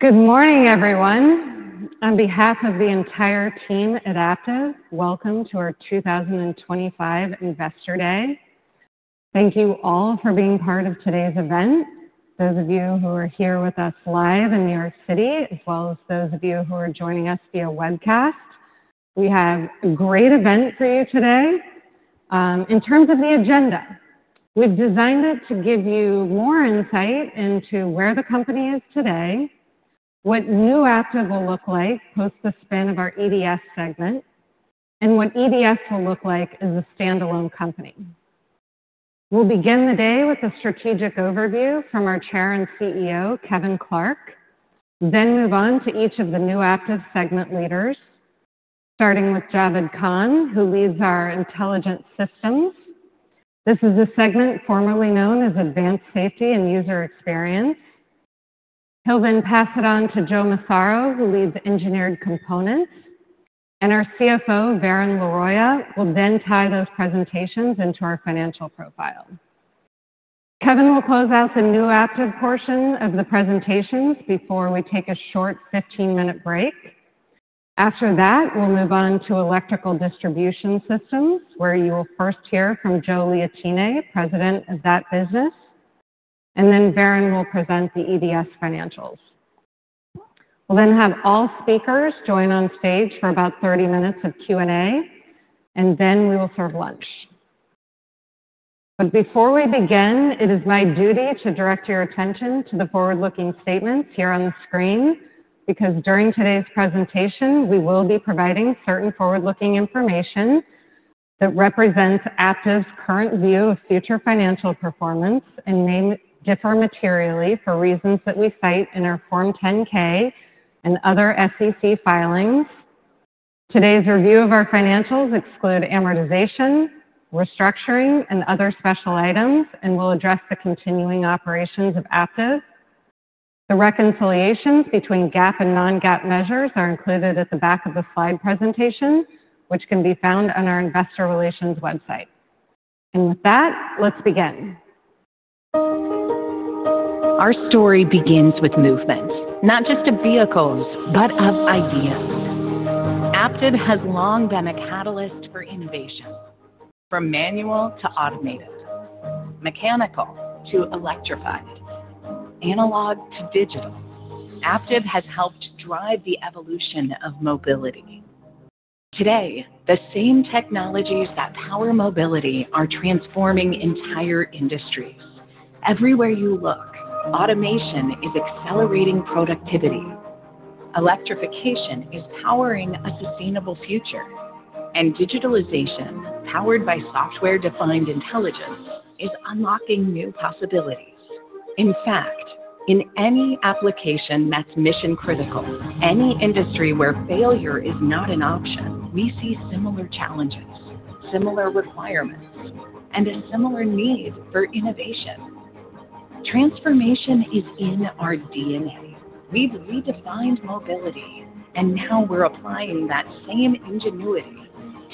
Good morning, everyone. On behalf of the entire team at Aptiv, welcome to our 2025 Investor Day. Thank you all for being part of today's event, those of you who are here with us live in New York City, as well as those of you who are joining us via webcast. We have a great event for you today. In terms of the agenda, we've designed it to give you more insight into where the company is today, what New Aptiv will look like post the spin of our EDS segment, and what EDS will look like as a stand-alone company. We'll begin the day with a strategic overview from our Chair and CEO, Kevin Clark, then move on to each of the New Aptiv segment leaders, starting with Javed Khan, who leads our Intelligent Systems. This is a segment formerly known as Advanced Safety and User Experience. He'll then pass it on to Joe Massaro, who leads Engineered Components, and our CFO, Varun Laroyia, will then tie those presentations into our financial profile. Kevin will close out the New Aptiv portion of the presentations before we take a short 15-minute break. After that, we'll move on to Electrical Distribution Systems, where you will first hear from Joe Liotine, President of that business, and then Varun will present the EDS financials. We'll then have all speakers join on stage for about 30 minutes of Q&A, and then we will serve lunch. Before we begin, it is my duty to direct your attention to the forward-looking statements here on the screen, because during today's presentation, we will be providing certain forward-looking information that represents Aptiv's current view of future financial performance and may differ materially for reasons that we cite in our Form 10-K and other SEC filings. Today's review of our financials excludes amortization, restructuring, and other special items, and will address the continuing operations of Aptiv. The reconciliations between GAAP and non-GAAP measures are included at the back of the slide presentation, which can be found on our investor relations website. With that, let's begin. Our story begins with movement, not just of vehicles, but of ideas. Aptiv has long been a catalyst for innovation, from manual to automated, mechanical to electrified, analog to digital. Aptiv has helped drive the evolution of mobility. Today, the same technologies that power mobility are transforming entire industries. Everywhere you look, automation is accelerating productivity, electrification is powering a sustainable future, and digitalization, powered by software-defined intelligence, is unlocking new possibilities. In fact, in any application that's mission-critical, any industry where failure is not an option, we see similar challenges, similar requirements, and a similar need for innovation. Transformation is in our DNA. We've redefined mobility, and now we're applying that same ingenuity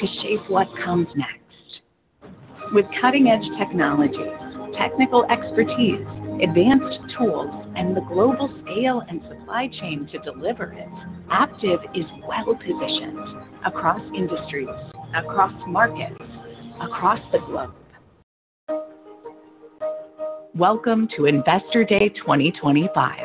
to shape what comes next. With cutting-edge technologies, technical expertise, advanced tools, and the global scale and supply chain to deliver it, Aptiv is well-positioned across industries, across markets, across the globe. Welcome to Investor Day 2025.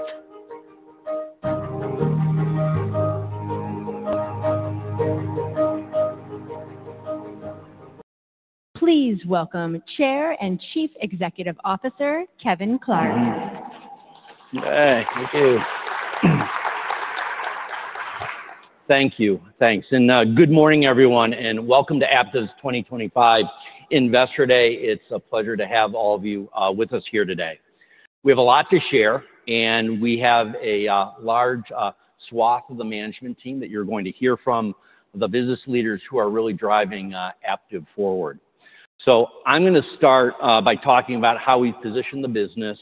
Please welcome Chair and Chief Executive Officer Kevin Clark. Thank you. Thank you. Thanks. Good morning, everyone, and welcome to Aptiv's 2025 Investor Day. It's a pleasure to have all of you with us here today. We have a lot to share, and we have a large swath of the management team that you're going to hear from, the business leaders who are really driving Aptiv forward. I'm going to start by talking about how we've positioned the business,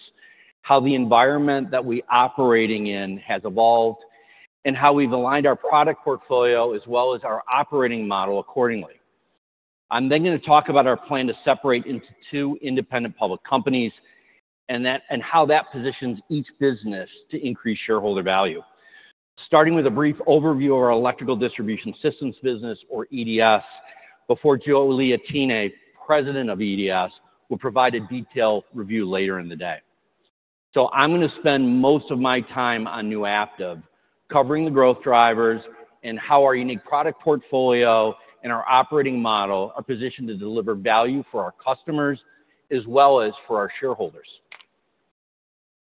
how the environment that we're operating in has evolved, and how we've aligned our product portfolio as well as our operating model accordingly. I'm then going to talk about our plan to separate into two independent public companies and how that positions each business to increase shareholder value. Starting with a brief overview of our Electrical Distribution Systems business, or EDS, before Joe Liotine, President of EDS, will provide a detailed review later in the day. I'm going to spend most of my time on New Aptiv, covering the growth drivers and how our unique product portfolio and our operating model are positioned to deliver value for our customers as well as for our shareholders.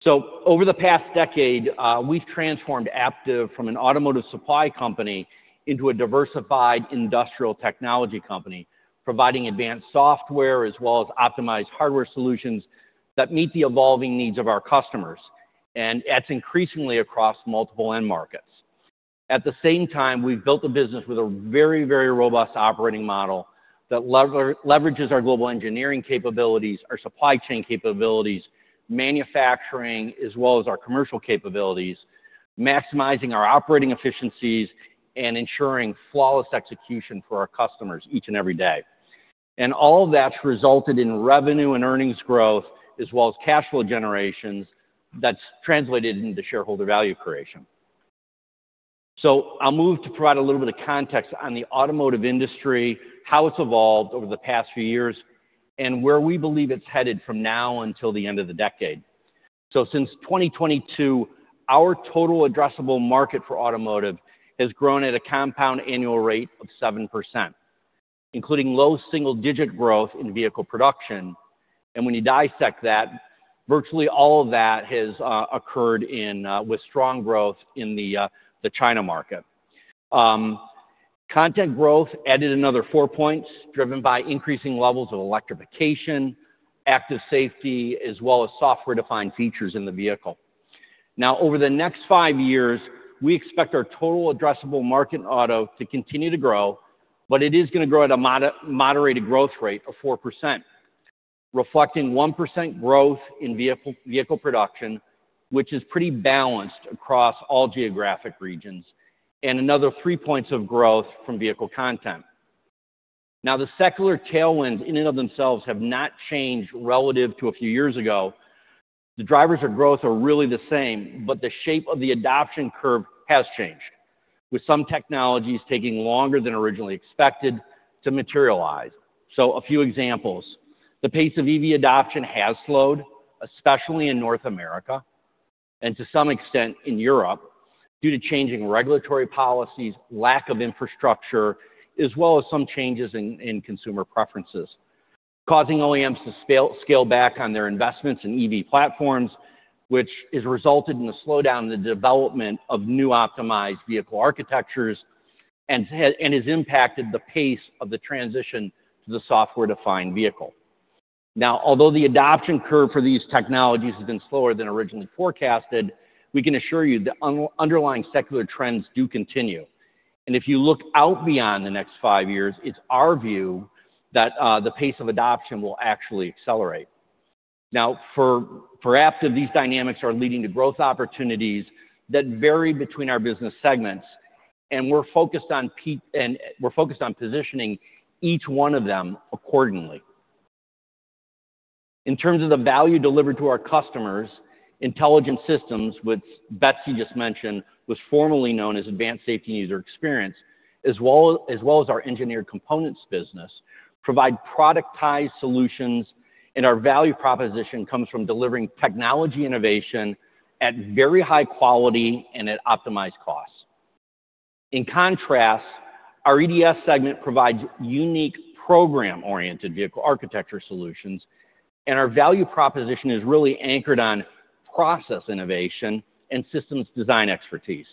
Over the past decade, we've transformed Aptiv from an automotive supply company into a diversified industrial technology company, providing advanced software as well as optimized hardware solutions that meet the evolving needs of our customers, and that's increasingly across multiple end markets. At the same time, we've built a business with a very, very robust operating model that leverages our global engineering capabilities, our supply chain capabilities, manufacturing, as well as our commercial capabilities, maximizing our operating efficiencies and ensuring flawless execution for our customers each and every day. All of that's resulted in revenue and earnings growth, as well as cash flow generation that's translated into shareholder value creation. I'll move to provide a little bit of context on the automotive industry, how it's evolved over the past few years, and where we believe it's headed from now until the end of the decade. Since 2022, our total addressable market for automotive has grown at a Compound Annual Rate of 7%, including low single-digit growth in vehicle production. When you dissect that, virtually all of that has occurred with strong growth in the China market. Content growth added another four percentage points driven by increasing levels of electrification, active safety, as well as software-defined features in the vehicle. Now, over the next five years, we expect our Total Addressable Market auto to continue to grow, but it is going to grow at a moderated growth rate of 4%, reflecting 1% growth in vehicle production, which is pretty balanced across all geographic regions, and another three points of growth from vehicle content. The secular tailwinds in and of themselves have not changed relative to a few years ago. The drivers of growth are really the same, but the shape of the adoption curve has changed, with some technologies taking longer than originally expected to materialize. A few examples: the pace of EV adoption has slowed, especially in North America and to some extent in Europe, due to changing regulatory policies, lack of infrastructure, as well as some changes in consumer preferences, causing OEMs to scale back on their investments in EV platforms, which has resulted in a slowdown in the development of new optimized vehicle architectures and has impacted the pace of the transition to the software-defined vehicle. Although the adoption curve for these technologies has been slower than originally forecasted, we can assure you the underlying secular trends do continue. If you look out beyond the next five years, it's our view that the pace of adoption will actually accelerate. For Aptiv, these dynamics are leading to growth opportunities that vary between our business segments, and we're focused on positioning each one of them accordingly. In terms of the value delivered to our customers, Intelligent Systems, which Betsy just mentioned, was formerly known as Advanced Safety and User Experience, as well as our Engineered Components business, provide productized solutions, and our value proposition comes from delivering technology innovation at very high quality and at optimized costs. In contrast, our EDS segment provides unique program-oriented vehicle architecture solutions, and our value proposition is really anchored on process innovation and systems design expertise,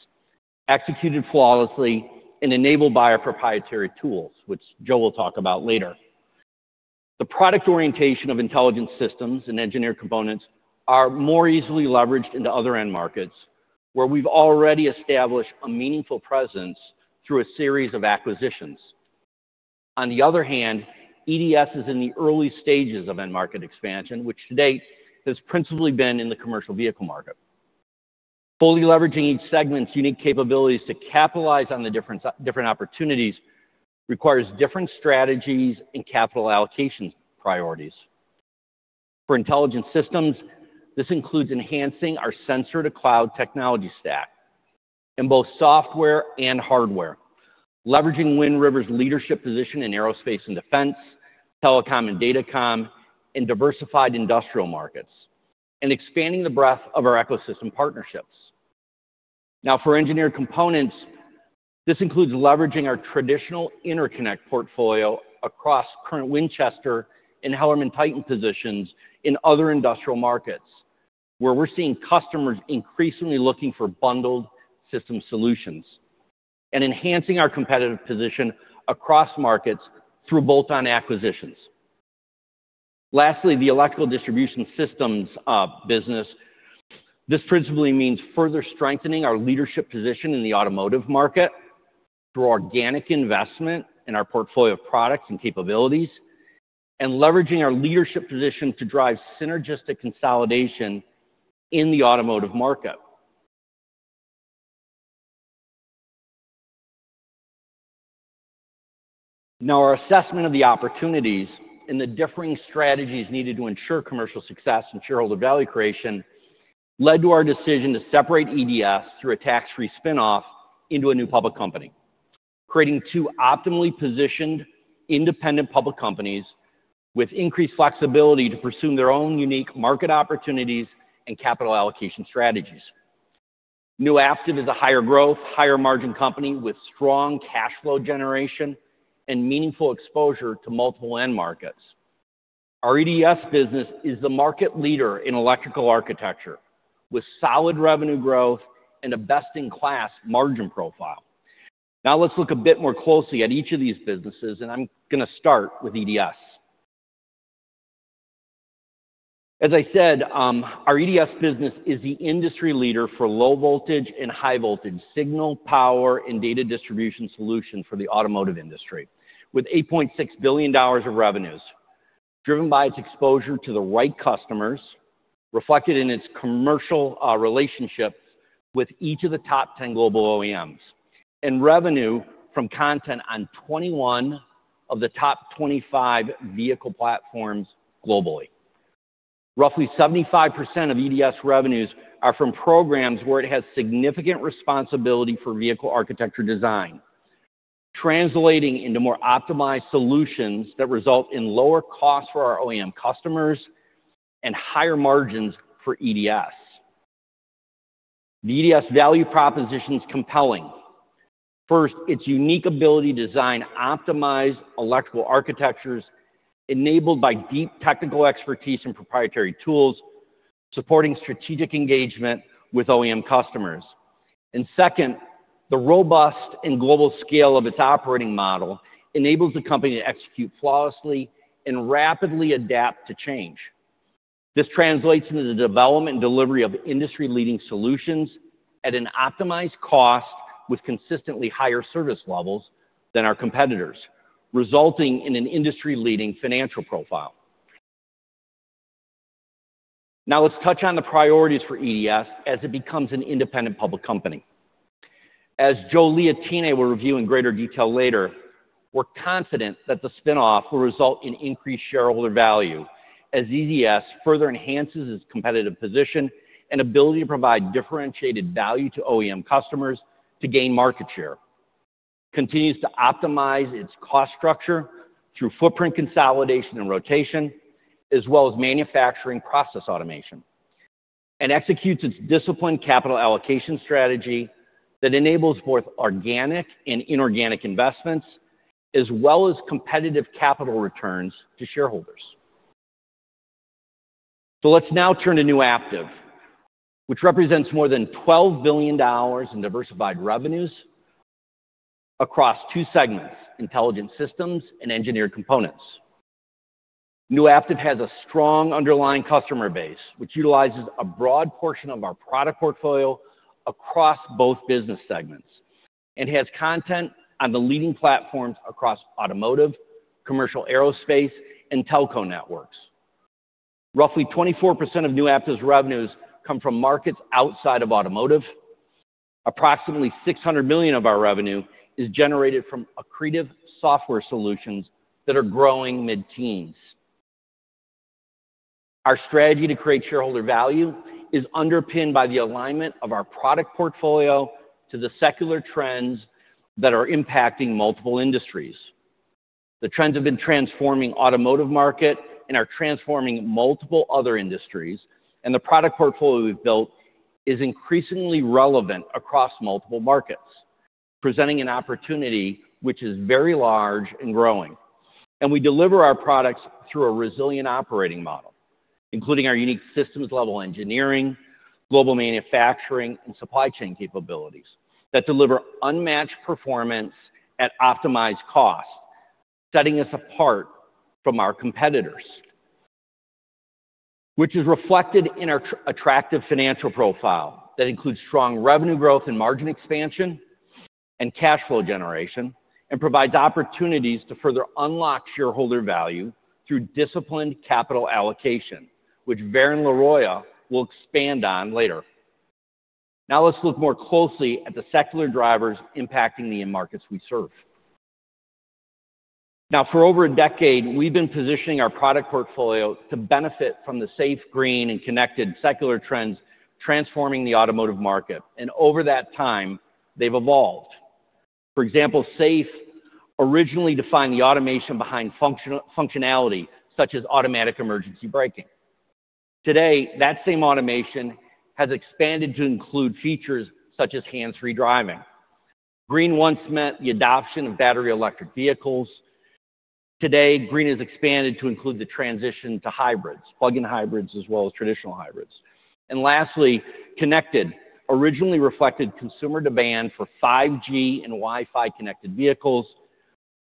executed flawlessly and enabled by our proprietary tools, which Joe will talk about later. The product orientation of Intelligent Systems and Engineered Components is more easily leveraged into other end markets, where we've already established a meaningful presence through a series of acquisitions. On the other hand, EDS is in the early stages of end market expansion, which to date has principally been in the commercial vehicle market. Fully leveraging each segment's unique capabilities to capitalize on the different opportunities requires different strategies and capital allocation priorities. For Intelligent Systems, this includes enhancing our sensor-to-cloud technology stack in both software and hardware, leveraging Wind River's leadership position in aerospace and defense, telecom and data com, and diversified industrial markets, and expanding the breadth of our ecosystem partnerships. Now, for Engineered Components, this includes leveraging our traditional interconnect portfolio across current Winchester and HellermannTyton positions in other industrial markets, where we're seeing customers increasingly looking for bundled system solutions and enhancing our competitive position across markets through bolt-on acquisitions. Lastly, the Electrical Distribution Systems business, this principally means further strengthening our leadership position in the automotive market through organic investment in our portfolio of products and capabilities, and leveraging our leadership position to drive synergistic consolidation in the automotive market. Now, our assessment of the opportunities and the differing strategies needed to ensure commercial success and shareholder value creation led to our decision to separate EDS through a tax-free spin-off into a new public company, creating two optimally positioned independent public companies with increased flexibility to pursue their own unique market opportunities and capital allocation strategies. New Aptiv is a higher growth, higher margin company with strong cash flow generation and meaningful exposure to multiple end markets. Our EDS business is the market leader in electrical architecture with solid revenue growth and a best-in-class margin profile. Now, let's look a bit more closely at each of these businesses, and I'm going to start with EDS. As I said, our EDS business is the industry leader for low-voltage and high-voltage signal power and data distribution solutions for the automotive industry, with $8.6 billion of revenues driven by its exposure to the right customers, reflected in its commercial relationships with each of the top 10 global OEMs, and revenue from content on 21 of the top 25 vehicle platforms globally. Roughly 75% of EDS revenues are from programs where it has significant responsibility for vehicle architecture design, translating into more optimized solutions that result in lower costs for our OEM customers and higher margins for EDS. The EDS value proposition is compelling. First, its unique ability to design optimized electrical architectures enabled by deep technical expertise and proprietary tools, supporting strategic engagement with OEM customers. The robust and global scale of its operating model enables the company to execute flawlessly and rapidly adapt to change. This translates into the development and delivery of industry-leading solutions at an optimized cost with consistently higher service levels than our competitors, resulting in an industry-leading financial profile. Now, let's touch on the priorities for EDS as it becomes an independent public company. As Joe Liotine will review in greater detail later, we're confident that the spin-off will result in increased shareholder value as EDS further enhances its competitive position and ability to provide differentiated value to OEM customers to gain market share, continues to optimize its cost structure through footprint consolidation and rotation, as well as manufacturing process automation, and executes its disciplined capital allocation strategy that enables both organic and inorganic investments, as well as competitive capital returns to shareholders. Let's now turn to New Aptiv, which represents more than $12 billion in diversified revenues across two segments, Intelligent Systems and Engineered Components. New Aptiv has a strong underlying customer base, which utilizes a broad portion of our product portfolio across both business segments and has content on the leading platforms across automotive, commercial aerospace, and telco networks. Roughly 24% of New Aptiv's revenues come from markets outside of automotive. Approximately $600 million of our revenue is generated from accretive software solutions that are growing mid-teens. Our strategy to create shareholder value is underpinned by the alignment of our product portfolio to the secular trends that are impacting multiple industries. The trends have been transforming the automotive market and are transforming multiple other industries, and the product portfolio we've built is increasingly relevant across multiple markets, presenting an opportunity which is very large and growing. We deliver our products through a resilient operating model, including our unique systems-level engineering, global manufacturing, and supply chain capabilities that deliver unmatched performance at optimized cost, setting us apart from our competitors, which is reflected in our attractive financial profile that includes strong revenue growth and margin expansion and cash flow generation and provides opportunities to further unlock shareholder value through disciplined capital allocation, which Varun Laroyia will expand on later. Now, let's look more closely at the secular drivers impacting the end markets we serve. For over a decade, we've been positioning our product portfolio to benefit from the safe, green, and connected secular trends transforming the automotive market. Over that time, they've evolved. For example, SAFE originally defined the automation behind functionality such as Automatic Emergency Braking. Today, that same automation has expanded to include features such as hands-free driving. Green once meant the adoption of battery electric vehicles. Today, Green has expanded to include the transition to hybrids, plug-in hybrids, as well as traditional hybrids. Lastly, Connected originally reflected consumer demand for 5G and Wi-Fi connected vehicles.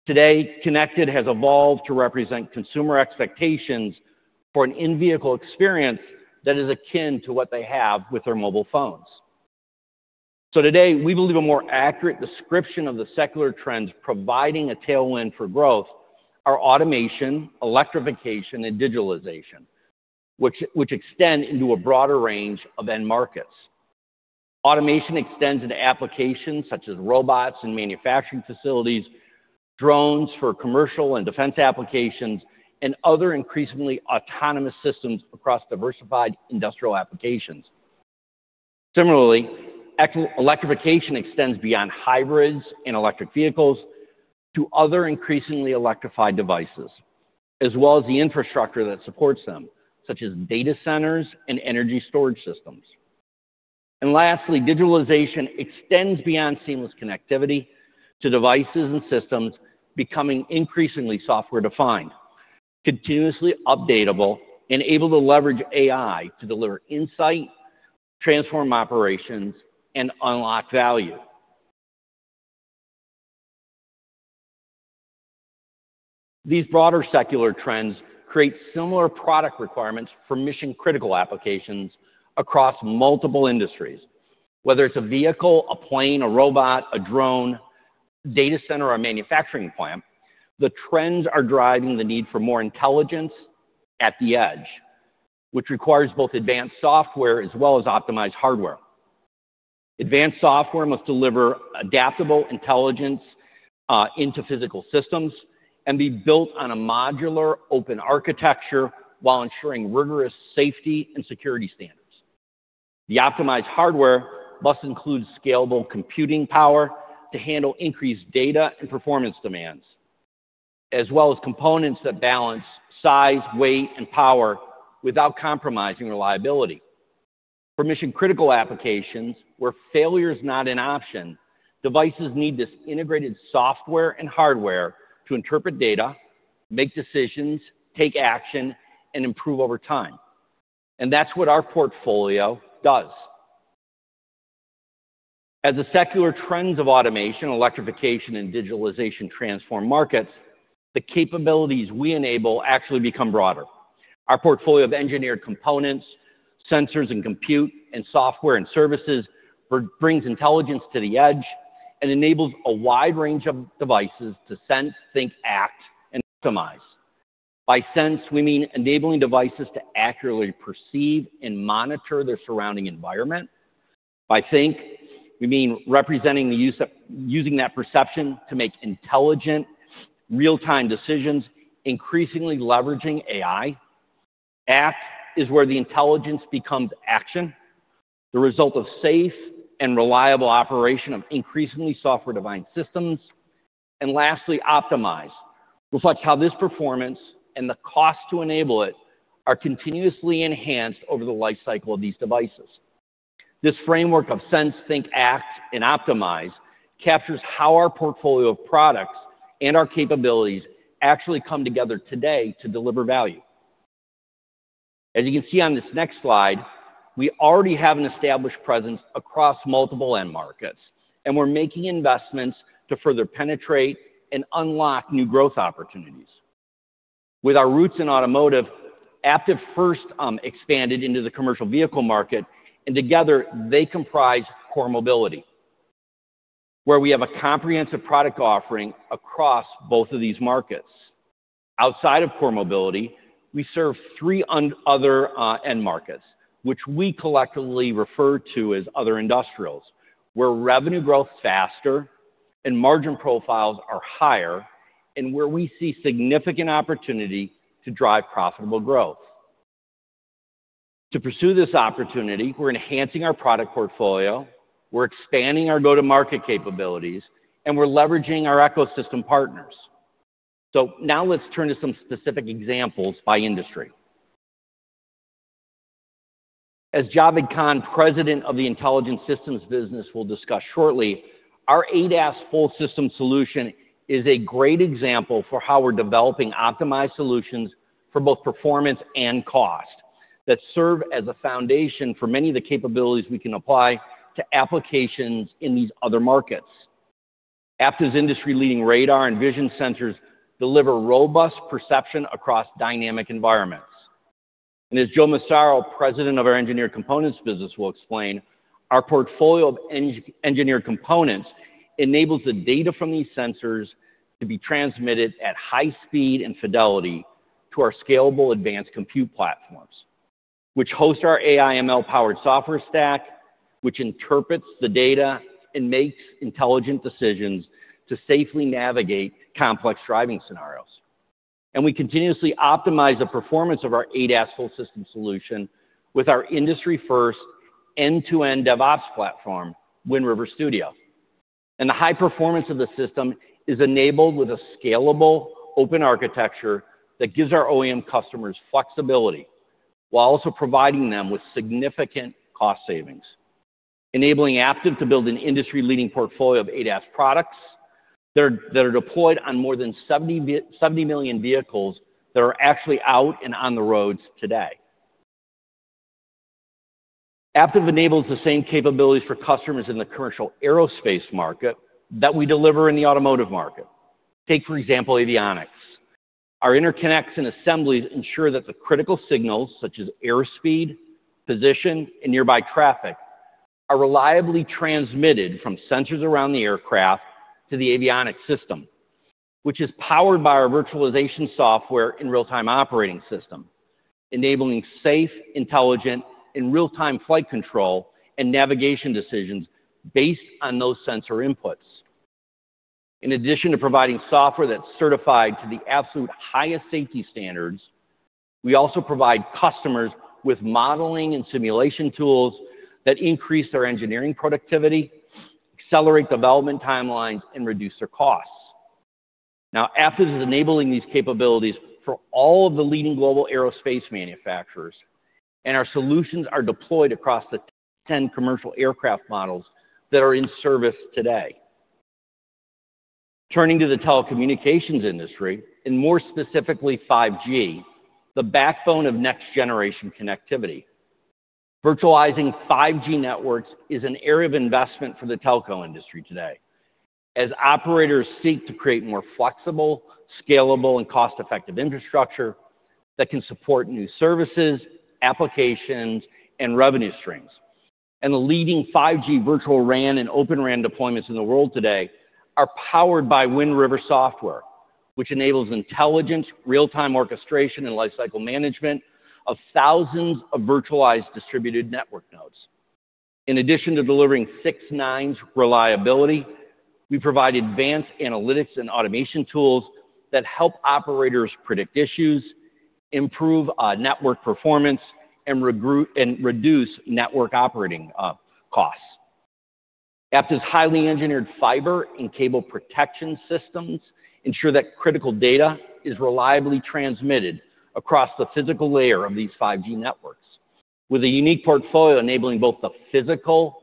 Today, Connected has evolved to represent consumer expectations for an in-vehicle experience that is akin to what they have with their mobile phones. Today, we believe a more accurate description of the secular trends providing a tailwind for growth are Automation, Electrification, and Digitalization, which extend into a broader range of end markets. Automation extends into applications such as robots and manufacturing facilities, drones for commercial and defense applications, and other increasingly autonomous systems across diversified industrial applications. Similarly, Electrification extends beyond hybrids and electric vehicles to other increasingly electrified devices, as well as the infrastructure that supports them, such as data centers and energy storage systems. Lastly, Digitalization extends beyond seamless connectivity to devices and systems becoming increasingly software-defined, continuously updatable, and able to leverage AI to deliver insight, transform operations, and unlock value. These broader secular trends create similar product requirements for mission-critical applications across multiple industries. Whether it's a vehicle, a plane, a robot, a drone, data center, or a manufacturing plant, the trends are driving the need for more intelligence at the edge, which requires both advanced software as well as optimized hardware. Advanced software must deliver adaptable intelligence into physical systems and be built on a modular open architecture while ensuring rigorous safety and security standards. The optimized hardware must include scalable computing power to handle increased data and performance demands, as well as components that balance size, weight, and power without compromising reliability. For mission-critical applications, where failure is not an option, devices need this integrated software and hardware to interpret data, make decisions, take action, and improve over time. That is what our portfolio does. As the secular trends of Automation, Electrification, and Digitalization transform markets, the capabilities we enable actually become broader. Our portfolio of Engineered Components, sensors and compute, and software and services brings intelligence to the edge and enables a wide range of devices to sense, think, act, and optimize. By sense, we mean enabling devices to accurately perceive and monitor their surrounding environment. By think, we mean representing the use of that perception to make intelligent, real-time decisions, increasingly leveraging AI. Act is where the intelligence becomes action, the result of safe and reliable operation of increasingly software-defined systems. Lastly, optimize reflects how this performance and the cost to enable it are continuously enhanced over the lifecycle of these devices. This framework of Sense, Think, Act, and Optimize captures how our portfolio of products and our capabilities actually come together today to deliver value. As you can see on this next slide, we already have an established presence across multiple end markets, and we're making investments to further penetrate and unlock new growth opportunities. With our roots in automotive, Aptiv first expanded into the commercial vehicle market, and together, they comprise Core Mobility, where we have a comprehensive product offering across both of these markets. Outside of Core Mobility, we serve three other end markets, which we collectively refer to as Other Industrials, where revenue growth is faster and margin profiles are higher, and where we see significant opportunity to drive profitable growth. To pursue this opportunity, we're enhancing our product portfolio, we're expanding our go-to-market capabilities, and we're leveraging our ecosystem partners. Now let's turn to some specific examples by industry. As Javed Khan, President of the Intelligent Systems business, will discuss shortly, our ADAS full system solution is a great example for how we're developing optimized solutions for both performance and cost that serve as a foundation for many of the capabilities we can apply to applications in these other markets. Aptiv's industry-leading radar and vision sensors deliver robust perception across dynamic environments. As Joe Massaro, President of our Engineered Components business, will explain, our portfolio of Engineered Components enables the data from these sensors to be transmitted at high speed and fidelity to our scalable advanced compute platforms, which host our AI/ML powered software stack, which interprets the data and makes intelligent decisions to safely navigate complex driving scenarios. We continuously optimize the performance of our ADAS full system solution with our industry-first end-to-end DevOps platform, Wind River Studio. The high performance of the system is enabled with a scalable open architecture that gives our OEM customers flexibility while also providing them with significant cost savings, enabling Aptiv to build an industry-leading portfolio of ADAS products that are deployed on more than 70 million vehicles that are actually out and on the roads today. Aptiv enables the same capabilities for customers in the commercial aerospace market that we deliver in the automotive market. Take, for example, avionics. Our interconnects and assemblies ensure that the critical signals, such as airspeed, position, and nearby traffic, are reliably transmitted from sensors around the aircraft to the avionics system, which is powered by our virtualization software and real-time operating system, enabling safe, intelligent, and real-time flight control and navigation decisions based on those sensor inputs. In addition to providing software that's certified to the absolute highest safety standards, we also provide customers with modeling and simulation tools that increase their engineering productivity, accelerate development timelines, and reduce their costs. Now, Aptiv is enabling these capabilities for all of the leading global aerospace manufacturers, and our solutions are deployed across the 10 commercial aircraft models that are in service today. Turning to the telecommunications industry, and more specifically 5G, the backbone of next-generation connectivity. Virtualizing 5G networks is an area of investment for the telco industry today, as operators seek to create more flexible, scalable, and cost-effective infrastructure that can support new services, applications, and revenue streams. The leading 5G virtual RAN and Open RAN deployments in the world today are powered by Wind River software, which enables intelligent, real-time orchestration and lifecycle management of thousands of virtualized distributed network nodes. In addition to delivering six nines reliability, we provide advanced analytics and automation tools that help operators predict issues, improve network performance, and reduce network operating costs. Aptiv's highly engineered fiber and cable protection systems ensure that critical data is reliably transmitted across the physical layer of these 5G networks. With a unique portfolio enabling both the physical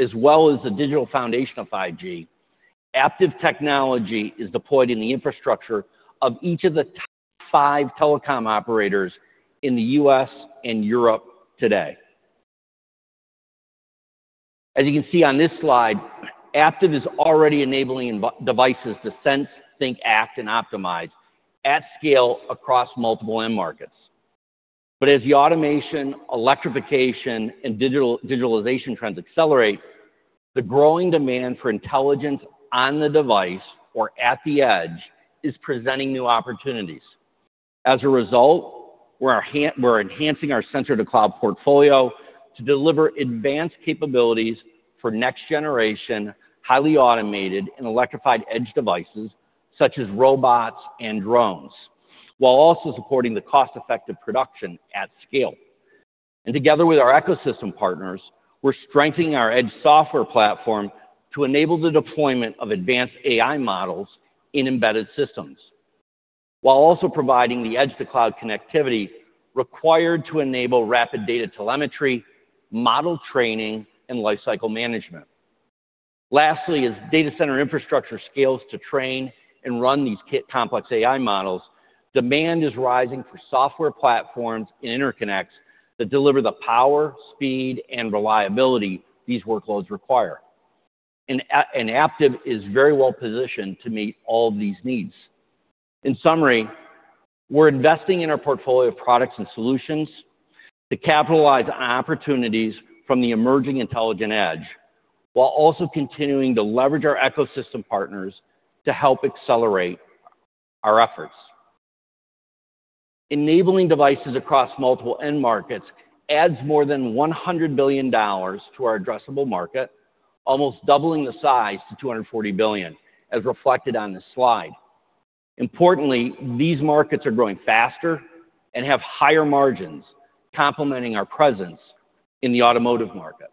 as well as the digital foundation of 5G, Aptiv technology is deployed in the infrastructure of each of the five telecom operators in the US and Europe today. As you can see on this slide, Aptiv is already enabling devices to Sense, Think, Act, and Optimize at scale across multiple end markets. As the Automation, Electrification, and Digitalization trends accelerate, the growing demand for intelligence on the device or at the edge is presenting new opportunities. As a result, we're enhancing our center-to-cloud portfolio to deliver advanced capabilities for next-generation highly automated and electrified edge devices such as robots and drones, while also supporting the cost-effective production at scale. Together with our ecosystem partners, we're strengthening our edge software platform to enable the deployment of advanced AI models in embedded systems, while also providing the edge-to-cloud connectivity required to enable rapid data telemetry, model training, and lifecycle management. Lastly, as data center infrastructure scales to train and run these complex AI models, demand is rising for software platforms and interconnects that deliver the power, speed, and reliability these workloads require. Aptiv is very well positioned to meet all of these needs. In summary, we're investing in our portfolio of products and solutions to capitalize on opportunities from the emerging Intelligent Edge, while also continuing to leverage our ecosystem partners to help accelerate our efforts. Enabling devices across multiple end markets adds more than $100 billion to our addressable market, almost doubling the size to $240 billion, as reflected on this slide. Importantly, these markets are growing faster and have higher margins, complementing our presence in the automotive market.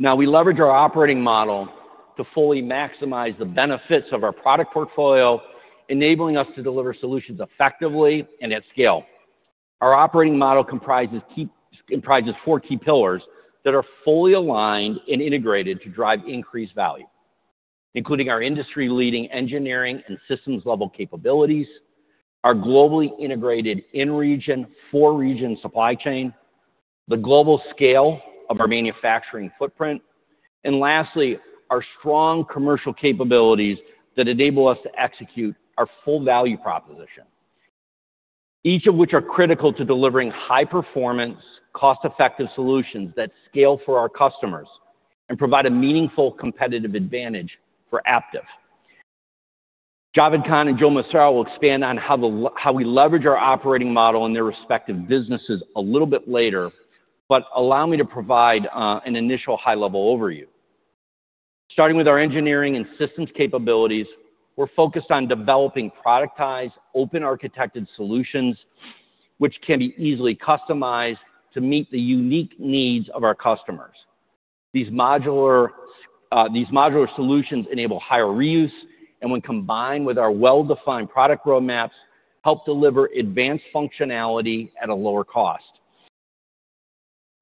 Now, we leverage our operating model to fully maximize the benefits of our product portfolio, enabling us to deliver solutions effectively and at scale. Our operating model comprises four key pillars that are fully aligned and integrated to drive increased value, including our industry-leading engineering and systems-level capabilities, our globally integrated in-region, four-region supply chain, the global scale of our manufacturing footprint, and lastly, our strong commercial capabilities that enable us to execute our full value proposition, each of which are critical to delivering high-performance, cost-effective solutions that scale for our customers and provide a meaningful competitive advantage for Aptiv. Javed Khan and Joe Massaro will expand on how we leverage our operating model and their respective businesses a little bit later, but allow me to provide an initial high-level overview. Starting with our engineering and systems capabilities, we're focused on developing productized, open-architected solutions, which can be easily customized to meet the unique needs of our customers. These modular solutions enable higher reuse, and when combined with our well-defined product roadmaps, help deliver advanced functionality at a lower cost.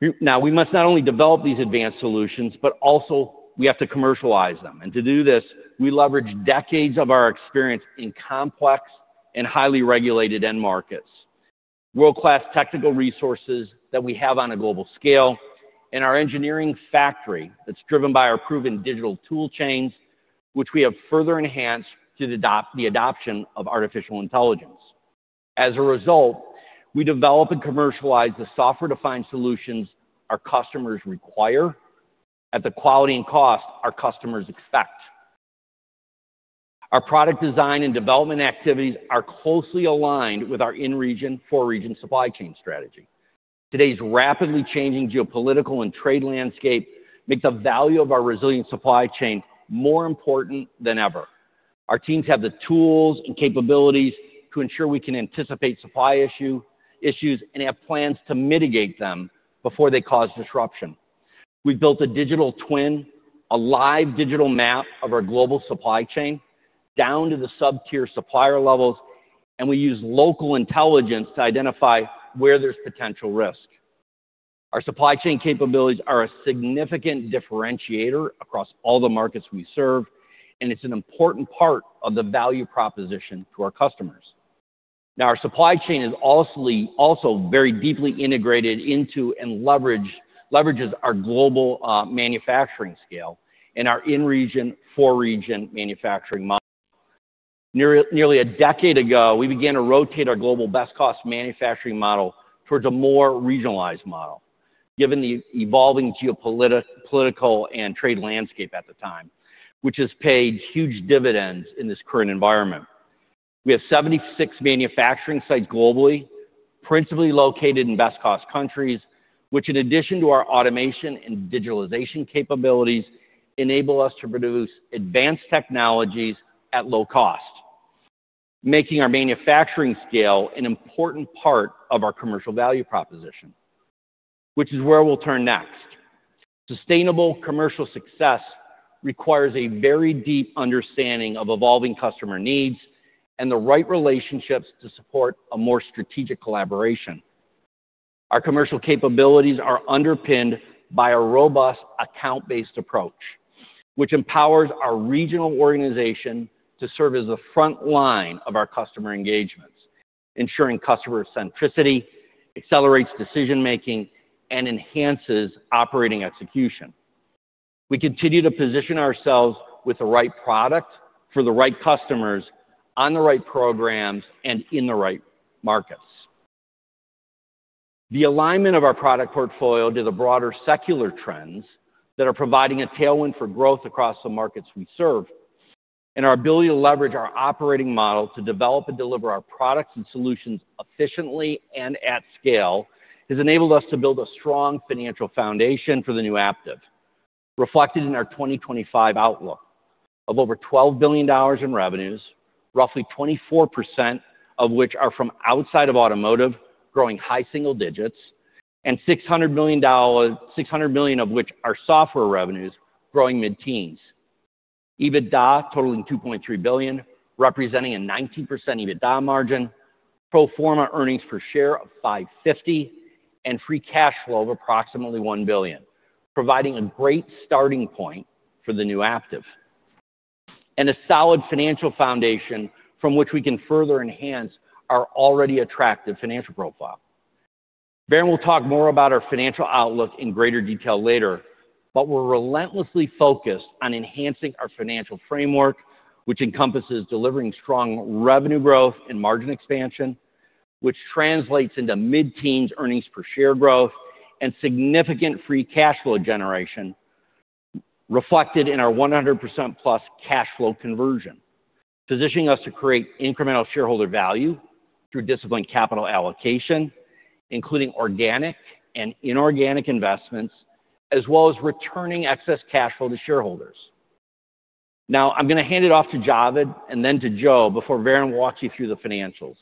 We must not only develop these advanced solutions, but also we have to commercialize them. To do this, we leverage decades of our experience in complex and highly regulated end markets, world-class technical resources that we have on a global scale, and our engineering factory that's driven by our proven digital tool chains, which we have further enhanced through the adoption of Artificial Intelligence. As a result, we develop and commercialize the software-defined solutions our customers require at the quality and cost our customers expect. Our product design and development activities are closely aligned with our in-region, four-region supply chain strategy. Today's rapidly changing geopolitical and trade landscape makes the value of our resilient supply chain more important than ever. Our teams have the tools and capabilities to ensure we can anticipate supply issues and have plans to mitigate them before they cause disruption. We've built a digital twin, a live digital map of our global supply chain down to the sub-tier supplier levels, and we use local intelligence to identify where there's potential risk. Our supply chain capabilities are a significant differentiator across all the markets we serve, and it's an important part of the value proposition to our customers. Our supply chain is also very deeply integrated into and leverages our global manufacturing scale and our in-region, four-region manufacturing model. Nearly a decade ago, we began to rotate our global best-cost manufacturing model towards a more regionalized model, given the evolving geopolitical and trade landscape at the time, which has paid huge dividends in this current environment. We have 76 manufacturing sites globally, principally located in best-cost countries, which, in addition to our automation and digitalization capabilities, enable us to produce advanced technologies at low cost, making our manufacturing scale an important part of our commercial value proposition, which is where we will turn next. Sustainable commercial success requires a very deep understanding of evolving customer needs and the right relationships to support a more strategic collaboration. Our commercial capabilities are underpinned by a robust account-based approach, which empowers our regional organization to serve as the front line of our customer engagements, ensuring customer centricity, accelerates decision-making, and enhances operating execution. We continue to position ourselves with the right product for the right customers on the right programs and in the right markets. The alignment of our product portfolio to the broader secular trends that are providing a tailwind for growth across the markets we serve, and our ability to leverage our operating model to develop and deliver our products and solutions efficiently and at scale, has enabled us to build a strong financial foundation for the New Aptiv, reflected in our 2025 outlook of over $12 billion in revenues, roughly 24% of which are from outside of automotive, growing high single digits, and $600 million of which are software revenues, growing mid-teens, EBITDA totaling $2.3 billion, representing a 19% EBITDA margin, pro forma earnings per share of $5.50, and free cash flow of approximately $1 billion, providing a great starting point for the New Aptiv and a solid financial foundation from which we can further enhance our already attractive financial profile. Varun will talk more about our financial outlook in greater detail later, but we're relentlessly focused on enhancing our financial framework, which encompasses delivering strong revenue growth and margin expansion, which translates into mid-teens earnings per share growth and significant free cash flow generation, reflected in our 100%+ cash flow conversion, positioning us to create incremental shareholder value through disciplined capital allocation, including organic and inorganic investments, as well as returning excess cash flow to shareholders. Now, I'm going to hand it off to Javed and then to Joe before Varun walks you through the financials.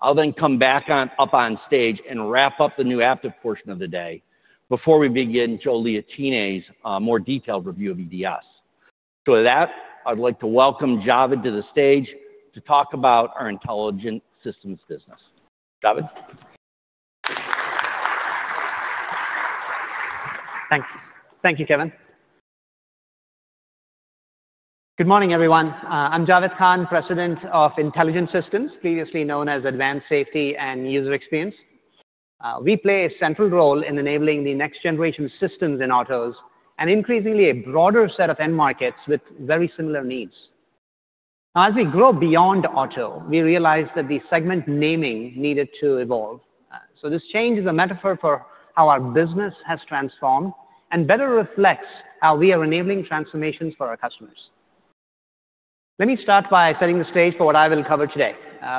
I'll then come back up on stage and wrap up the New Aptiv portion of the day before we begin Joe Liotine's more detailed review of EDS. With that, I'd like to welcome Javed to the stage to talk about our Intelligent Systems business. Javed? Thank you, Kevin. Good morning, everyone. I'm Javed Khan, President of Intelligent Systems, previously known as Advanced Safety and User Experience. We play a central role in enabling the next-generation systems in autos and increasingly a broader set of end markets with very similar needs. As we grow beyond auto, we realize that the segment naming needed to evolve. This change is a metaphor for how our business has transformed and better reflects how we are enabling transformations for our customers. Let me start by setting the stage for what I will cover today.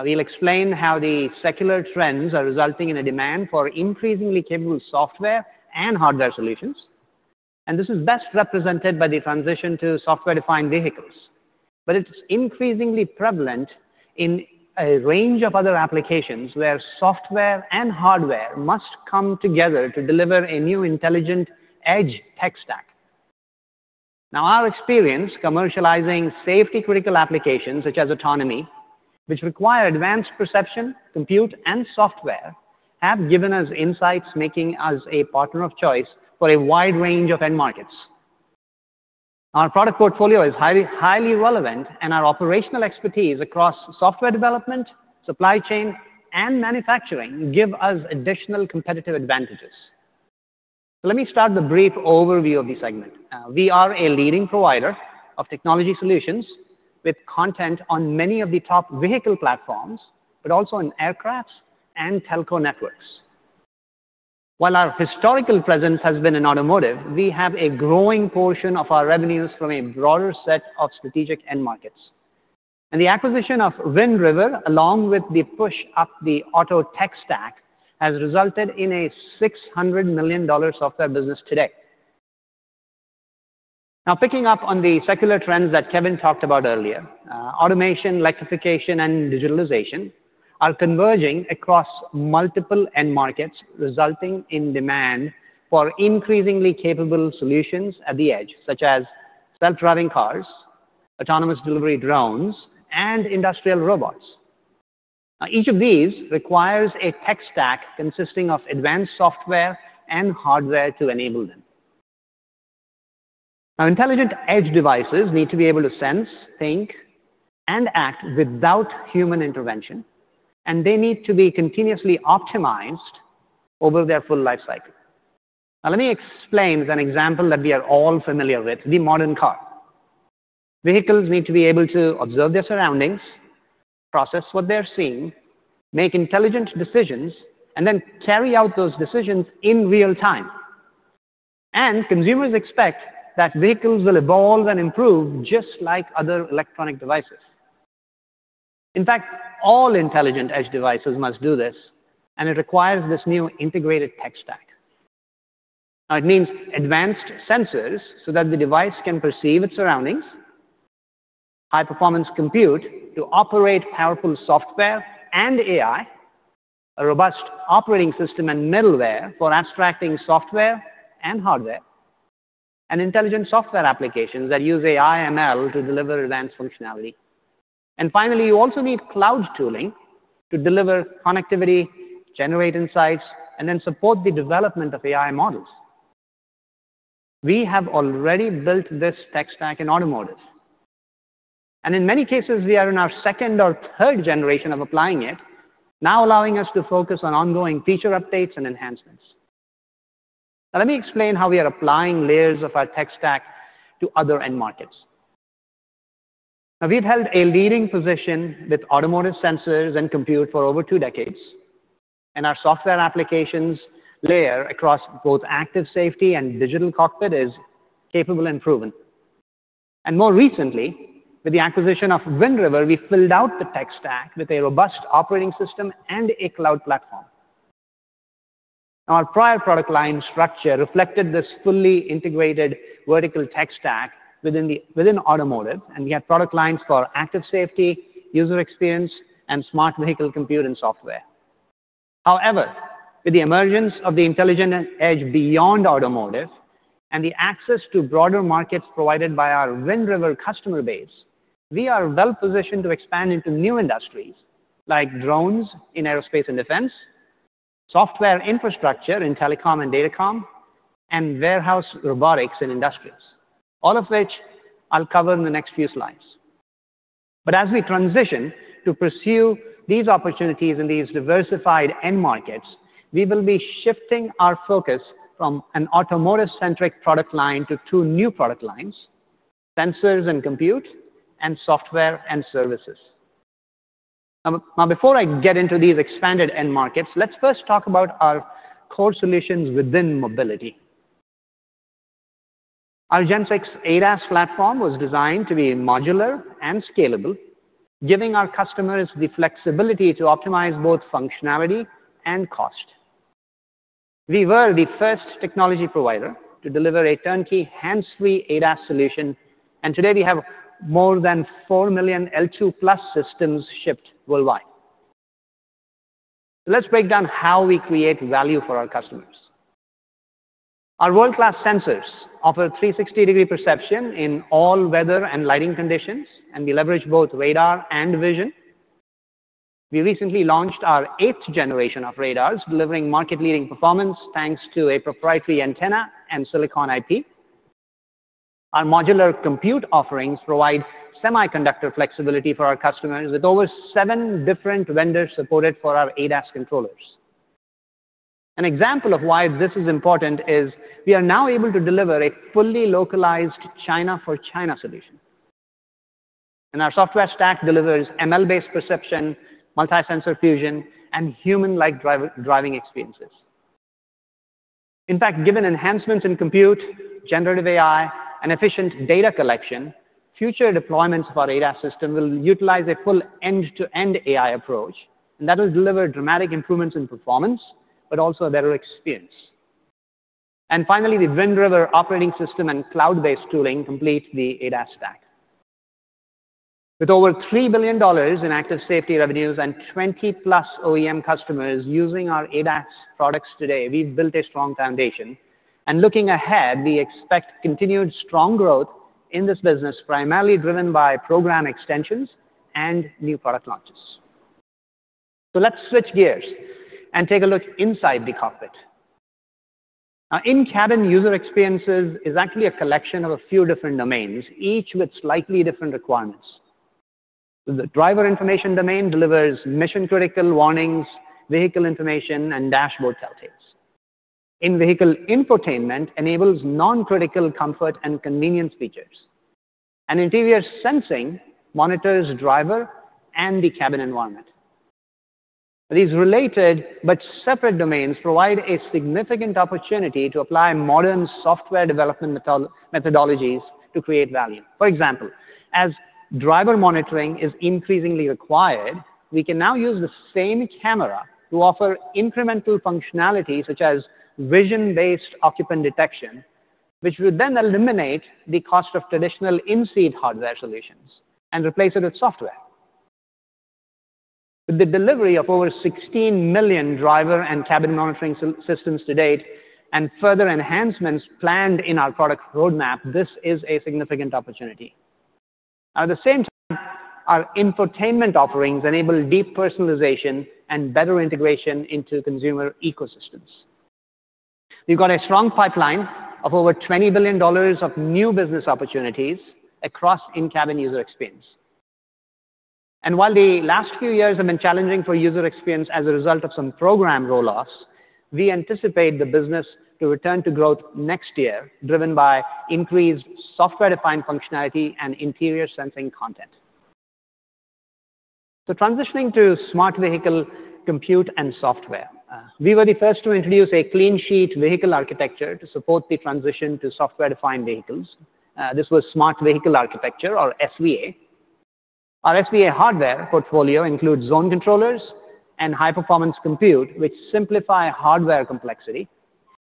We'll explain how the secular trends are resulting in a demand for increasingly capable software and hardware solutions. This is best represented by the transition to software-defined vehicles. It's increasingly prevalent in a range of other applications where software and hardware must come together to deliver a new intelligent edge tech stack. Now, our experience commercializing safety-critical applications such as autonomy, which require advanced perception, compute, and software, has given us insights, making us a partner of choice for a wide range of end markets. Our product portfolio is highly relevant, and our operational expertise across software development, supply chain, and manufacturing gives us additional competitive advantages. Let me start with a brief overview of the segment. We are a leading provider of technology solutions with content on many of the top vehicle platforms, but also in aircraft and telco networks. While our historical presence has been in automotive, we have a growing portion of our revenues from a broader set of strategic end markets. The acquisition of Wind River, along with the push up the auto tech stack, has resulted in a $600 million software business today. Now, picking up on the secular trends that Kevin talked about earlier, Automation, Electrification, and Digitalization are converging across multiple end markets, resulting in demand for increasingly capable solutions at the edge, such as self-driving cars, autonomous delivery drones, and industrial robots. Now, each of these requires a tech stack consisting of advanced software and hardware to enable them. Now, intelligent edge devices need to be able to Sense, Think, and Act without human intervention, and they need to be continuously optimized over their full lifecycle. Now, let me explain with an example that we are all familiar with: the modern car. Vehicles need to be able to observe their surroundings, process what they're seeing, make intelligent decisions, and then carry out those decisions in real time. Consumers expect that vehicles will evolve and improve just like other electronic devices. In fact, all intelligent edge devices must do this, and it requires this new integrated tech stack. Now, it means advanced sensors so that the device can perceive its surroundings, high-performance compute to operate powerful software and AI, a robust operating system and middleware for abstracting software and hardware, and intelligent software applications that use AI/ML to deliver advanced functionality. Finally, you also need cloud tooling to deliver connectivity, generate insights, and then support the development of AI models. We have already built this tech stack in automotive. In many cases, we are in our second or third generation of applying it, now allowing us to focus on ongoing feature updates and enhancements. Now, let me explain how we are applying layers of our tech stack to other end markets. Now, we've held a leading position with automotive sensors and compute for over two decades, and our software applications layer across both active safety and digital cockpit is capable and proven. More recently, with the acquisition of Wind River, we filled out the tech stack with a robust operating system and a cloud platform. Our prior product line structure reflected this fully integrated vertical tech stack within automotive, and we had product lines for active safety, User Experience, and smart vehicle compute and software. However, with the emergence of the Intelligent Edge beyond automotive and the access to broader markets provided by our Wind River customer base, we are well positioned to expand into new industries like drones in aerospace and defense, software infrastructure in telecom and data com, and warehouse robotics and industries, all of which I'll cover in the next few slides. As we transition to pursue these opportunities in these diversified end markets, we will be shifting our focus from an automotive-centric product line to two new product lines: Sensors and Compute and Software and Services. Now, before I get into these expanded end markets, let's first talk about our core solutions within mobility. Our Gen6 ADAS platform was designed to be modular and scalable, giving our customers the flexibility to optimize both functionality and cost. We were the first technology provider to deliver a turnkey hands-free ADAS solution, and today we have more than 4 million L2+ systems shipped worldwide. Let's break down how we create value for our customers. Our world-class sensors offer 360-degree perception in all weather and lighting conditions, and we leverage both radar and vision. We recently launched our 8th generation of radars, delivering market-leading performance thanks to a proprietary antenna and silicon IP. Our modular compute offerings provide semiconductor flexibility for our customers with over seven different vendors supported for our ADAS controllers. An example of why this is important is we are now able to deliver a fully localized China-for-China solution. Our software stack delivers ML-based perception, multi-sensor fusion, and human-like driving experiences. In fact, given enhancements in compute, Generative AI, and efficient data collection, future deployments of our ADAS system will utilize a full end-to-end AI approach, and that will deliver dramatic improvements in performance, but also a better experience. Finally, the Wind River operating system and cloud-based tooling complete the ADAS stack. With over $3 billion in active safety revenues and 20+ OEM customers using our ADAS products today, we have built a strong foundation. Looking ahead, we expect continued strong growth in this business, primarily driven by program extensions and new product launches. Let's switch gears and take a look inside the cockpit. Now, in-cabin user experiences is actually a collection of a few different domains, each with slightly different requirements. The driver information domain delivers mission-critical warnings, vehicle information, and dashboard tell-tales. In-vehicle infotainment enables non-critical comfort and convenience features. Interior sensing monitors driver and the cabin environment. These related but separate domains provide a significant opportunity to apply modern software development methodologies to create value. For example, as driver monitoring is increasingly required, we can now use the same camera to offer incremental functionality such as vision-based occupant detection, which would then eliminate the cost of traditional in-seat hardware solutions and replace it with software. With the delivery of over 16 million driver and cabin monitoring systems to date and further enhancements planned in our product roadmap, this is a significant opportunity. At the same time, our infotainment offerings enable deep personalization and better integration into consumer ecosystems. We've got a strong pipeline of over $20 billion of new business opportunities across in-cabin User Experience. While the last few years have been challenging for User Experience as a result of some program rolloffs, we anticipate the business to return to growth next year, driven by increased software-defined functionality and interior sensing content. Transitioning to Smart Vehicle Compute and Software, we were the first to introduce a clean sheet vehicle architecture to support the transition to software-defined vehicles. This was Smart Vehicle Architecture, or SVA. Our SVA hardware portfolio includes zone controllers and high-performance compute, which simplify hardware complexity.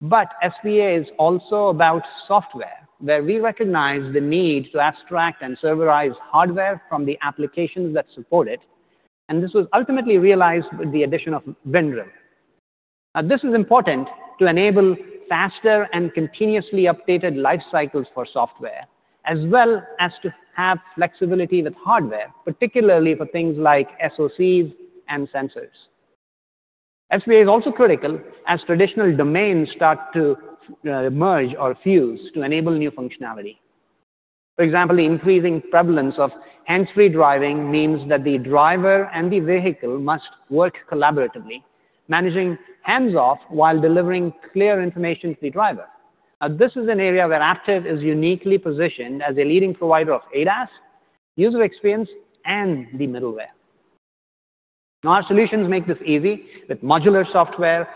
SVA is also about software, where we recognize the need to abstract and serverize hardware from the applications that support it. This was ultimately realized with the addition of Wind River. This is important to enable faster and continuously updated lifecycles for software, as well as to have flexibility with hardware, particularly for things like SOCs and sensors. SVA is also critical as traditional domains start to merge or fuse to enable new functionality. For example, the increasing prevalence of hands-free driving means that the driver and the vehicle must work collaboratively, managing hands-off while delivering clear information to the driver. This is an area where Aptiv is uniquely positioned as a leading provider of ADAS, User Experience, and the middleware. Our solutions make this easy with modular software,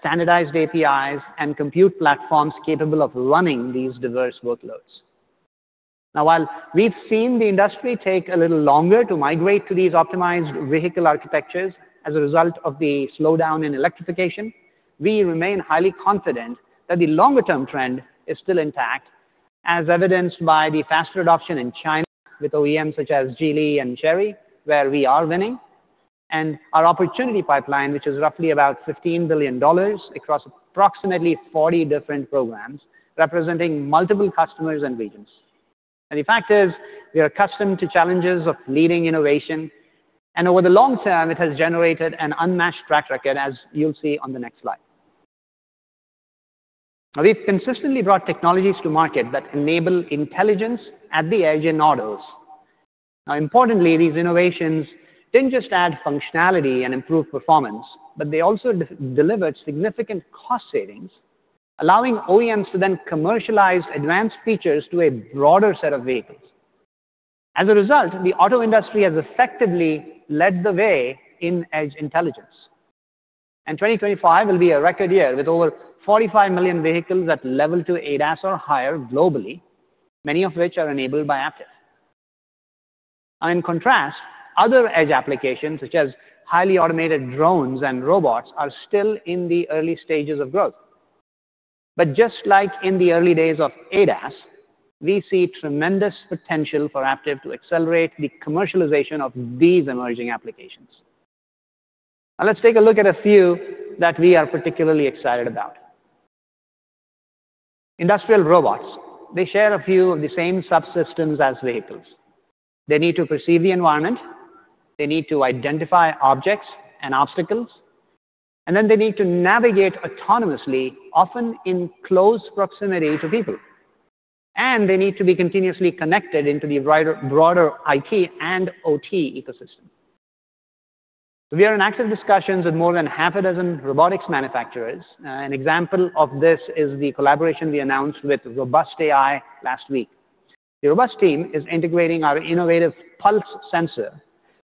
standardized APIs, and compute platforms capable of running these diverse workloads. Now, while we've seen the industry take a little longer to migrate to these optimized vehicle architectures as a result of the slowdown in electrification, we remain highly confident that the longer-term trend is still intact, as evidenced by the faster adoption in China with OEMs such as Geely and Chery, where we are winning, and our opportunity pipeline, which is roughly about $15 billion across approximately 40 different programs, representing multiple customers and regions. The fact is, we are accustomed to challenges of leading innovation. Over the long term, it has generated an unmatched track record, as you'll see on the next slide. We've consistently brought technologies to market that enable intelligence at the edge in autos. Now, importantly, these innovations did not just add functionality and improve performance, but they also delivered significant cost savings, allowing OEMs to then commercialize advanced features to a broader set of vehicles. As a result, the auto industry has effectively led the way in edge intelligence. 2025 will be a record year with over 45 million vehicles at Level 2 ADAS or higher globally, many of which are enabled by Aptiv. In contrast, other edge applications such as highly automated drones and robots are still in the early stages of growth. Just like in the early days of ADAS, we see tremendous potential for Aptiv to accelerate the commercialization of these emerging applications. Now, let's take a look at a few that we are particularly excited about. Industrial robots, they share a few of the same subsystems as vehicles. They need to perceive the environment, they need to identify objects and obstacles, and then they need to navigate autonomously, often in close proximity to people. They need to be continuously connected into the broader IT and OT ecosystem. We are in active discussions with more than half a dozen robotics manufacturers. An example of this is the collaboration we announced with Robust AI last week. The Robust team is integrating our innovative pulse sensor,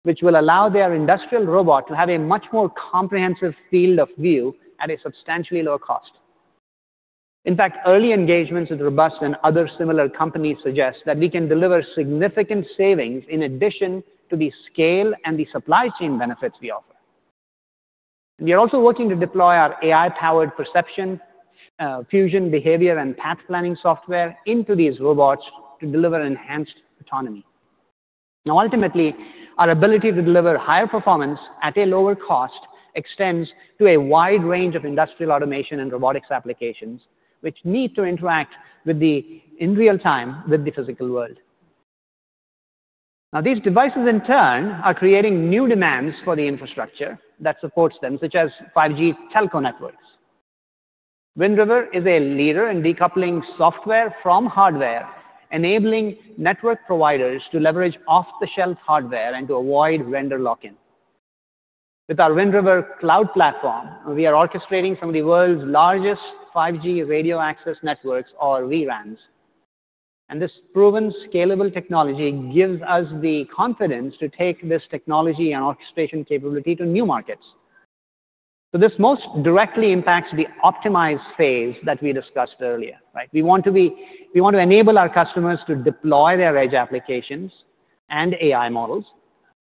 which will allow their industrial robot to have a much more comprehensive field of view at a substantially lower cost. In fact, early engagements with Robust and other similar companies suggest that we can deliver significant savings in addition to the scale and the supply chain benefits we offer. We are also working to deploy our AI-powered perception, fusion behavior, and path planning software into these robots to deliver enhanced autonomy. Now, ultimately, our ability to deliver higher performance at a lower cost extends to a wide range of industrial automation and robotics applications, which need to interact in real time with the physical world. Now, these devices, in turn, are creating new demands for the infrastructure that supports them, such as 5G telco networks. Wind River is a leader in decoupling software from hardware, enabling network providers to leverage off-the-shelf hardware and to avoid vendor lock-in. With our Wind River cloud platform, we are orchestrating some of the world's largest 5G Virtual Radio Access Networks, or VRANs. This proven scalable technology gives us the confidence to take this technology and orchestration capability to new markets. This most directly impacts the Optimized phase that we discussed earlier. We want to enable our customers to deploy their edge applications and AI models.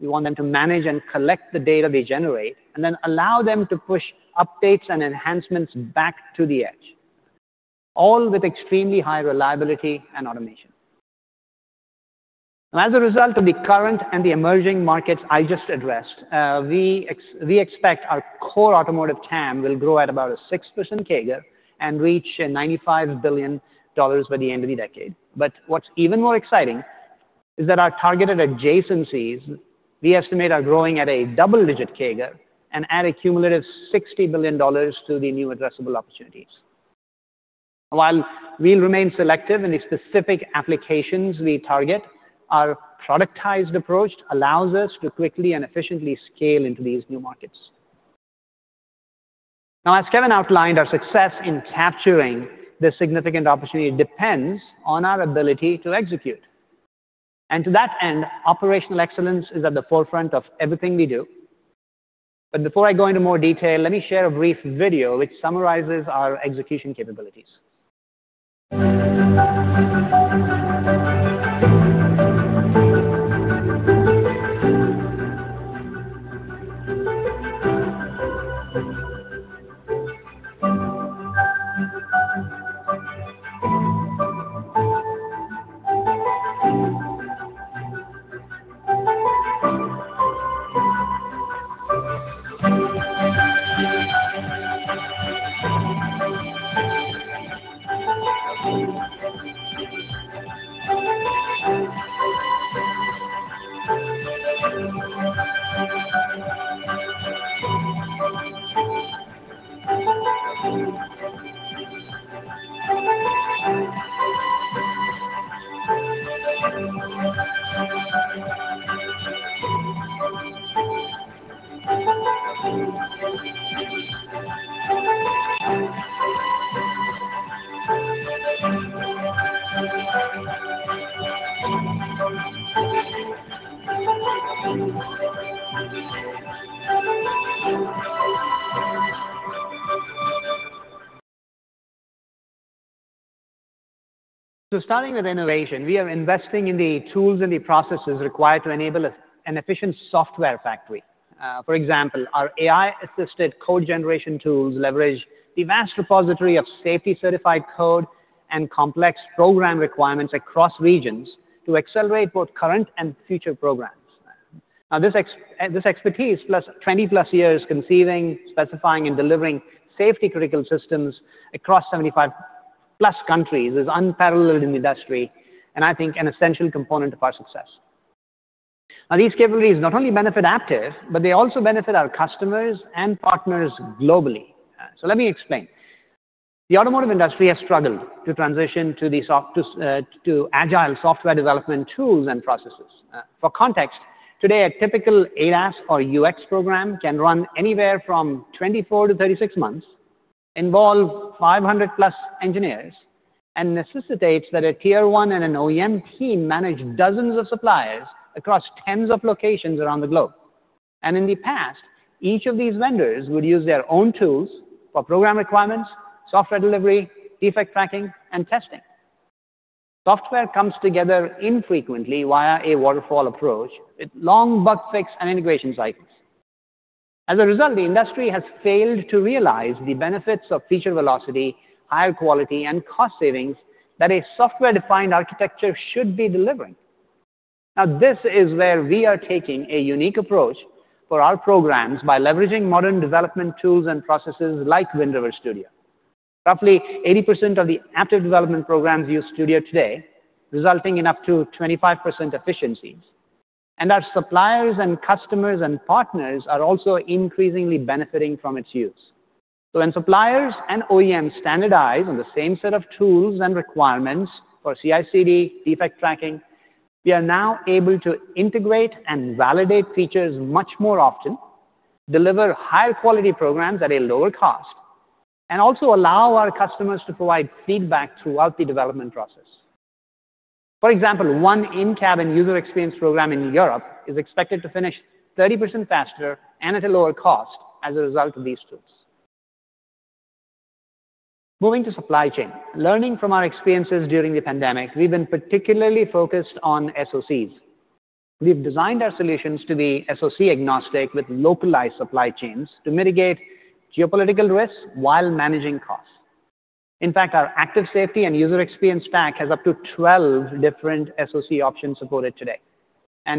We want them to manage and collect the data they generate and then allow them to push updates and enhancements back to the edge, all with extremely high reliability and automation. Now, as a result of the current and the emerging markets I just addressed, we expect our core automotive TAM will grow at about a 6% CAGR and reach $95 billion by the end of the decade. What is even more exciting is that our targeted adjacencies, we estimate, are growing at a double-digit CAGR and add a cumulative $60 billion to the new addressable opportunities. While we'll remain selective in the specific applications we target, our productized approach allows us to quickly and efficiently scale into these new markets. Now, as Kevin outlined, our success in capturing this significant opportunity depends on our ability to execute. To that end, operational excellence is at the forefront of everything we do. Before I go into more detail, let me share a brief video which summarizes our execution capabilities. Starting with innovation, we are investing in the tools and the processes required to enable an efficient software factory. For example, our AI-assisted code generation tools leverage the vast repository of safety-certified code and complex program requirements across regions to accelerate both current and future programs. This expertise, plus 20-plus years conceiving, specifying, and delivering safety-critical systems across 75-plus countries, is unparalleled in the industry and, I think, an essential component of our success. These capabilities not only benefit Aptiv, but they also benefit our customers and partners globally. Let me explain. The automotive industry has struggled to transition to agile software development tools and processes. For context, today, a typical ADAS or UX program can run anywhere from 24-36 months, involve 500-plus engineers, and necessitates that a Tier 1 and an OEM team manage dozens of suppliers across tens of locations around the globe. In the past, each of these vendors would use their own tools for program requirements, software delivery, defect tracking, and testing. Software comes together infrequently via a waterfall approach with long bug fix and integration cycles. As a result, the industry has failed to realize the benefits of feature velocity, higher quality, and cost savings that a software-defined architecture should be delivering. Now, this is where we are taking a unique approach for our programs by leveraging modern development tools and processes like Wind River Studio. Roughly 80% of the Aptiv development programs use Studio today, resulting in up to 25% efficiencies. Our suppliers and customers and partners are also increasingly benefiting from its use. When suppliers and OEMs standardize on the same set of tools and requirements for CI/CD defect tracking, we are now able to integrate and validate features much more often, deliver higher quality programs at a lower cost, and also allow our customers to provide feedback throughout the development process. For example, one in-cabin User Experience program in Europe is expected to finish 30% faster and at a lower cost as a result of these tools. Moving to supply chain, learning from our experiences during the pandemic, we've been particularly focused on SOCs. We've designed our solutions to be SOC agnostic with localized supply chains to mitigate geopolitical risks while managing costs. In fact, our Active Safety and User Experience pack has up to 12 different SOC options supported today.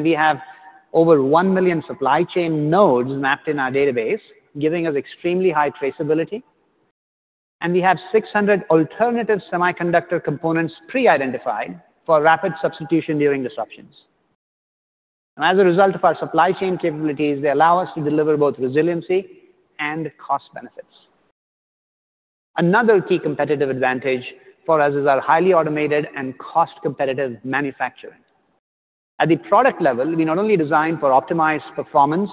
We have over 1 million supply chain nodes mapped in our database, giving us extremely high traceability. We have 600 alternative semiconductor components pre-identified for rapid substitution during disruptions. As a result of our supply chain capabilities, they allow us to deliver both resiliency and cost benefits. Another key competitive advantage for us is our highly automated and cost-competitive manufacturing. At the product level, we not only design for optimized performance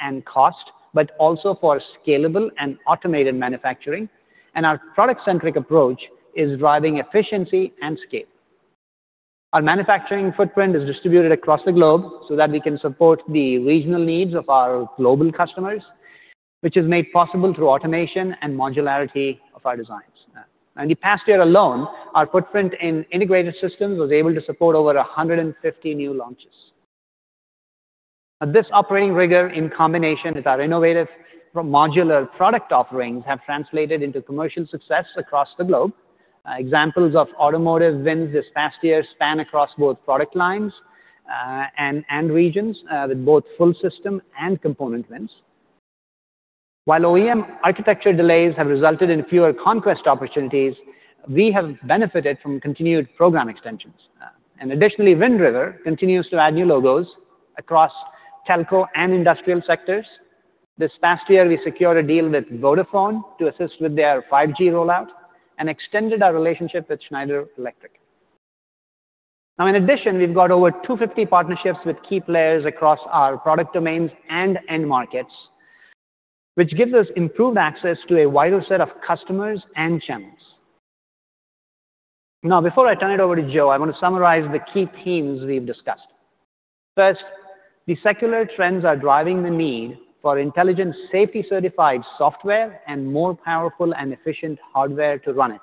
and cost, but also for scalable and automated manufacturing. Our product-centric approach is driving efficiency and scale. Our manufacturing footprint is distributed across the globe so that we can support the regional needs of our global customers, which is made possible through automation and modularity of our designs. In the past year alone, our footprint in integrated systems was able to support over 150 new launches. This operating rigor in combination with our innovative modular product offerings have translated into commercial success across the globe. Examples of automotive wins this past year span across both product lines and regions with both full system and component wins. While OEM architecture delays have resulted in fewer conquest opportunities, we have benefited from continued program extensions. Additionally, Wind River continues to add new logos across telco and industrial sectors. This past year, we secured a deal with Vodafone to assist with their 5G rollout and extended our relationship with Schneider Electric. In addition, we have over 250 partnerships with key players across our product domains and end markets, which gives us improved access to a wider set of customers and channels. Before I turn it over to Joe, I want to summarize the key themes we have discussed. First, the secular trends are driving the need for intelligent safety-certified software and more powerful and efficient hardware to run it.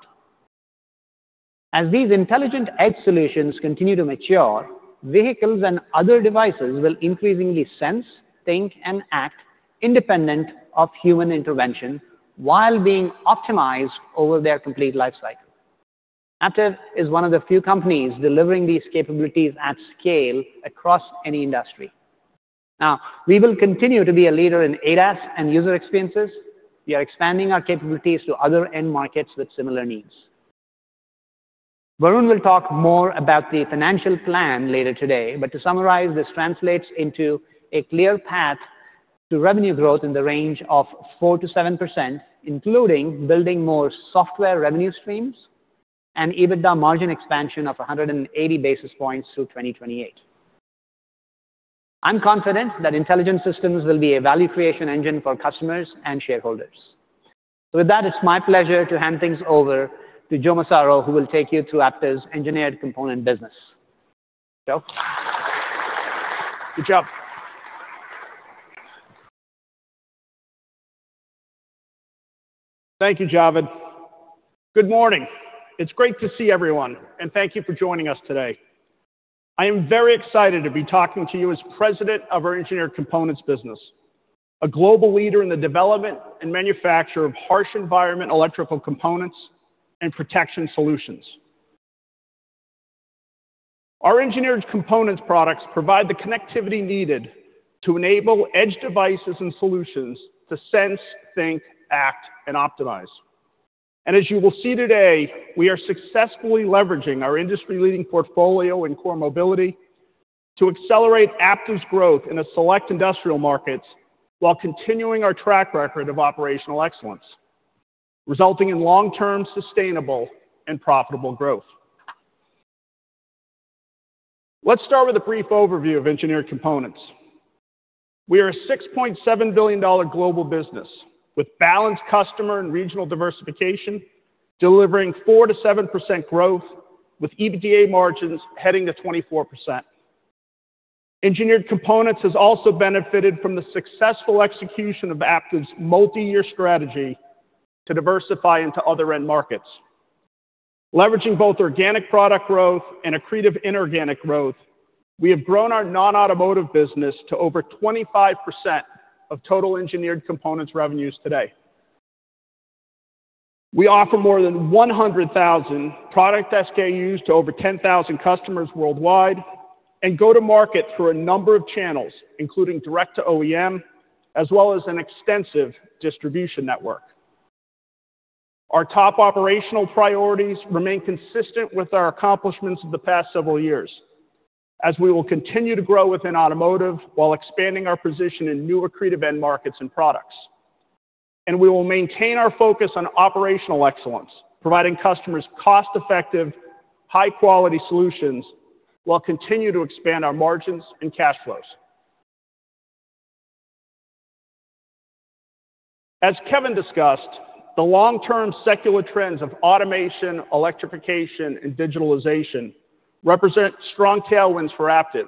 As these intelligent edge solutions continue to mature, vehicles and other devices will increasingly Sense, Think, and Act independent of human intervention while being optimized over their complete lifecycle. Aptiv is one of the few companies delivering these capabilities at scale across any industry. Now, we will continue to be a leader in ADAS and User Experiences. We are expanding our capabilities to other end markets with similar needs. Varun will talk more about the financial plan later today. To summarize, this translates into a clear path to revenue growth in the range of 4%-7%, including building more software revenue streams and EBITDA margin expansion of 180 basis points through 2028. I'm confident that Intelligent Systems will be a value creation engine for customers and shareholders. With that, it's my pleasure to hand things over to Joe Massaro, who will take you through Aptiv's Engineered Component business. Joe. Good job. Thank you, Javed. Good morning. It's great to see everyone, and thank you for joining us today. I am very excited to be talking to you as President of our Engineered Components business, a global leader in the development and manufacture of harsh environment electrical components and protection solutions. Our Engineered Components products provide the connectivity needed to enable edge devices and solutions to Sense, Think, Act, and Optimize. As you will see today, we are successfully leveraging our industry-leading portfolio in Core Mobility to accelerate Aptiv's growth in select industrial markets while continuing our track record of operational excellence, resulting in long-term sustainable and profitable growth. Let's start with a brief overview of Engineered Components. We are a $6.7 billion global business with balanced customer and regional diversification, delivering 4%-7% growth with EBITDA margins heading to 24%. Engineered Components has also benefited from the successful execution of Aptiv's multi-year strategy to diversify into other end markets. Leveraging both organic product growth and accretive inorganic growth, we have grown our non-automotive business to over 25% of total Engineered Components revenues today. We offer more than 100,000 product SKUs to over 10,000 customers worldwide and go to market through a number of channels, including direct to OEM, as well as an extensive distribution network. Our top operational priorities remain consistent with our accomplishments of the past several years, as we will continue to grow within automotive while expanding our position in new accretive end markets and products. We will maintain our focus on operational excellence, providing customers cost-effective, high-quality solutions while continuing to expand our margins and cash flows. As Kevin discussed, the long-term secular trends of Automation, Electrification, and Digitalization represent strong tailwinds for Aptiv,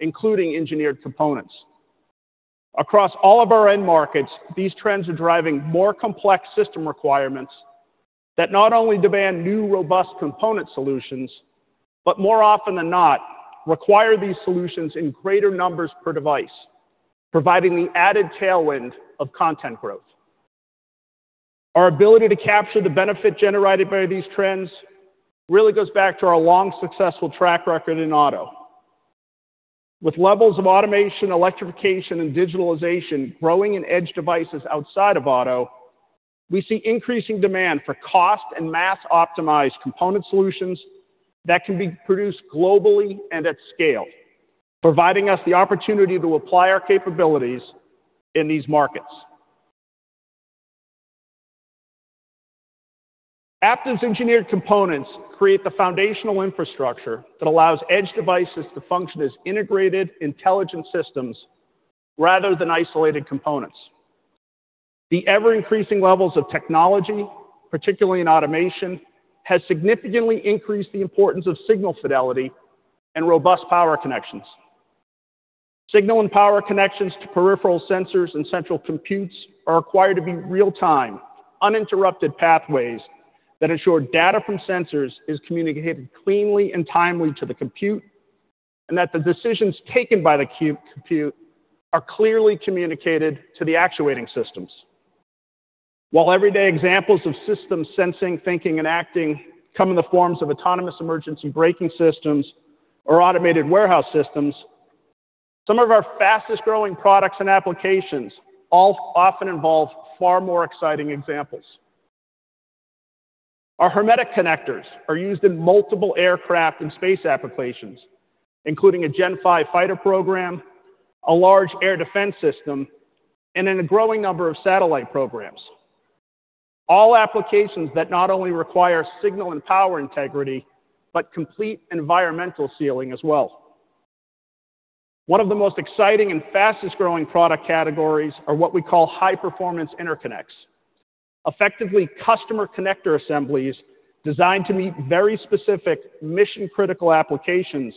including Engineered Components. Across all of our end markets, these trends are driving more complex system requirements that not only demand new robust component solutions, but more often than not, require these solutions in greater numbers per device, providing the added tailwind of content growth. Our ability to capture the benefit generated by these trends really goes back to our long successful track record in auto. With levels of automation, electrification, and digitalization growing in edge devices outside of auto, we see increasing demand for cost and mass-optimized component solutions that can be produced globally and at scale, providing us the opportunity to apply our capabilities in these markets. Aptiv's Engineered Components create the foundational infrastructure that allows edge devices to function as integrated Intelligent Systems rather than isolated components. The ever-increasing levels of technology, particularly in Automation, have significantly increased the importance of signal fidelity and robust power connections. Signal and power connections to peripheral sensors and central computes are required to be real-time, uninterrupted pathways that ensure data from sensors is communicated cleanly and timely to the compute, and that the decisions taken by the compute are clearly communicated to the actuating systems. While everyday examples of systems Sensing, Thinking, and Acting come in the forms of autonomous emergency braking systems or automated warehouse systems, some of our fastest-growing products and applications often involve far more exciting examples. Our hermetic connectors are used in multiple aircraft and space applications, including a Gen 5 fighter program, a large air defense system, and in a growing number of satellite programs. All applications that not only require signal and power integrity, but complete environmental sealing as well. One of the most exciting and fastest-growing product categories is what we call high-performance interconnects, effectively customer connector assemblies designed to meet very specific mission-critical applications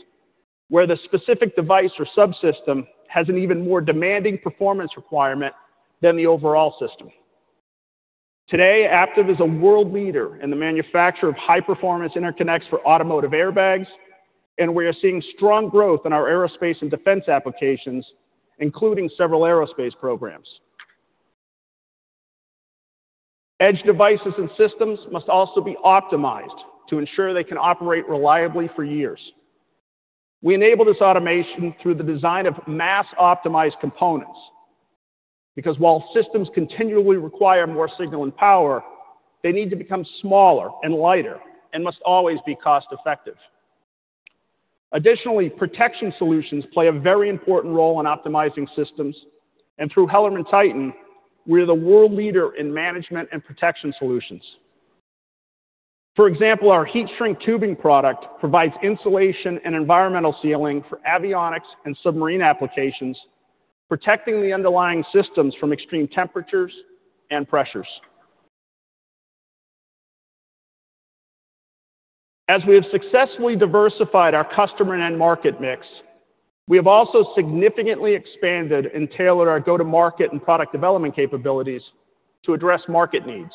where the specific device or subsystem has an even more demanding performance requirement than the overall system. Today, Aptiv is a world leader in the manufacture of high-performance interconnects for automotive airbags, and we are seeing strong growth in our aerospace and defense applications, including several aerospace programs. Edge devices and systems must also be optimized to ensure they can operate reliably for years. We enable this automation through the design of mass-optimized components because while systems continually require more signal and power, they need to become smaller and lighter and must always be cost-effective. Additionally, protection solutions play a very important role in optimizing systems. Through HellermannTyton, we are the world leader in management and protection solutions. For example, our heat-shrink tubing product provides insulation and environmental sealing for avionics and submarine applications, protecting the underlying systems from extreme temperatures and pressures. As we have successfully diversified our customer and end market mix, we have also significantly expanded and tailored our go-to-market and product development capabilities to address market needs.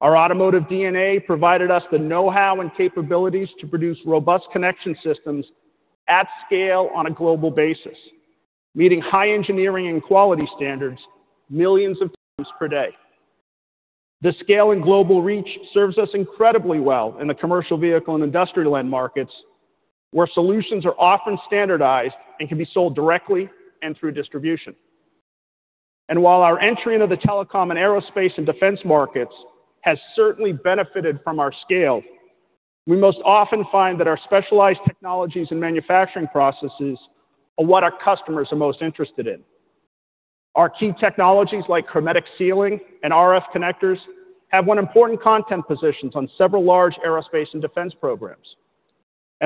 Our automotive DNA provided us the know-how and capabilities to produce robust connection systems at scale on a global basis, meeting high engineering and quality standards millions of times per day. The scale and global reach serves us incredibly well in the commercial vehicle and industrial end markets, where solutions are often standardized and can be sold directly and through distribution. While our entry into the telecom and aerospace and defense markets has certainly benefited from our scale, we most often find that our specialized technologies and manufacturing processes are what our customers are most interested in. Our key technologies like hermetic sealing and RF connectors have won important content positions on several large aerospace and defense programs.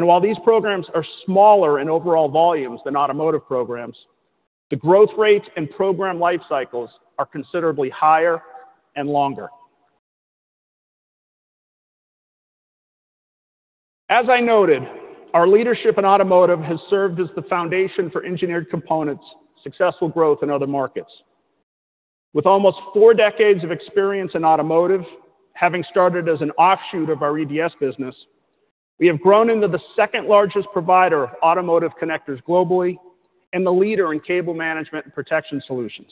While these programs are smaller in overall volumes than automotive programs, the growth rate and program lifecycles are considerably higher and longer. As I noted, our leadership in automotive has served as the foundation for Engineered Components' successful growth in other markets. With almost four decades of experience in automotive, having started as an offshoot of our EDS business, we have grown into the second-largest provider of automotive connectors globally and the leader in cable management and protection solutions.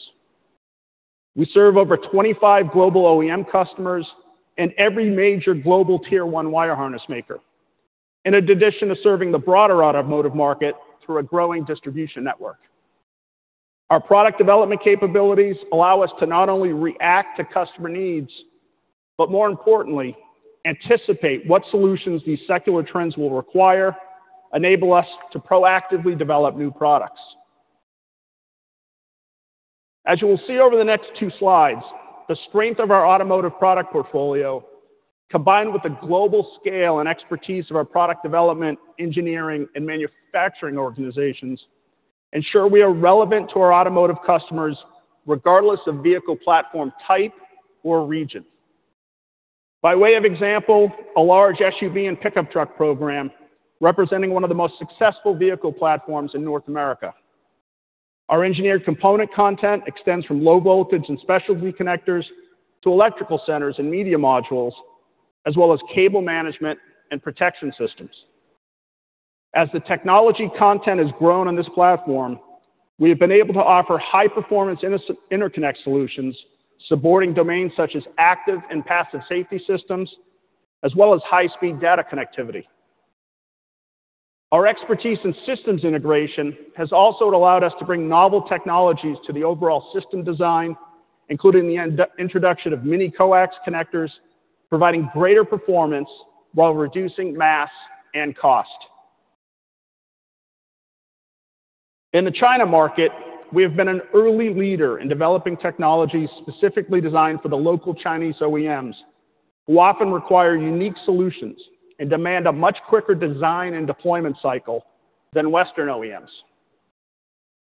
We serve over 25 global OEM customers and every major global Tier 1 wire harness maker, in addition to serving the broader automotive market through a growing distribution network. Our product development capabilities allow us to not only react to customer needs, but more importantly, anticipate what solutions these secular trends will require, enable us to proactively develop new products. As you will see over the next two slides, the strength of our automotive product portfolio, combined with the global scale and expertise of our product development, engineering, and manufacturing organizations, ensure we are relevant to our automotive customers regardless of vehicle platform type or region. By way of example, a large SUV and pickup truck program representing one of the most successful vehicle platforms in North America. Our Engineered Component content extends from low voltage and specialty connectors to electrical centers and media modules, as well as cable management and protection systems. As the technology content has grown on this platform, we have been able to offer high-performance interconnect solutions, supporting domains such as active and passive safety systems, as well as high-speed data connectivity. Our expertise in systems integration has also allowed us to bring novel technologies to the overall system design, including the introduction of mini coax connectors, providing greater performance while reducing mass and cost. In the China market, we have been an early leader in developing technologies specifically designed for the local Chinese OEMs, who often require unique solutions and demand a much quicker design and deployment cycle than Western OEMs.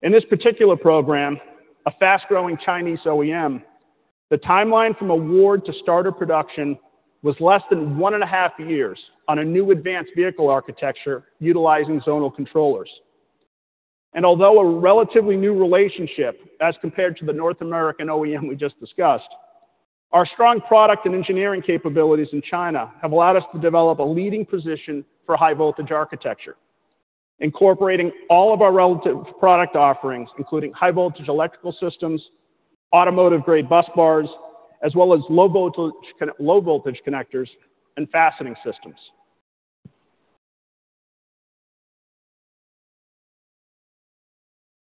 In this particular program, a fast-growing Chinese OEM, the timeline from award to starter production was less than one and a half years on a new advanced vehicle architecture utilizing zonal controllers. Although a relatively new relationship as compared to the North American OEM we just discussed, our strong product and engineering capabilities in China have allowed us to develop a leading position for high-voltage architecture, incorporating all of our relative product offerings, including high-voltage electrical systems, automotive-grade bus bars, as well as low voltage connectors and fastening systems.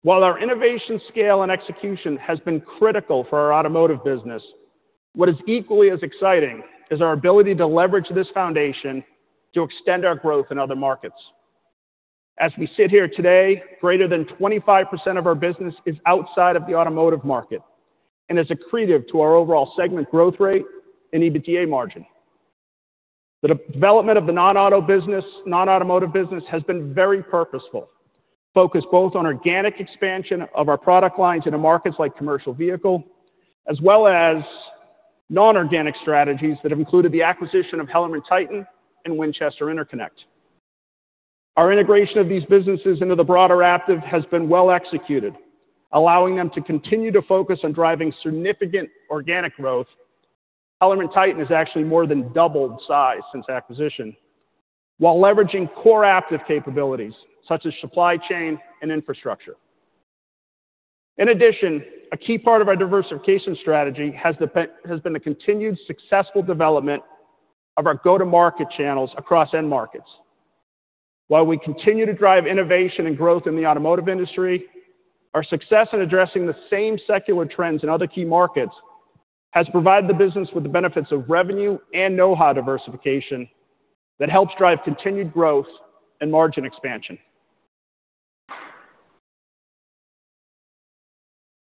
While our innovation, scale, and execution has been critical for our automotive business, what is equally as exciting is our ability to leverage this foundation to extend our growth in other markets. As we sit here today, greater than 25% of our business is outside of the automotive market and is accretive to our overall segment growth rate and EBITDA margin. The development of the non-auto business, non-automotive business, has been very purposeful, focused both on organic expansion of our product lines into markets like commercial vehicle, as well as non-organic strategies that have included the acquisition of HellermannTyton and Winchester Interconnect. Our integration of these businesses into the broader Aptiv has been well executed, allowing them to continue to focus on driving significant organic growth. HellermannTyton has actually more than doubled size since acquisition, while leveraging core Aptiv capabilities such as supply chain and infrastructure. In addition, a key part of our diversification strategy has been the continued successful development of our go-to-market channels across end markets. While we continue to drive innovation and growth in the automotive industry, our success in addressing the same secular trends in other key markets has provided the business with the benefits of revenue and know-how diversification that helps drive continued growth and margin expansion.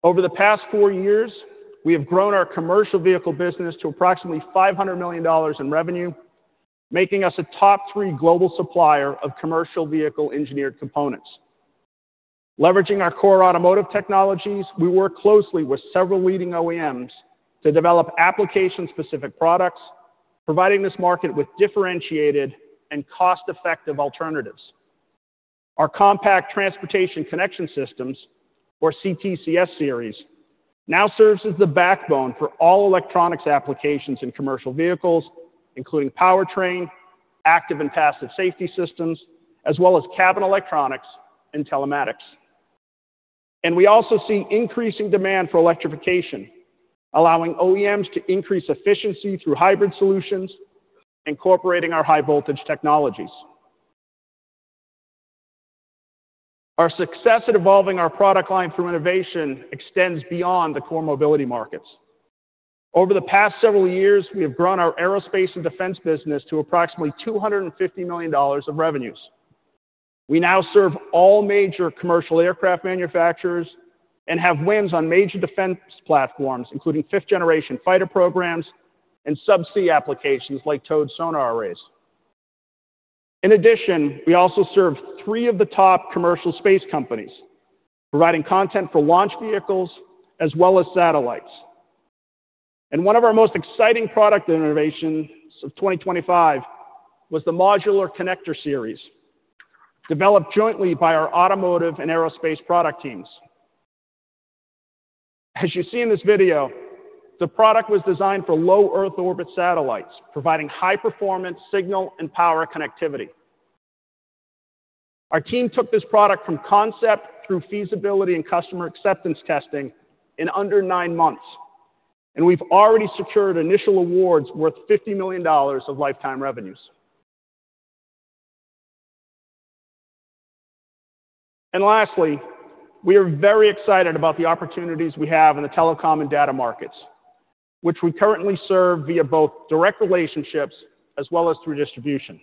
Over the past four years, we have grown our commercial vehicle business to approximately $500 million in revenue, making us a top-three global supplier of commercial vehicle Engineered Components. Leveraging our core automotive technologies, we work closely with several leading OEMs to develop application-specific products, providing this market with differentiated and cost-effective alternatives. Our Compact Transportation Connection Systems, or CTCS Series, now serves as the backbone for all electronics applications in commercial vehicles, including powertrain, active and passive safety systems, as well as cabin electronics and telematics. We also see increasing demand for electrification, allowing OEMs to increase efficiency through hybrid solutions, incorporating our high-voltage technologies. Our success at evolving our product line through innovation extends beyond the Core Mobility markets. Over the past several years, we have grown our aerospace and defense business to approximately $250 million of revenues. We now serve all major commercial aircraft manufacturers and have wins on major defense platforms, including 5th generation fighter programs and subsea applications like towed sonar arrays. In addition, we also serve three of the top commercial space companies, providing content for launch vehicles as well as satellites. One of our most exciting product innovations of 2025 was the Modular Connector Series, developed jointly by our automotive and aerospace product teams. As you see in this video, the product was designed for Low Earth Orbit satellites, providing high-performance signal and power connectivity. Our team took this product from concept through feasibility and customer acceptance testing in under nine months, and we've already secured initial awards worth $50 million of lifetime revenues. Lastly, we are very excited about the opportunities we have in the telecom and data markets, which we currently serve via both direct relationships as well as through distribution.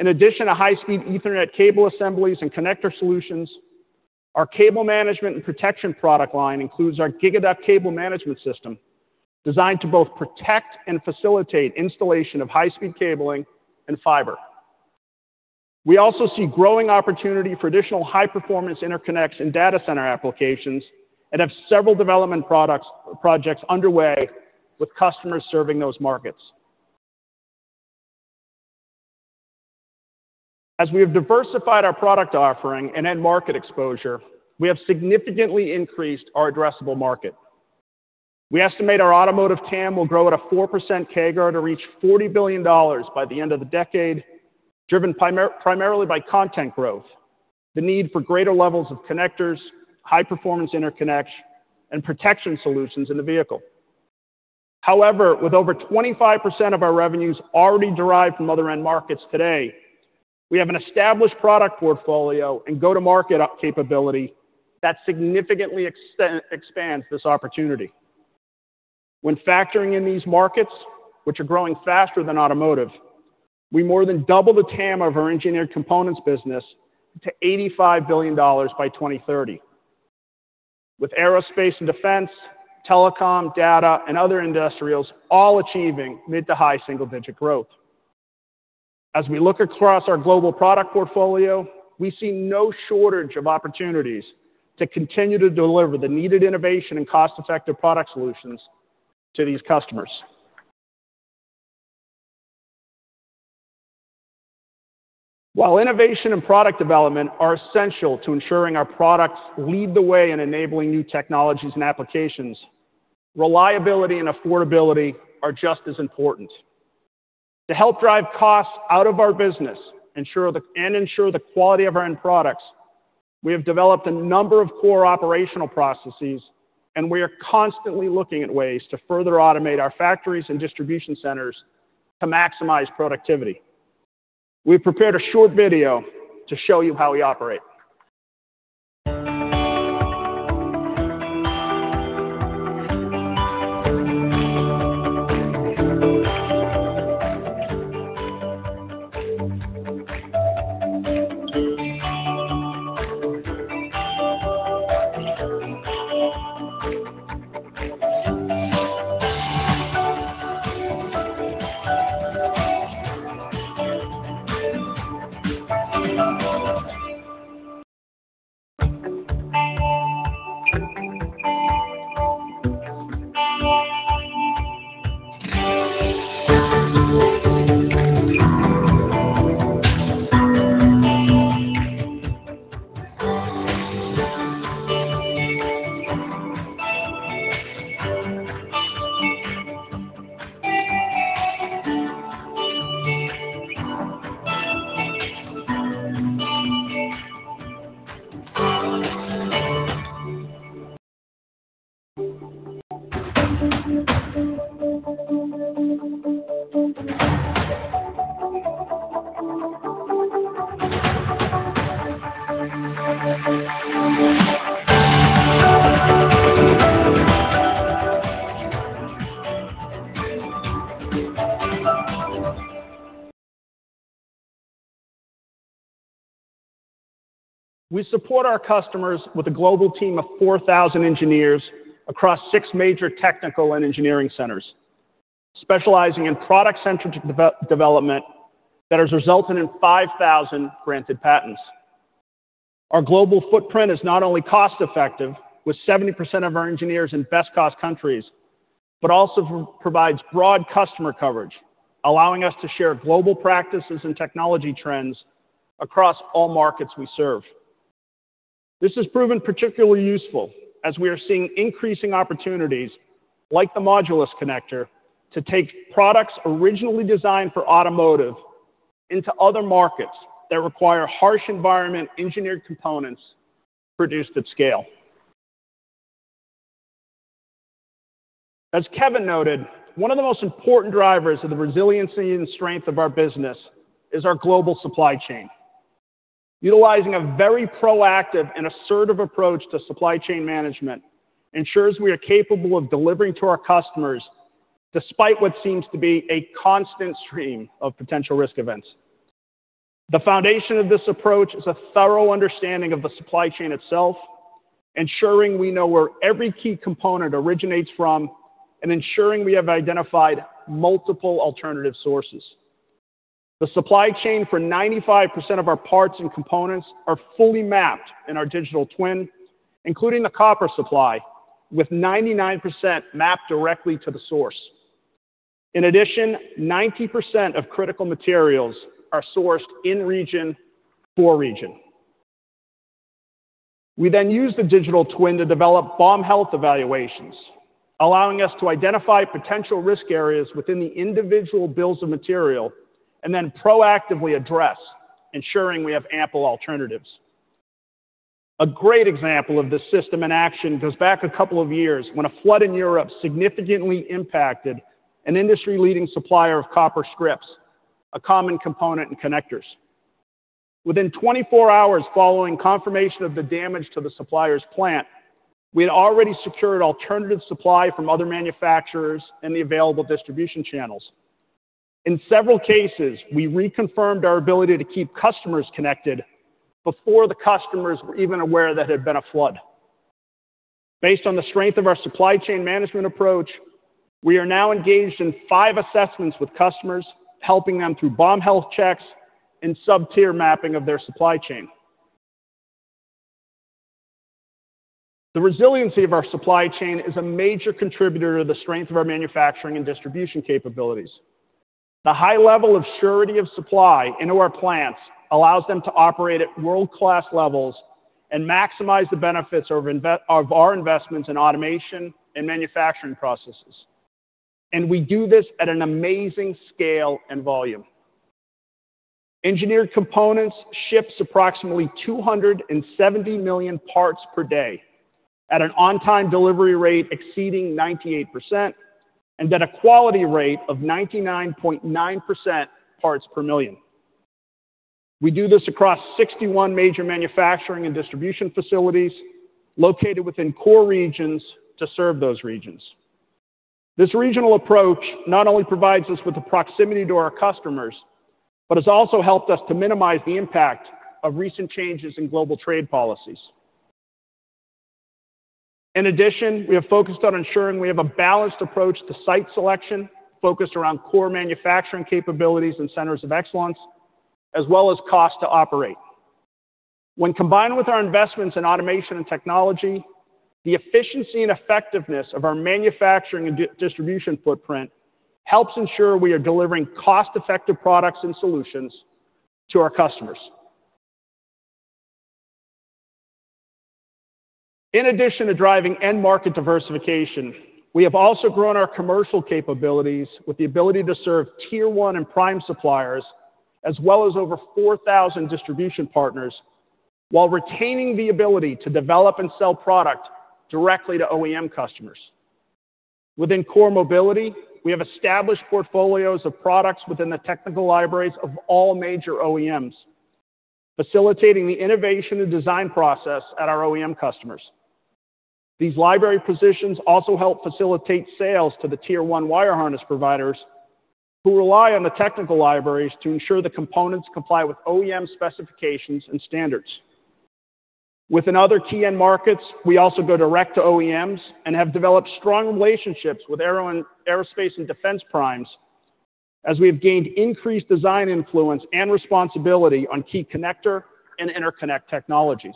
In addition to high-speed Ethernet cable assemblies and connector solutions, our cable management and protection product line includes our GigaDuck cable management system designed to both protect and facilitate installation of high-speed cabling and fiber. We also see growing opportunity for additional high-performance interconnects and data center applications and have several development projects underway with customers serving those markets. As we have diversified our product offering and end market exposure, we have significantly increased our addressable market. We estimate our automotive TAM will grow at a 4% CAGR to reach $40 billion by the end of the decade, driven primarily by content growth, the need for greater levels of connectors, high-performance interconnects, and protection solutions in the vehicle. However, with over 25% of our revenues already derived from other end markets today, we have an established product portfolio and go-to-market capability that significantly expands this opportunity. When factoring in these markets, which are growing faster than automotive, we more than double the TAM of our Engineered Components business to $85 billion by 2030, with aerospace and defense, telecom, data, and other industrials all achieving mid to high single-digit growth. As we look across our global product portfolio, we see no shortage of opportunities to continue to deliver the needed innovation and cost-effective product solutions to these customers. While innovation and product development are essential to ensuring our products lead the way in enabling new technologies and applications, reliability and affordability are just as important. To help drive costs out of our business and ensure the quality of our end products, we have developed a number of core operational processes, and we are constantly looking at ways to further automate our factories and distribution centers to maximize productivity. We've prepared a short video to show you how we operate. We support our customers with a global team of 4,000 engineers across six major technical and engineering centers, specializing in product-centric development that has resulted in 5,000 granted patents. Our global footprint is not only cost-effective, with 70% of our engineers in best-cost countries, but also provides broad customer coverage, allowing us to share global practices and technology trends across all markets we serve. This has proven particularly useful as we are seeing increasing opportunities, like the Modular Connector Series, to take products originally designed for automotive into other markets that require harsh environment Engineered Components produced at scale. As Kevin noted, one of the most important drivers of the resiliency and strength of our business is our global supply chain. Utilizing a very proactive and assertive approach to supply chain management ensures we are capable of delivering to our customers despite what seems to be a constant stream of potential risk events. The foundation of this approach is a thorough understanding of the supply chain itself, ensuring we know where every key component originates from, and ensuring we have identified multiple alternative sources. The supply chain for 95% of our parts and components are fully mapped in our digital twin, including the copper supply, with 99% mapped directly to the source. In addition, 90% of critical materials are sourced in region for region. We then use the digital twin to develop BOM health evaluations, allowing us to identify potential risk areas within the individual bills of material and then proactively address, ensuring we have ample alternatives. A great example of this system in action goes back a couple of years when a flood in Europe significantly impacted an industry-leading supplier of copper scripts, a common component in connectors. Within 24 hours following confirmation of the damage to the supplier's plant, we had already secured alternative supply from other manufacturers and the available distribution channels. In several cases, we reconfirmed our ability to keep customers connected before the customers were even aware that there had been a flood. Based on the strength of our supply chain management approach, we are now engaged in five assessments with customers, helping them through BOM health checks and sub-tier mapping of their supply chain. The resiliency of our supply chain is a major contributor to the strength of our manufacturing and distribution capabilities. The high level of surety of supply into our plants allows them to operate at world-class levels and maximize the benefits of our investments in automation and manufacturing processes. We do this at an amazing scale and volume. Engineered Components ship approximately 270 million parts per day at an on-time delivery rate exceeding 98% and at a quality rate of 99.9% parts per million. We do this across 61 major manufacturing and distribution facilities located within core regions to serve those regions. This regional approach not only provides us with the proximity to our customers, but has also helped us to minimize the impact of recent changes in global trade policies. In addition, we have focused on ensuring we have a balanced approach to site selection focused around core manufacturing capabilities and centers of excellence, as well as cost to operate. When combined with our investments in automation and technology, the efficiency and effectiveness of our manufacturing and distribution footprint helps ensure we are delivering cost-effective products and solutions to our customers. In addition to driving end market diversification, we have also grown our commercial capabilities with the ability to serve Tier 1 and prime suppliers, as well as over 4,000 distribution partners, while retaining the ability to develop and sell product directly to OEM customers. Within Core Mobility, we have established portfolios of products within the technical libraries of all major OEMs, facilitating the innovation and design process at our OEM customers. These library positions also help facilitate sales to the Tier 1 wire harness providers who rely on the technical libraries to ensure the components comply with OEM specifications and standards. Within other key end markets, we also go direct to OEMs and have developed strong relationships with aerospace and defense primes as we have gained increased design influence and responsibility on key connector and interconnect technologies.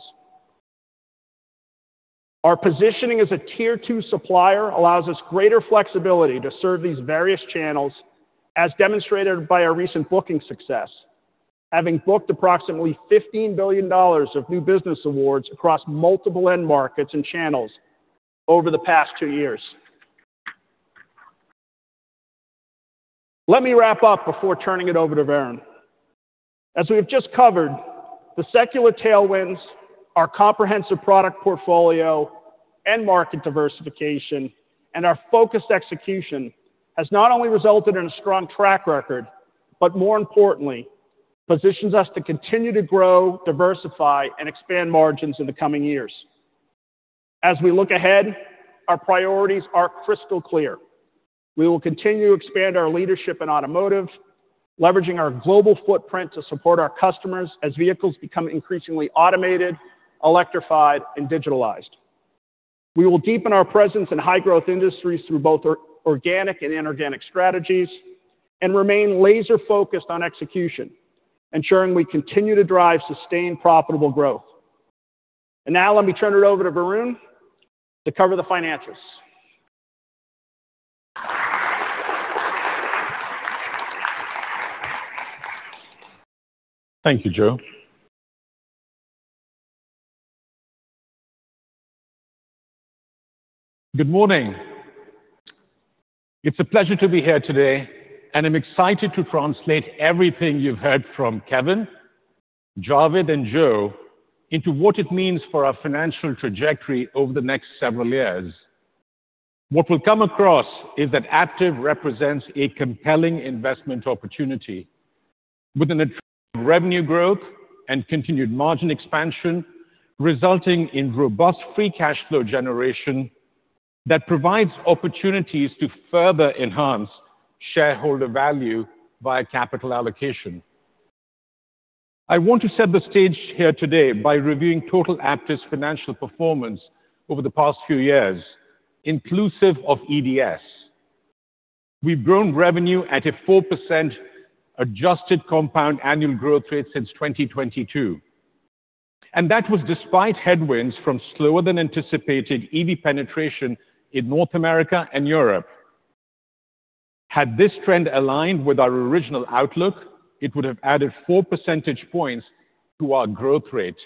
Our positioning as a Tier 2 supplier allows us greater flexibility to serve these various channels, as demonstrated by our recent booking success, having booked approximately $15 billion of new business awards across multiple end markets and channels over the past two years. Let me wrap up before turning it over to Varun. As we have just covered, the secular tailwinds, our comprehensive product portfolio, end market diversification, and our focused execution have not only resulted in a strong track record, but more importantly, position us to continue to grow, diversify, and expand margins in the coming years. As we look ahead, our priorities are crystal clear. We will continue to expand our leadership in automotive, leveraging our global footprint to support our customers as vehicles become increasingly Automated, Electrified, and Digitalized. We will deepen our presence in high-growth industries through both organic and inorganic strategies and remain laser-focused on execution, ensuring we continue to drive sustained profitable growth. Now let me turn it over to Varun to cover the finances. Thank you, Joe. Good morning. It's a pleasure to be here today, and I'm excited to translate everything you've heard from Kevin, Javed, and Joe into what it means for our financial trajectory over the next several years. What will come across is that Aptiv represents a compelling investment opportunity with an attractive revenue growth and continued margin expansion, resulting in robust free cash flow generation that provides opportunities to further enhance shareholder value via capital allocation. I want to set the stage here today by reviewing total Aptiv's financial performance over the past few years, inclusive of EDS. We've grown revenue at a 4% adjusted Compound Annual Growth Rate since 2022. That was despite headwinds from slower-than-anticipated EV penetration in North America and Europe. Had this trend aligned with our original outlook, it would have added 4 percentage points to our growth rate.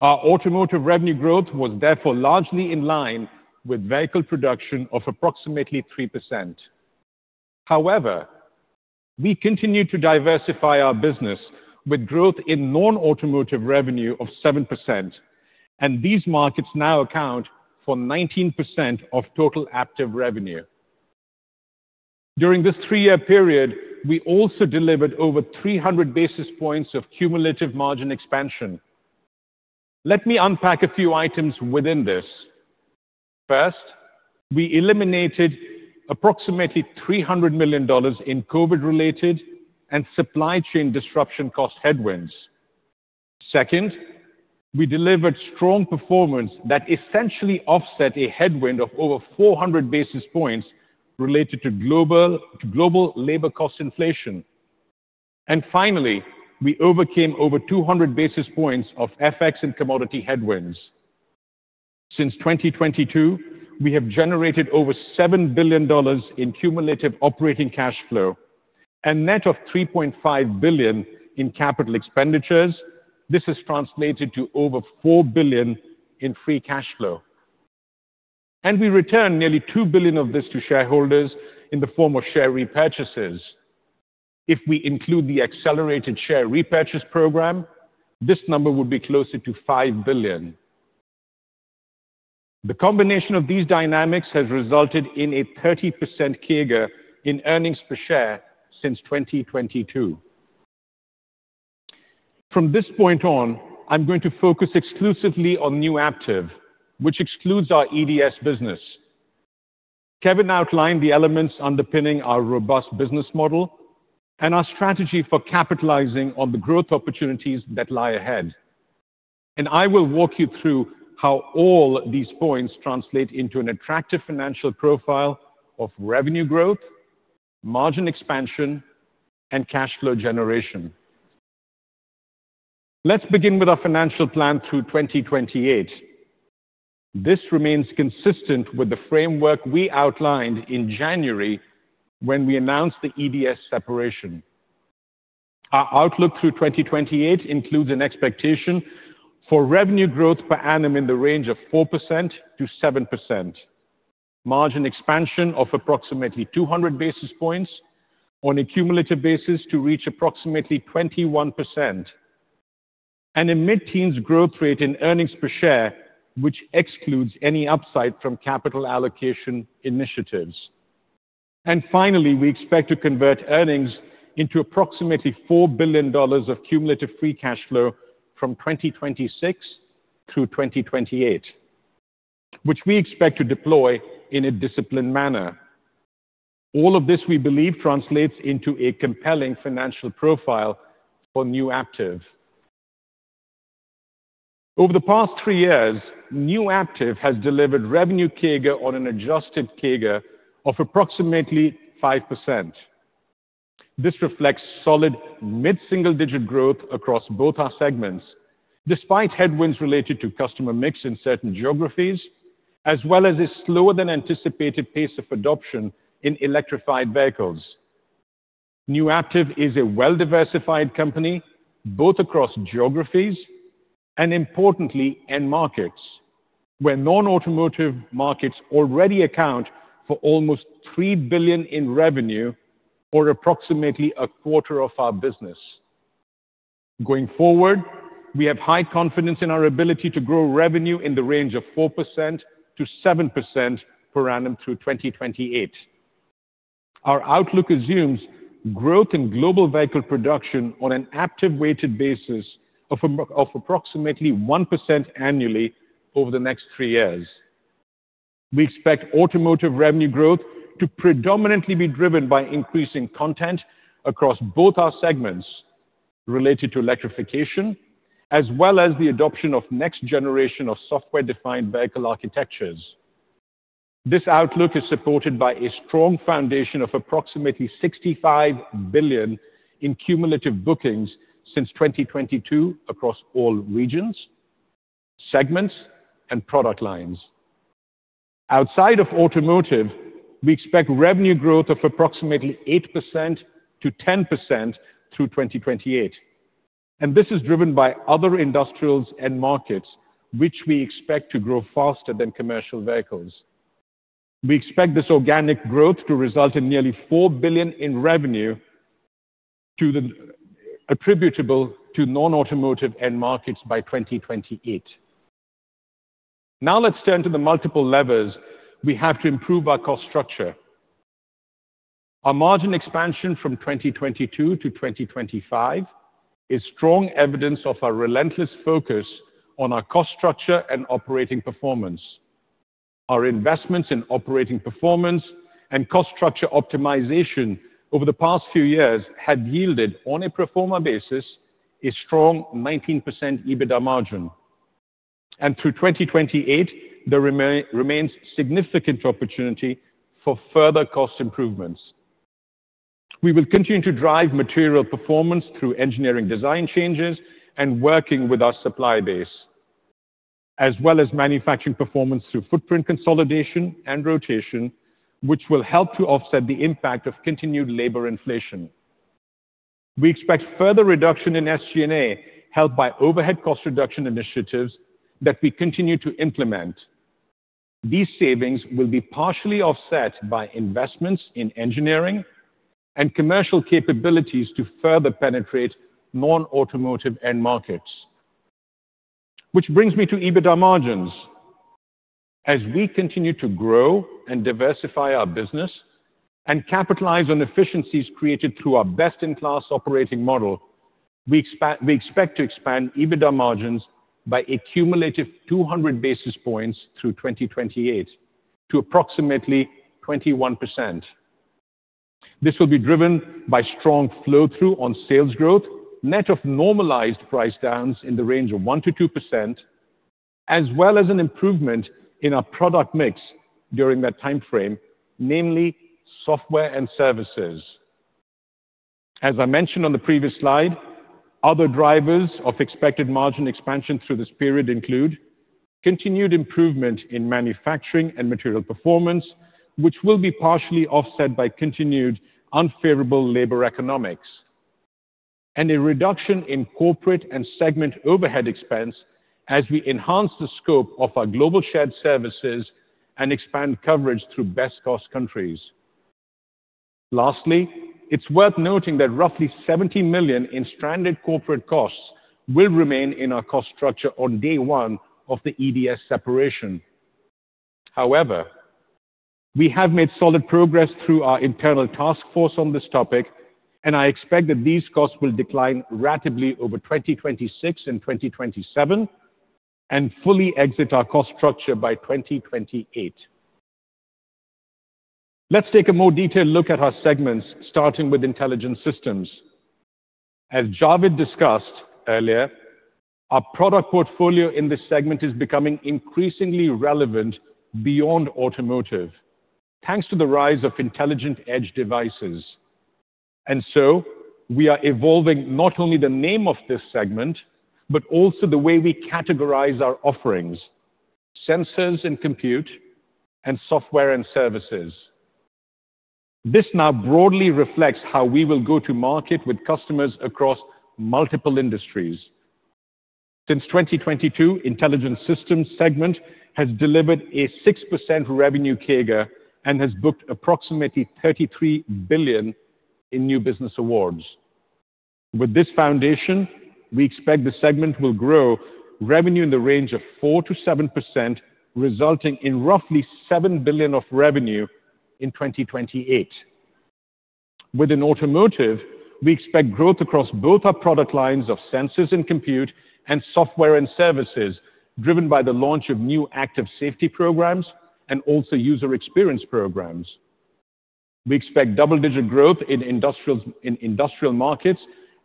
Our automotive revenue growth was therefore largely in line with vehicle production of approximately 3%. However, we continue to diversify our business with growth in non-automotive revenue of 7%, and these markets now account for 19% of total Aptiv revenue. During this three-year period, we also delivered over 300 basis points of cumulative margin expansion. Let me unpack a few items within this. First, we eliminated approximately $300 million in COVID-related and supply chain disruption cost headwinds. Second, we delivered strong performance that essentially offset a headwind of over 400 basis points related to global labor cost inflation. Finally, we overcame over 200 basis points of FX and commodity headwinds. Since 2022, we have generated over $7 billion in cumulative operating cash flow, a net of $3.5 billion in capital expenditures. This has translated to over $4 billion in free cash flow. We returned nearly $2 billion of this to shareholders in the form of share repurchases. If we include the Accelerated Share Repurchase program, this number would be closer to $5 billion. The combination of these dynamics has resulted in a 30% CAGR in Earnings Per Share since 2022. From this point on, I am going to focus exclusively on New Aptiv, which excludes our EDS business. Kevin outlined the elements underpinning our robust business model and our strategy for capitalizing on the growth opportunities that lie ahead. I will walk you through how all these points translate into an attractive financial profile of revenue growth, margin expansion, and cash flow generation. Let's begin with our financial plan through 2028. This remains consistent with the framework we outlined in January when we announced the EDS separation. Our outlook through 2028 includes an expectation for revenue growth per annum in the range of 4%-7%, margin expansion of approximately 200 basis points on a cumulative basis to reach approximately 21%, and a mid-teens growth rate in Earnings Per Share, which excludes any upside from capital allocation initiatives. Finally, we expect to convert earnings into approximately $4 billion of cumulative free cash flow from 2026 through 2028, which we expect to deploy in a disciplined manner. All of this we believe translates into a compelling financial profile for New Aptiv. Over the past three years, New Aptiv has delivered revenue CAGR on an adjusted CAGR of approximately 5%. This reflects solid mid-single-digit growth across both our segments, despite headwinds related to customer mix in certain geographies, as well as a slower-than-anticipated pace of adoption in electrified vehicles. New Aptiv is a well-diversified company both across geographies and, importantly, end markets, where non-automotive markets already account for almost $3 billion in revenue, or approximately a quarter of our business. Going forward, we have high confidence in our ability to grow revenue in the range of 4%-7% per annum through 2028. Our outlook assumes growth in global vehicle production on an Aptiv-weighted basis of approximately 1% annually over the next three years. We expect automotive revenue growth to predominantly be driven by increasing content across both our segments related to electrification, as well as the adoption of next-generation software-defined vehicle architectures. This outlook is supported by a strong foundation of approximately $65 billion in cumulative bookings since 2022 across all regions, segments, and product lines. Outside of automotive, we expect revenue growth of approximately 8%-10% through 2028. This is driven by other industrials and markets, which we expect to grow faster than commercial vehicles. We expect this organic growth to result in nearly $4 billion in revenue attributable to non-automotive end markets by 2028. Now let's turn to the multiple levers we have to improve our cost structure. Our margin expansion from 2022 to 2025 is strong evidence of our relentless focus on our cost structure and operating performance. Our investments in operating performance and cost structure optimization over the past few years have yielded, on a pro forma basis, a strong 19% EBITDA margin. Through 2028, there remains significant opportunity for further cost improvements. We will continue to drive material performance through engineering design changes and working with our supply base, as well as manufacturing performance through footprint consolidation and rotation, which will help to offset the impact of continued labor inflation. We expect further reduction in SG&A helped by overhead cost reduction initiatives that we continue to implement. These savings will be partially offset by investments in engineering and commercial capabilities to further penetrate non-automotive end markets. Which brings me to EBITDA margins. As we continue to grow and diversify our business and capitalize on efficiencies created through our best-in-class operating model, we expect to expand EBITDA margins by a cumulative 200 basis points through 2028 to approximately 21%. This will be driven by strong flow-through on sales growth, net of normalized price downs in the range of 1%-2%, as well as an improvement in our product mix during that timeframe, namely software and services. As I mentioned on the previous slide, other drivers of expected margin expansion through this period include continued improvement in manufacturing and material performance, which will be partially offset by continued unfavorable labor economics, and a reduction in corporate and segment overhead expense as we enhance the scope of our global shared services and expand coverage through best-cost countries. Lastly, it's worth noting that roughly $70 million in stranded corporate costs will remain in our cost structure on day one of the EDS separation. However, we have made solid progress through our internal task force on this topic, and I expect that these costs will decline radically over 2026 and 2027 and fully exit our cost structure by 2028. Let's take a more detailed look at our segments, starting with Intelligent Systems. As Javed discussed earlier, our product portfolio in this segment is becoming increasingly relevant beyond automotive, thanks to the rise of intelligent edge devices. We are evolving not only the name of this segment, but also the way we categorize our offerings: Sensors and Compute and Software and Services. This now broadly reflects how we will go to market with customers across multiple industries. Since 2022, the Intelligent Systems segment has delivered a 6% revenue CAGR and has booked approximately $33 billion in new business awards. With this foundation, we expect the segment will grow revenue in the range of 4%-7%, resulting in roughly $7 billion of revenue in 2028. Within automotive, we expect growth across both our product lines of Sensors and Compute and Software and Services, driven by the launch of new Active Safety programs and also User Experience programs. We expect double-digit growth in industrial markets,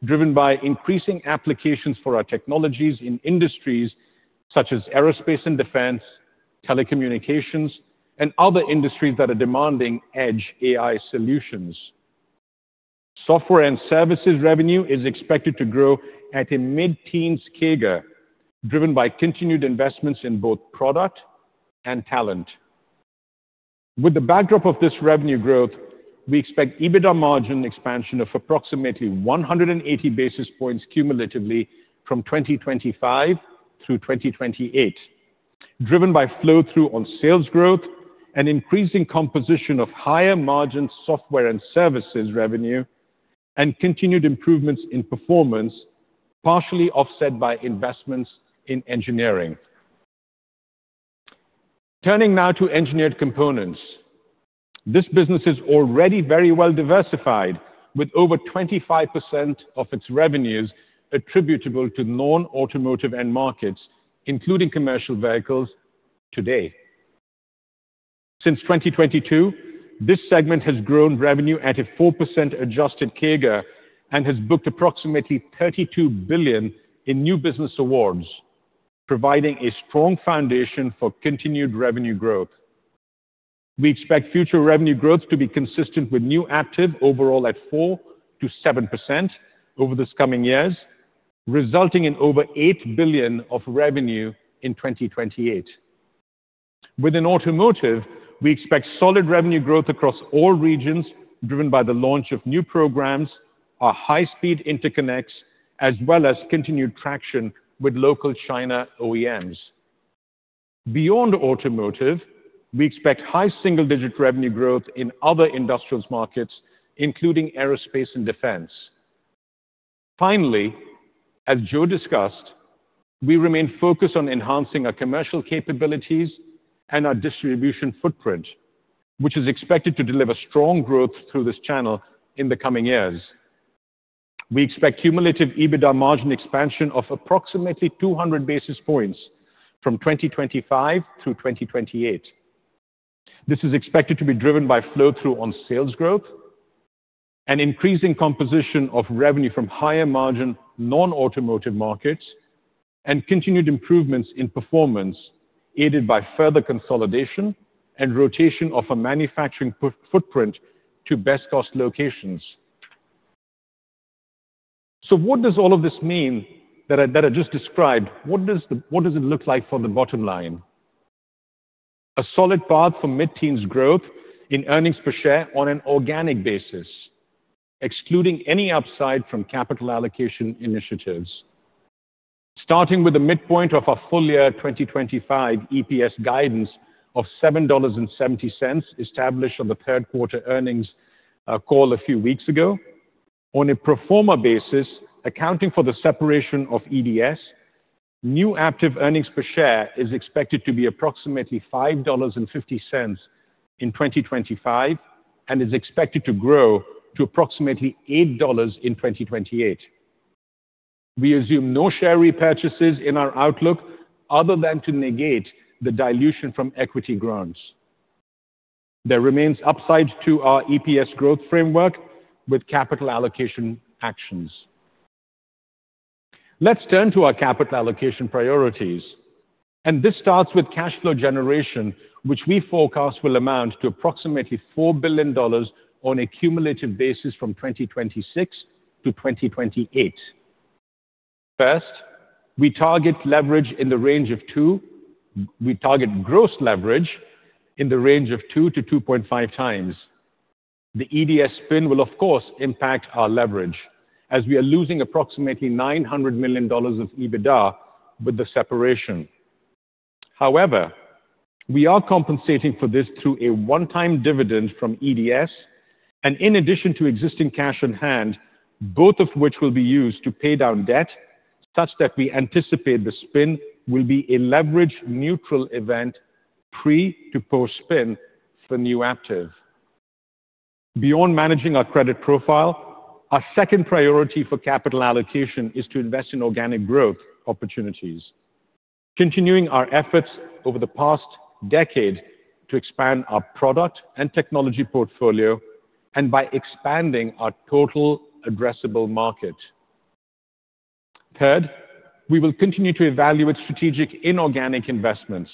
driven by increasing applications for our technologies in industries such as aerospace and defense, telecommunications, and other industries that are demanding edge AI solutions. Software and services revenue is expected to grow at a mid-teens CAGR, driven by continued investments in both product and talent. With the backdrop of this revenue growth, we expect EBITDA margin expansion of approximately 180 basis points cumulatively from 2025 through 2028, driven by flow-through on sales growth and increasing composition of higher margin software and services revenue and continued improvements in performance, partially offset by investments in engineering. Turning now to Engineered Components, this business is already very well diversified, with over 25% of its revenues attributable to non-automotive end markets, including commercial vehicles today. Since 2022, this segment has grown revenue at a 4% adjusted CAGR and has booked approximately $32 billion in new business awards, providing a strong foundation for continued revenue growth. We expect future revenue growth to be consistent with New Aptiv, overall at 4%-7% over these coming years, resulting in over $8 billion of revenue in 2028. Within automotive, we expect solid revenue growth across all regions, driven by the launch of new programs, our high-speed interconnects, as well as continued traction with local China OEMs. Beyond automotive, we expect high single-digit revenue growth in other industrials markets, including aerospace and defense. Finally, as Joe discussed, we remain focused on enhancing our commercial capabilities and our distribution footprint, which is expected to deliver strong growth through this channel in the coming years. We expect cumulative EBITDA margin expansion of approximately 200 basis points from 2025 through 2028. This is expected to be driven by flow-through on sales growth, an increasing composition of revenue from higher margin non-automotive markets, and continued improvements in performance aided by further consolidation and rotation of our manufacturing footprint to best-cost locations. What does all of this mean that I just described? What does it look like for the bottom line? A solid path for mid-teens growth in Earnings Per Share on an organic basis, excluding any upside from capital allocation initiatives. Starting with the midpoint of our full year 2025 EPS guidance of $7.70 established on the Third Quarter Earnings Call a few weeks ago. On a pro-forma basis, accounting for the separation of EDS, New Aptiv Earnings Per Share is expected to be approximately $5.50 in 2025 and is expected to grow to approximately $8 in 2028. We assume no share repurchases in our outlook other than to negate the dilution from equity grants. There remains upside to our EPS growth framework with capital allocation actions. Let's turn to our capital allocation priorities. This starts with cash flow generation, which we forecast will amount to approximately $4 billion on a cumulative basis from 2026 to 2028. First, we target leverage in the range of two. We target gross leverage in the range of 2-2.5 times. The EDS spin will, of course, impact our leverage, as we are losing approximately $900 million of EBITDA with the separation. However, we are compensating for this through a one-time dividend from EDS and in addition to existing cash on hand, both of which will be used to pay down debt such that we anticipate the spin will be a leverage-neutral event pre to post spin for New Aptiv. Beyond managing our credit profile, our second priority for capital allocation is to invest in organic growth opportunities, continuing our efforts over the past decade to expand our product and technology portfolio and by expanding our Total Addressable Market. Third, we will continue to evaluate strategic inorganic investments,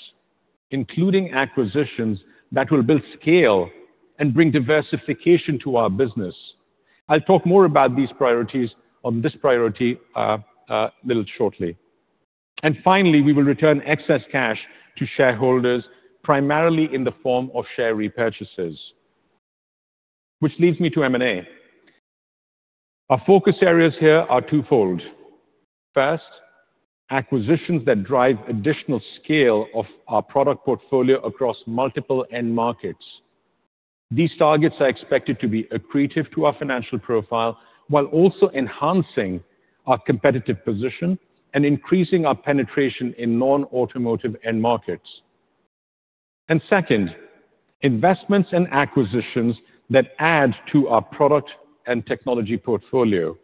including acquisitions that will build scale and bring diversification to our business. I'll talk more about this priority a little shortly. Finally, we will return excess cash to shareholders, primarily in the form of share repurchases. This leads me to M&A. Our focus areas here are twofold. First, acquisitions that drive additional scale of our product portfolio across multiple end markets. These targets are expected to be accretive to our financial profile while also enhancing our competitive position and increasing our penetration in non-automotive end markets. Second, investments and acquisitions that add to our product and technology portfolio.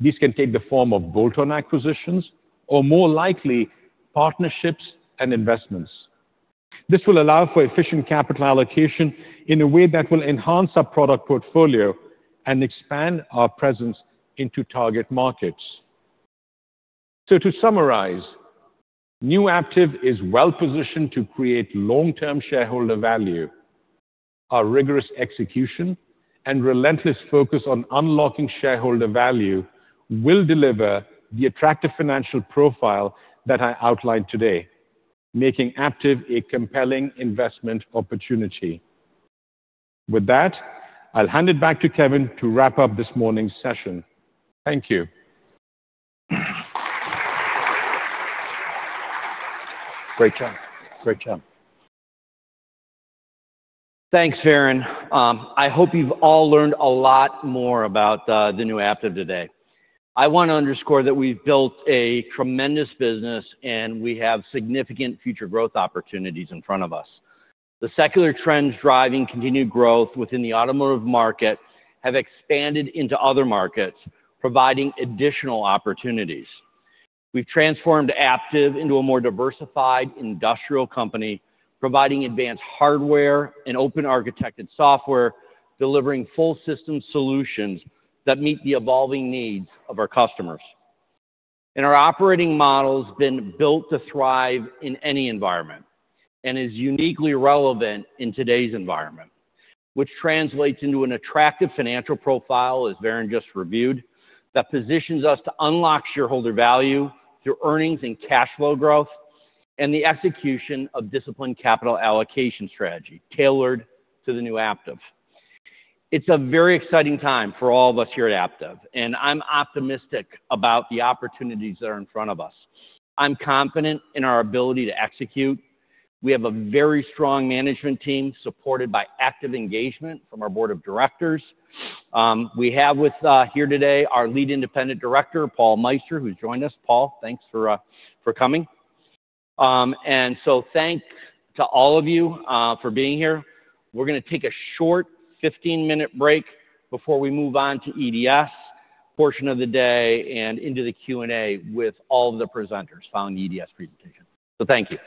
These can take the form of bolt-on acquisitions or, more likely, partnerships and investments. This will allow for efficient capital allocation in a way that will enhance our product portfolio and expand our presence into target markets. To summarize, New Aptiv is well positioned to create long-term shareholder value. Our rigorous execution and relentless focus on unlocking shareholder value will deliver the attractive financial profile that I outlined today, making Aptiv a compelling investment opportunity. With that, I'll hand it back to Kevin to wrap up this morning's session. Thank you. Great job. Great job. Thanks, Varun. I hope you've all learned a lot more about the New Aptiv today. I want to underscore that we've built a tremendous business and we have significant future growth opportunities in front of us. The secular trends driving continued growth within the automotive market have expanded into other markets, providing additional opportunities. We've transformed Aptiv into a more diversified industrial company, providing advanced hardware and open architected software, delivering full-system solutions that meet the evolving needs of our customers. Our operating model has been built to thrive in any environment and is uniquely relevant in today's environment, which translates into an attractive financial profile, as Varun just reviewed, that positions us to unlock shareholder value through earnings and cash flow growth and the execution of disciplined capital allocation strategy tailored to the New Aptiv. It's a very exciting time for all of us here at Aptiv, and I'm optimistic about the opportunities that are in front of us. I'm confident in our ability to execute. We have a very strong management team supported by active engagement from our Board of Directors. We have with here today our Lead Independent Director, Paul Meister, who's joined us. Paul, thanks for coming. Thanks to all of you for being here. We're going to take a short 15-minute break before we move on to the EDS portion of the day and into the Q&A with all of the presenters following the EDS presentation. Thank you.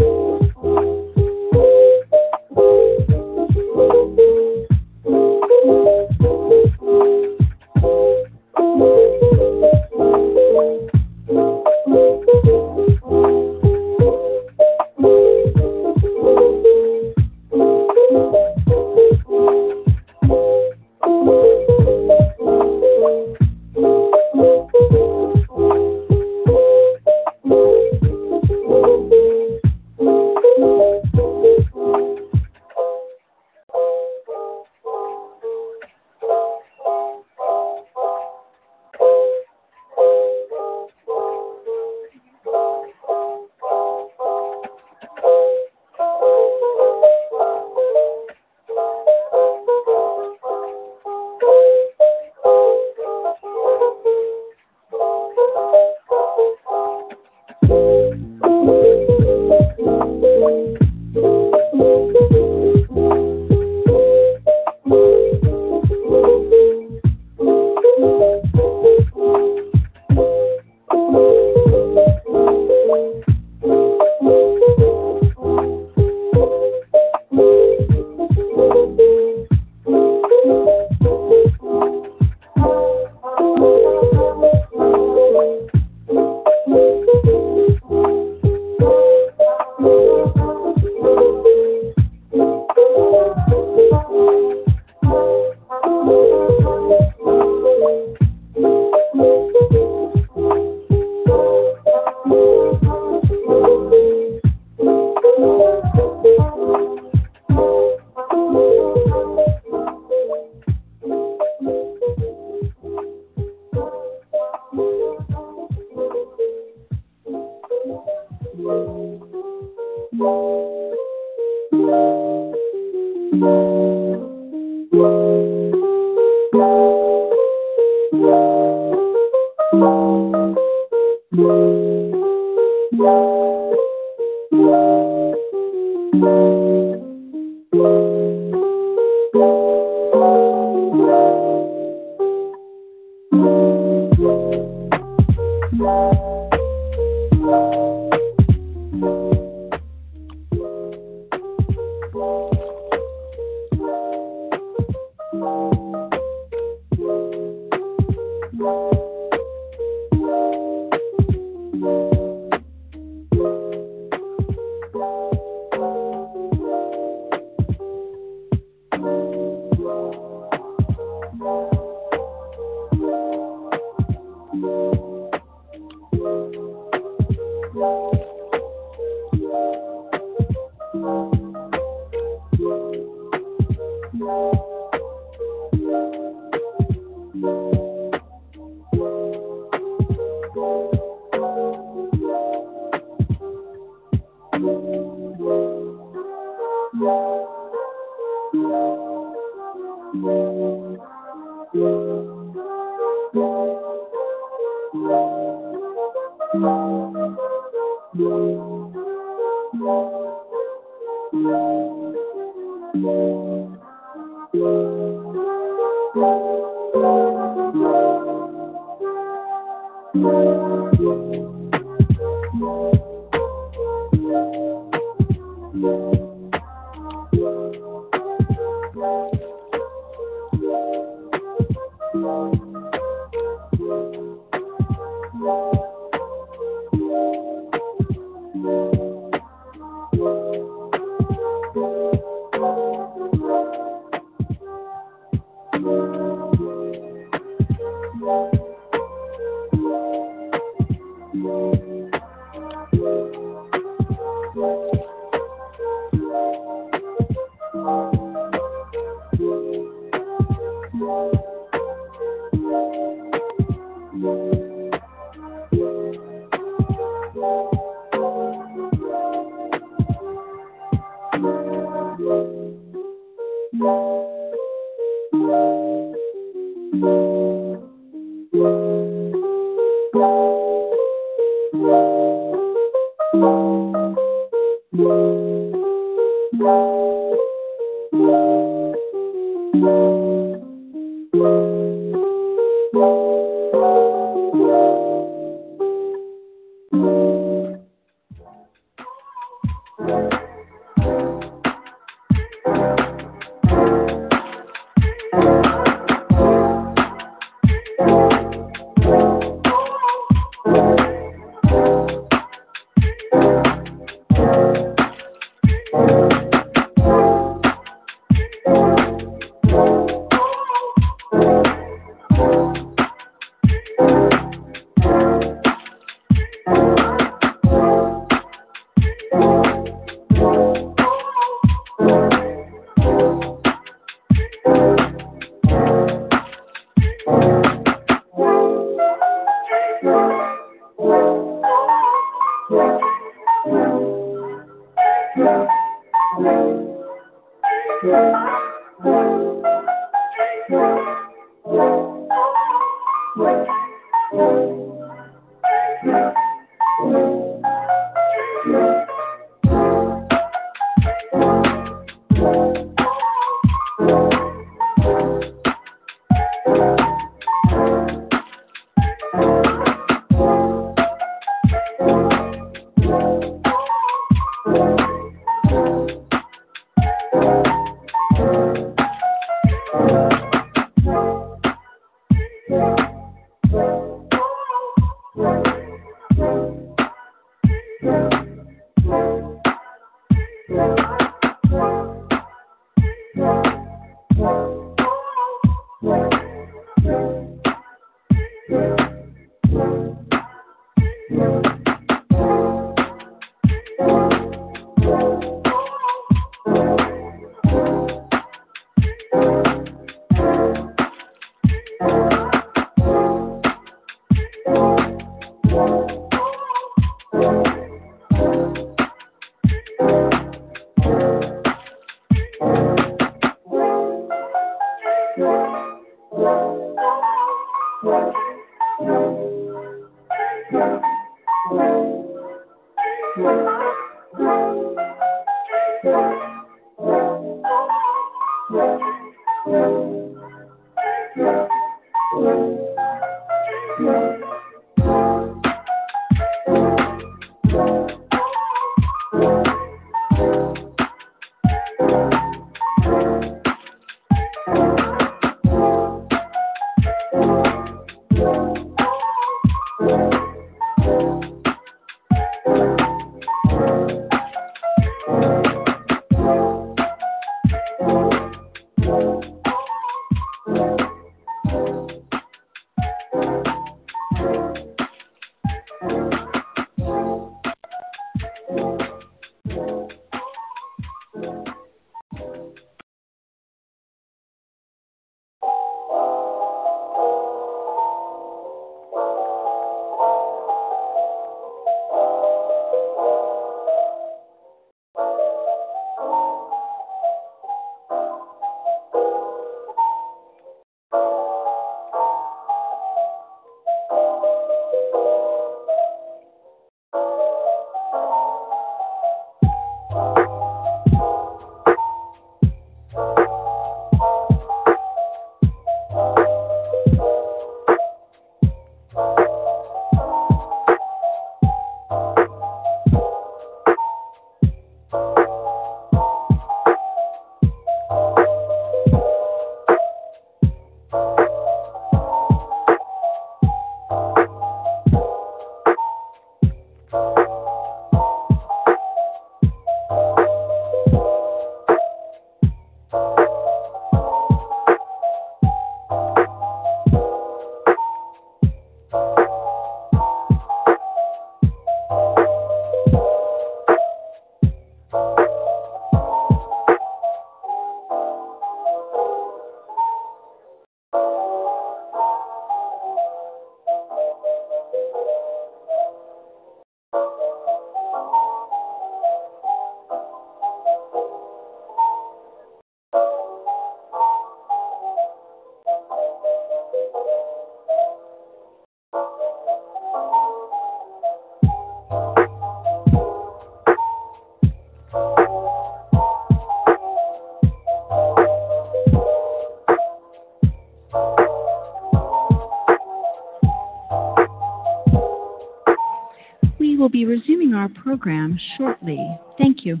We will be resuming our program shortly. Thank you.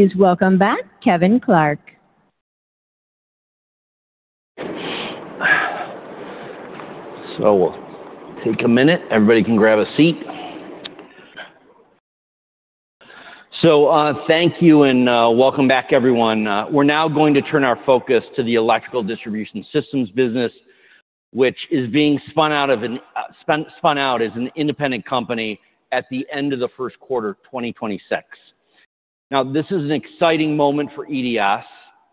Please welcome back Kevin Clark. We'll take a minute. Everybody can grab a seat. Thank you and welcome back, everyone. We're now going to turn our focus to the Electrical Distribution Systems business, which is being spun out as an independent company at the end of the first quarter of 2026. This is an exciting moment for EDS.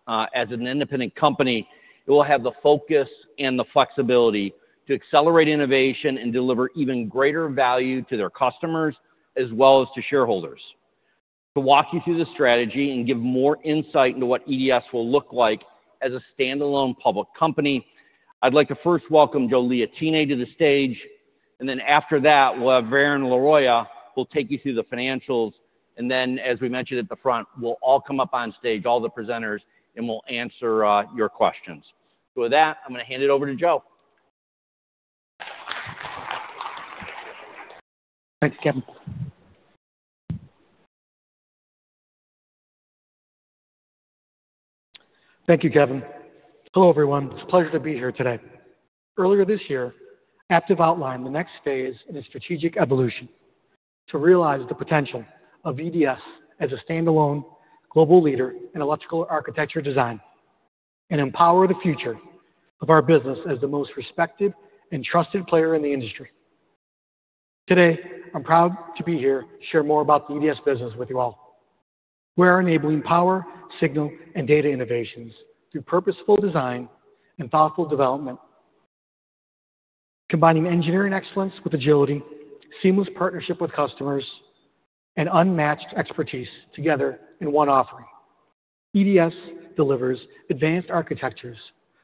As an independent company, it will have the focus and the flexibility to accelerate innovation and deliver even greater value to their customers as well as to shareholders. To walk you through the strategy and give more insight into what EDS will look like as a stand-alone public company, I'd like to first welcome Joe Liotine to the stage. After that, we'll have Varun Laroyia, who will take you through the financials. As we mentioned at the front, we'll all come up on stage, all the presenters, and we'll answer your questions. With that, I'm going to hand it over to Joe. Thanks, Kevin. Thank you, Kevin. Hello, everyone. It's a pleasure to be here today. Earlier this year, Aptiv outlined the next phase in a strategic evolution to realize the potential of EDS as a standalone global leader in electrical architecture design and empower the future of our business as the most respected and trusted player in the industry. Today, I'm proud to be here to share more about the EDS business with you all. We're enabling power, signal, and data innovations through purposeful design and thoughtful development, combining engineering excellence with agility, seamless partnership with customers, and unmatched expertise together in one offering. EDS delivers advanced architectures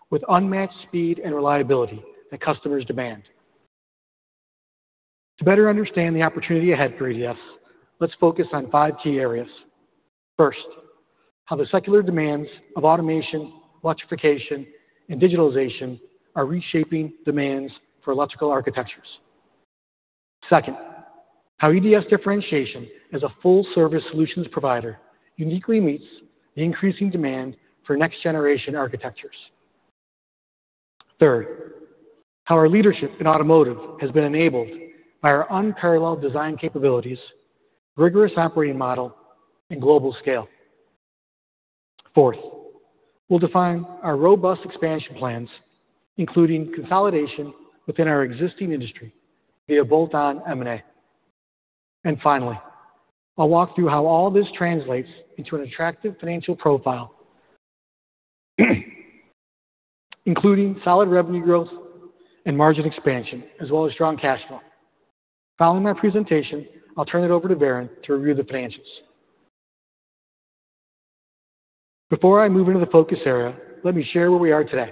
with unmatched speed and reliability that customers demand. To better understand the opportunity ahead for EDS, let's focus on five key areas. First, how the secular demands of Automation, Electrification, and Digitalization are reshaping demands for electrical architectures. Second, how EDS differentiation as a full-service solutions provider uniquely meets the increasing demand for next-generation architectures. Third, how our leadership in automotive has been enabled by our unparalleled design capabilities, rigorous operating model, and global scale. Fourth, we will define our robust expansion plans, including consolidation within our existing industry via bolt-on M&A. Finally, I will walk through how all this translates into an attractive financial profile, including solid revenue growth and margin expansion, as well as strong cash flow. Following my presentation, I will turn it over to Varun to review the financials. Before I move into the focus area, let me share where we are today.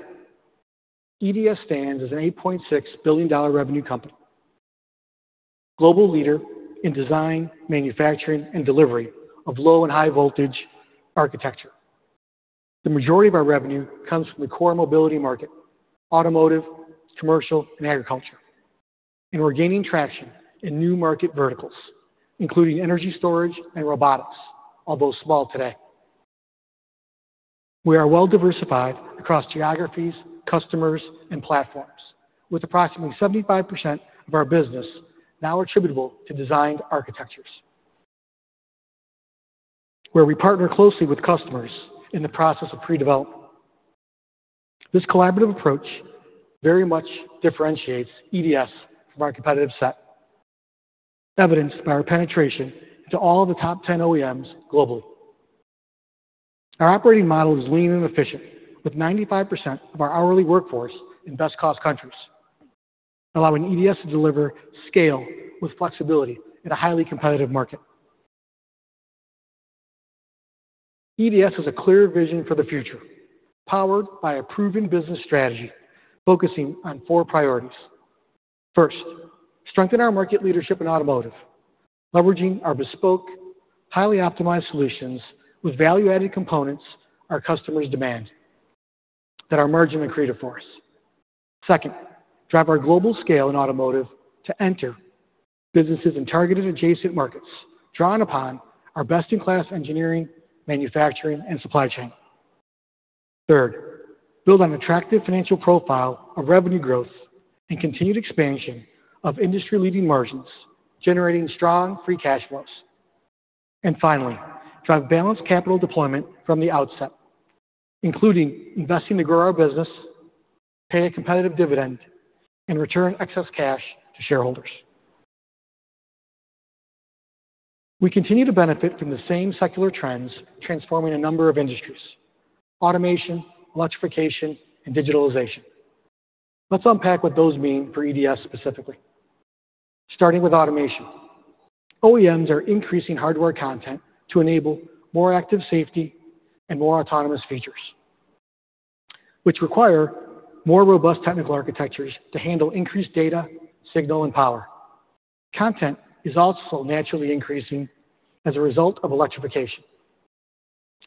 EDS stands as an $8.6 billion revenue company, a global leader in design, manufacturing, and delivery of low and high-voltage architecture. The majority of our revenue comes from the Core Mobility market: Automotive, Commercial, and Agriculture. We are gaining traction in new market verticals, including energy storage and robotics, although small today. We are well-diversified across geographies, customers, and platforms, with approximately 75% of our business now attributable to designed architectures, where we partner closely with customers in the process of pre-development. This collaborative approach very much differentiates EDS from our competitive set, evidenced by our penetration into all of the top 10 OEMs globally. Our operating model is lean and efficient, with 95% of our hourly workforce in best-cost countries, allowing EDS to deliver scale with flexibility in a highly competitive market. EDS has a clear vision for the future, powered by a proven business strategy focusing on four priorities. First, strengthen our market leadership in automotive, leveraging our bespoke, highly optimized solutions with value-added components our customers demand that are emerging and creative for us. Second, drive our global scale in automotive to enter businesses in targeted adjacent markets drawn upon our best-in-class engineering, manufacturing, and supply chain. Third, build an attractive financial profile of revenue growth and continued expansion of industry-leading margins, generating strong free cash flows. Finally, drive balanced capital deployment from the outset, including investing to grow our business, pay a competitive dividend, and return excess cash to shareholders. We continue to benefit from the same secular trends transforming a number of industries: Automation, Electrification, and Digitalization. Let's unpack what those mean for EDS specifically. Starting with Automation, OEMs are increasing hardware content to enable more Active Safety and more autonomous features, which require more robust technical architectures to handle increased data, signal, and power. Content is also naturally increasing as a result of Electrification,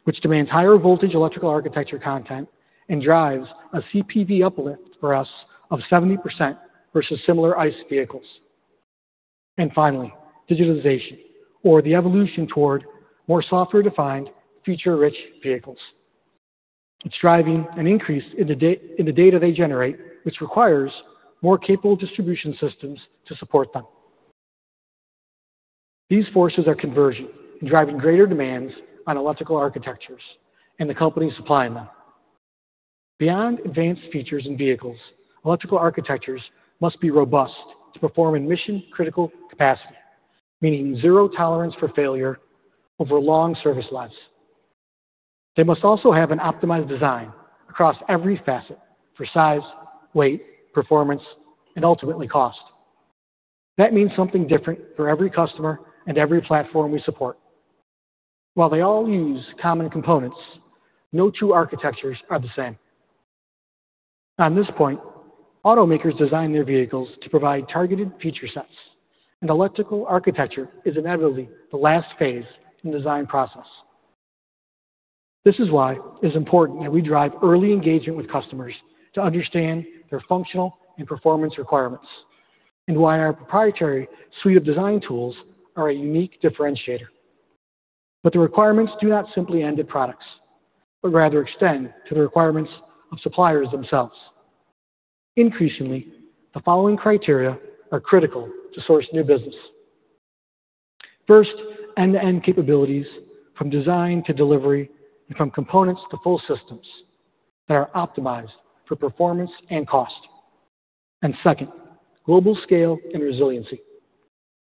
which demands higher voltage electrical architecture content and drives a CPV uplift for us of 70% versus similar ICE vehicles. Finally, Digitalization, or the evolution toward more software-defined, feature-rich vehicles. It's driving an increase in the data they generate, which requires more capable distribution systems to support them. These forces are converging and driving greater demands on electrical architectures and the companies supplying them. Beyond advanced features and vehicles, electrical architectures must be robust to perform in mission-critical capacity, meaning zero tolerance for failure over long service lives. They must also have an optimized design across every facet for size, weight, performance, and ultimately cost. That means something different for every customer and every platform we support. While they all use common components, no two architectures are the same. On this point, automakers design their vehicles to provide targeted feature sets, and electrical architecture is inevitably the last phase in the design process. This is why it is important that we drive early engagement with customers to understand their functional and performance requirements, and why our proprietary suite of design tools are a unique differentiator. The requirements do not simply end at products, but rather extend to the requirements of suppliers themselves. Increasingly, the following criteria are critical to source new business: first, end-to-end capabilities from design to delivery and from components to full systems that are optimized for performance and cost; and second, global scale and resiliency,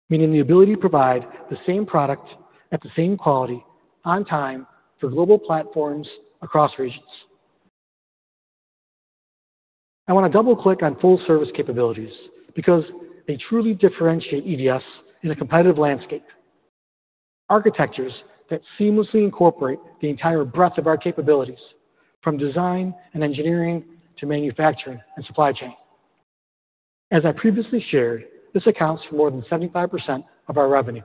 meaning the ability to provide the same product at the same quality on time for global platforms across regions. I want to double-click on full-service capabilities because they truly differentiate EDS in a competitive landscape: architectures that seamlessly incorporate the entire breadth of our capabilities, from design and engineering to manufacturing and supply chain. As I previously shared, this accounts for more than 75% of our revenue.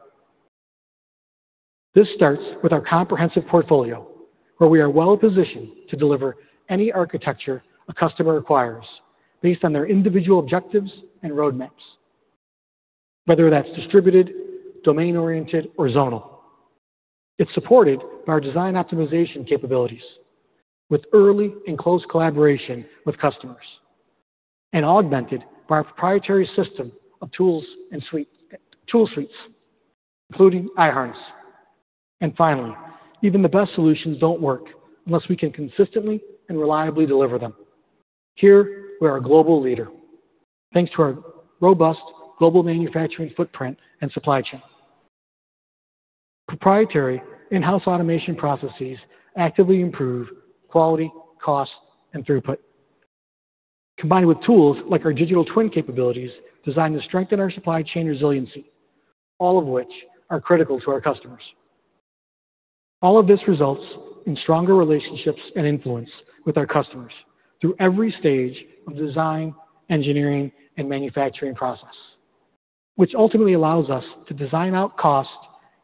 This starts with our comprehensive portfolio, where we are well-positioned to deliver any architecture a customer requires based on their individual objectives and roadmaps, whether that's distributed, domain-oriented, or zonal. It is supported by our design optimization capabilities with early and close collaboration with customers and augmented by our proprietary system of tools and suites, including iHarness. Finally, even the best solutions do not work unless we can consistently and reliably deliver them. Here, we are a global leader, thanks to our robust global manufacturing footprint and supply chain. Proprietary in-house automation processes actively improve quality, cost, and throughput, combined with tools like our digital twin capabilities designed to strengthen our supply chain resiliency, all of which are critical to our customers. All of this results in stronger relationships and influence with our customers through every stage of the design, engineering, and manufacturing process, which ultimately allows us to design out cost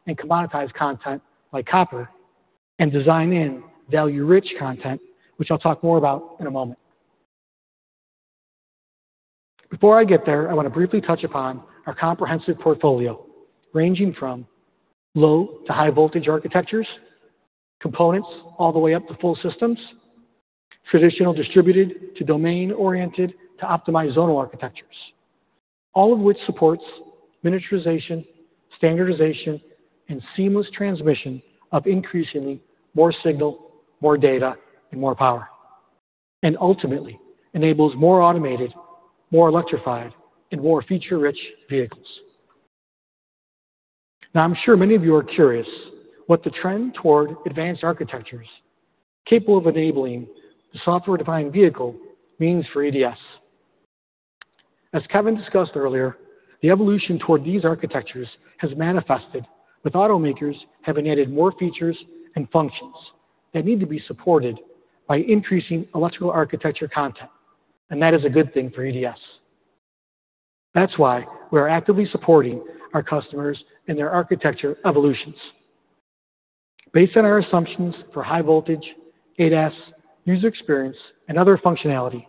and commoditize content like copper and design in value-rich content, which I'll talk more about in a moment. Before I get there, I want to briefly touch upon our comprehensive portfolio, ranging from low to high-voltage architectures, components, all the way up to full systems, traditional distributed to domain-oriented to optimized zonal architectures, all of which supports miniaturization, standardization, and seamless transmission of increasingly more signal, more data, and more power, and ultimately enables more Automated, more Electrified, and more feature-rich vehicles. Now, I'm sure many of you are curious what the trend toward advanced architectures capable of enabling the software-defined vehicle means for EDS. As Kevin discussed earlier, the evolution toward these architectures has manifested with automakers having added more features and functions that need to be supported by increasing electrical architecture content, and that is a good thing for EDS. That is why we are actively supporting our customers in their architecture evolutions. Based on our assumptions for high-voltage, ADAS, User Experience, and other functionality,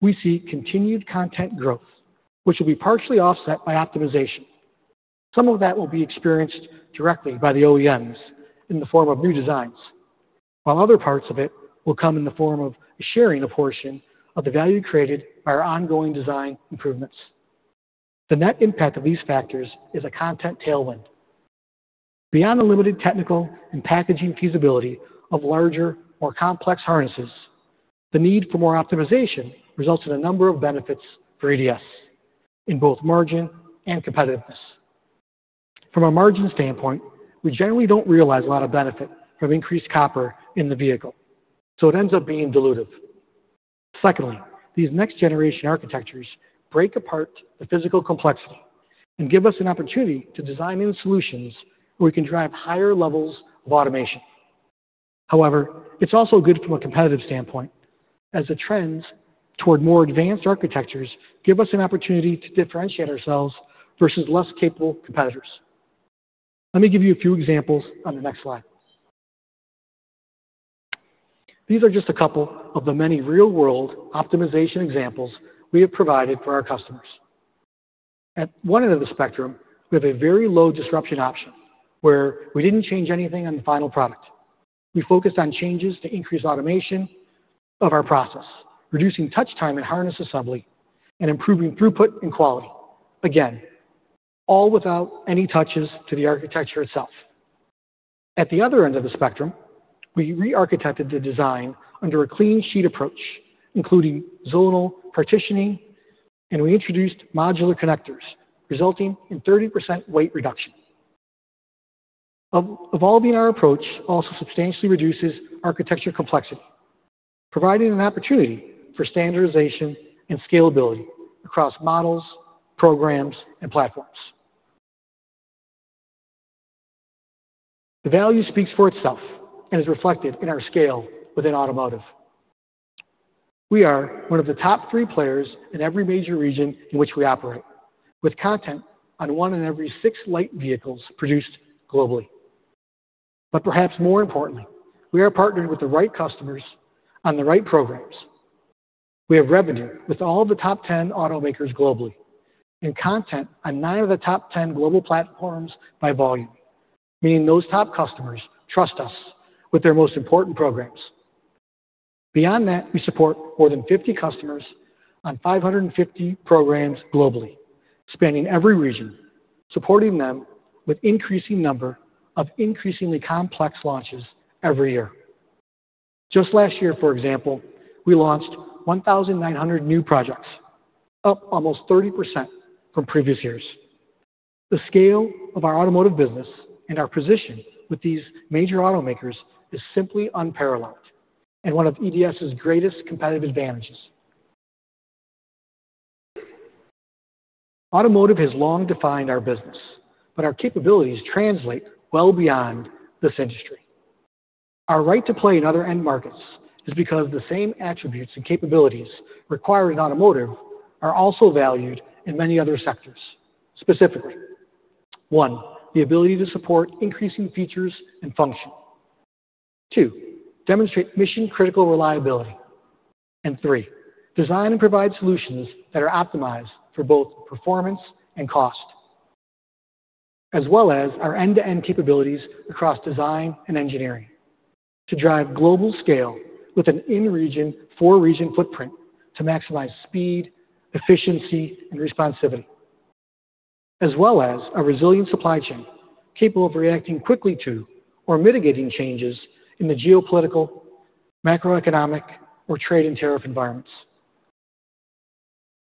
we see continued content growth, which will be partially offset by optimization. Some of that will be experienced directly by the OEMs in the form of new designs, while other parts of it will come in the form of sharing a portion of the value created by our ongoing design improvements. The net impact of these factors is a content tailwind. Beyond the limited technical and packaging feasibility of larger, more complex harnesses, the need for more optimization results in a number of benefits for EDS in both margin and competitiveness. From a margin standpoint, we generally do not realize a lot of benefit from increased copper in the vehicle, so it ends up being dilutive. Secondly, these next-generation architectures break apart the physical complexity and give us an opportunity to design in solutions where we can drive higher levels of automation. However, it is also good from a competitive standpoint, as the trends toward more advanced architectures give us an opportunity to differentiate ourselves versus less capable competitors. Let me give you a few examples on the next slide. These are just a couple of the many real-world optimization examples we have provided for our customers. At one end of the spectrum, we have a very low disruption option where we did not change anything on the final product. We focused on changes to increase automation of our process, reducing touch time in harness assembly and improving throughput and quality. Again, all without any touches to the architecture itself. At the other end of the spectrum, we re-architected the design under a clean sheet approach, including zonal partitioning, and we introduced Modular Connectors, resulting in 30% weight reduction. Evolving our approach also substantially reduces architecture complexity, providing an opportunity for standardization and scalability across models, programs, and platforms. The value speaks for itself and is reflected in our scale within automotive. We are one of the top three players in every major region in which we operate, with content on one in every six light vehicles produced globally. Perhaps more importantly, we are partnered with the right customers on the right programs. We have revenue with all the top 10 automakers globally and content on nine of the top 10 global platforms by volume, meaning those top customers trust us with their most important programs. Beyond that, we support more than 50 customers on 550 programs globally, spanning every region, supporting them with an increasing number of increasingly complex launches every year. Just last year, for example, we launched 1,900 new projects, up almost 30% from previous years. The scale of our automotive business and our position with these major automakers is simply unparalleled and one of EDS's greatest competitive advantages. Automotive has long defined our business, but our capabilities translate well beyond this industry. Our right to play in other end markets is because the same attributes and capabilities required in automotive are also valued in many other sectors. Specifically, one, the ability to support increasing features and function; two, demonstrate mission-critical reliability; and three, design and provide solutions that are optimized for both performance and cost, as well as our end-to-end capabilities across design and engineering to drive global scale with an in-region, four-region footprint to maximize speed, efficiency, and responsivity, as well as a resilient supply chain capable of reacting quickly to or mitigating changes in the geopolitical, macroeconomic, or trade and tariff environments.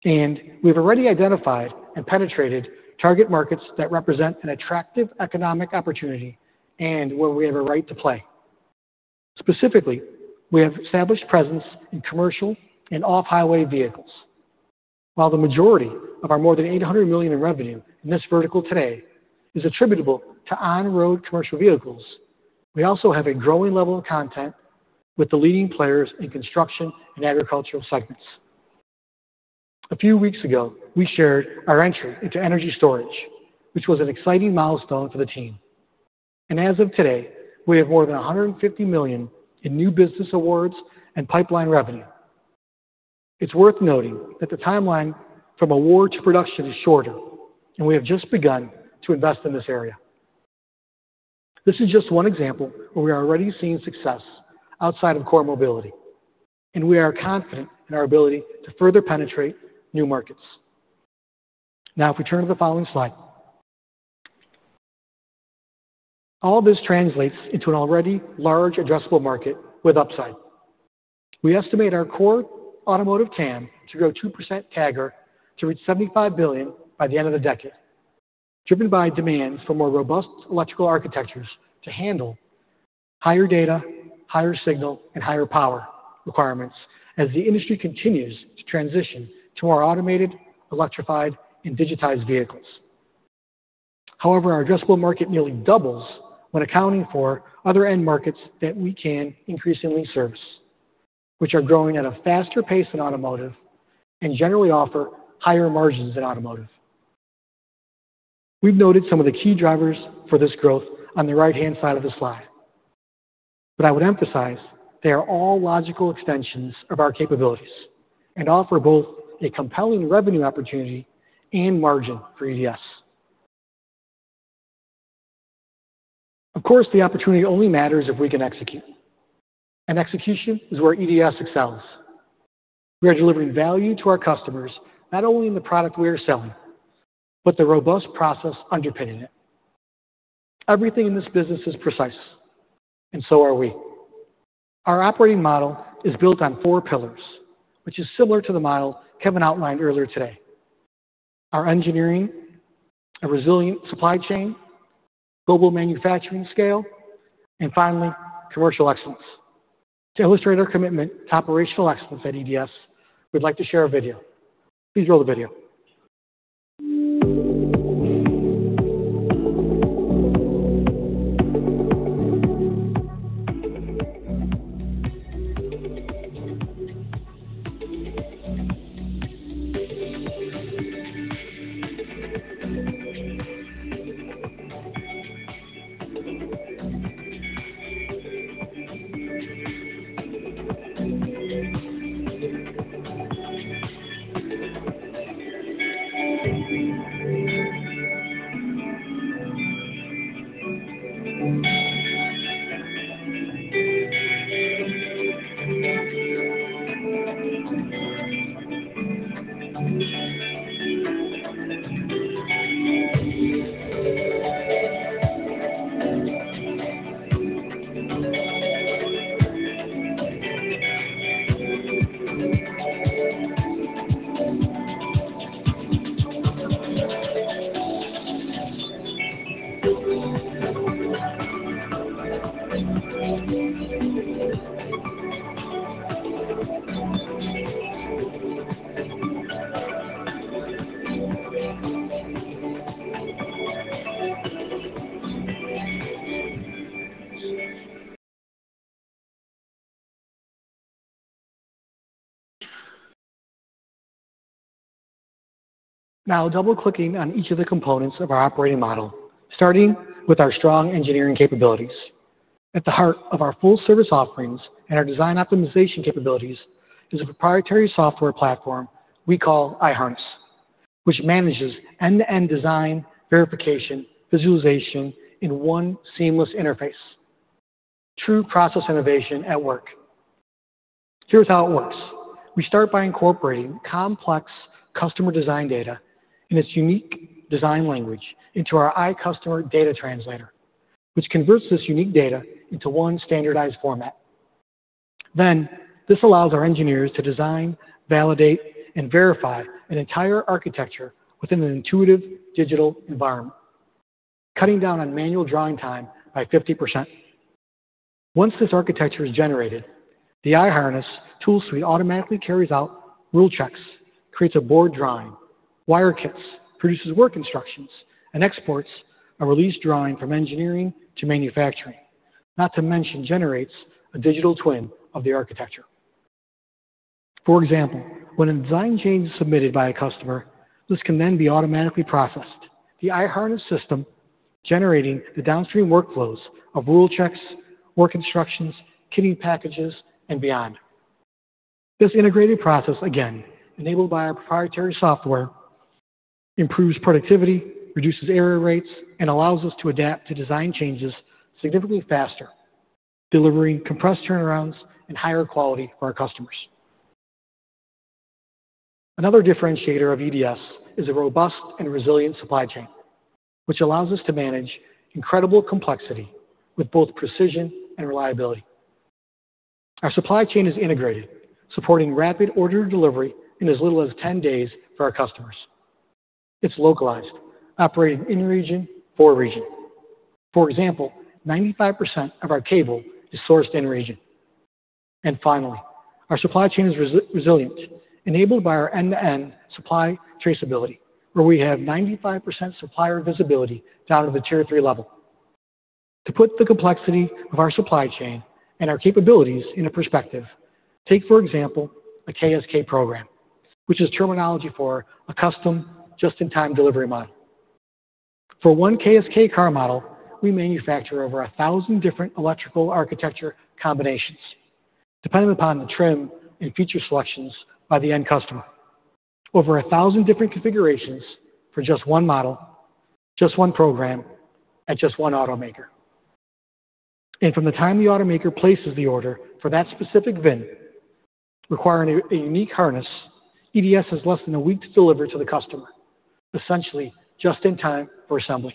We have already identified and penetrated target markets that represent an attractive economic opportunity and where we have a right to play. Specifically, we have established presence in Commercial and Off-Highway vehicles. While the majority of our more than $800 million in revenue in this vertical today is attributable to on-road Commercial Vehicles, we also have a growing level of content with the leading players in construction and agricultural segments. A few weeks ago, we shared our entry into energy storage, which was an exciting milestone for the team. As of today, we have more than $150 million in new business awards and pipeline revenue. It is worth noting that the timeline from award to production is shorter, and we have just begun to invest in this area. This is just one example where we are already seeing success outside of Core Mobility, and we are confident in our ability to further penetrate new markets. Now, if we turn to the following slide, all this translates into an already large addressable market with upside. We estimate our core automotive TAM to grow 2% CAGR to reach $75 billion by the end of the decade, driven by demand for more robust electrical architectures to handle higher data, higher signal, and higher power requirements as the industry continues to transition to more Automated, Electrified, and Digitized vehicles. However, our addressable market nearly doubles when accounting for other end markets that we can increasingly service, which are growing at a faster pace than automotive and generally offer higher margins than automotive. We've noted some of the key drivers for this growth on the right-hand side of the slide, but I would emphasize they are all logical extensions of our capabilities and offer both a compelling revenue opportunity and margin for EDS. Of course, the opportunity only matters if we can execute, and execution is where EDS excels. We are delivering value to our customers not only in the product we are selling, but the robust process underpinning it. Everything in this business is precise, and so are we. Our operating model is built on four pillars, which is similar to the model Kevin outlined earlier today: our Engineering, a Resilient Supply Chain, Global Manufacturing Scale, and finally, Commercial excellence. To illustrate our commitment to Operational Excellence at EDS, we'd like to share a video. Please roll the video. Now, double-clicking on each of the components of our operating model, starting with our strong engineering capabilities. At the heart of our full-service offerings and our design optimization capabilities is a proprietary software platform we call iHarness, which manages end-to-end design, verification, visualization in one seamless interface. True process innovation at work. Here's how it works. We start by incorporating complex customer design data and its unique design language into our iCustomer data translator, which converts this unique data into one standardized format. This allows our engineers to design, validate, and verify an entire architecture within an intuitive digital environment, cutting down on manual drawing time by 50%. Once this architecture is generated, the iHarness tool suite automatically carries out rule checks, creates a board drawing, wire kits, produces work instructions, and exports a released drawing from engineering to manufacturing, not to mention generates a digital twin of the architecture. For example, when a design change is submitted by a customer, this can then be automatically processed, the iHarness system generating the downstream workflows of rule checks, work instructions, kitting packages, and beyond. This integrated process, again, enabled by our proprietary software, improves productivity, reduces error rates, and allows us to adapt to design changes significantly faster, delivering compressed turnarounds and higher quality for our customers. Another differentiator of EDS is a robust and resilient supply chain, which allows us to manage incredible complexity with both precision and reliability. Our supply chain is integrated, supporting rapid order delivery in as little as 10 days for our customers. It is localized, operating in region for region. For example, 95% of our cable is sourced in region. Finally, our supply chain is resilient, enabled by our end-to-end supply traceability, where we have 95% supplier visibility down to the tier three level. To put the complexity of our supply chain and our capabilities in perspective, take, for example, a KSK program, which is terminology for a custom just-in-time delivery model. For one KSK car model, we manufacture over 1,000 different electrical architecture combinations, depending upon the trim and feature selections by the end customer. Over 1,000 different configurations for just one model, just one program, at just one automaker. From the time the automaker places the order for that specific VIN, requiring a unique harness, EDS has less than a week to deliver to the customer, essentially just in time for assembly.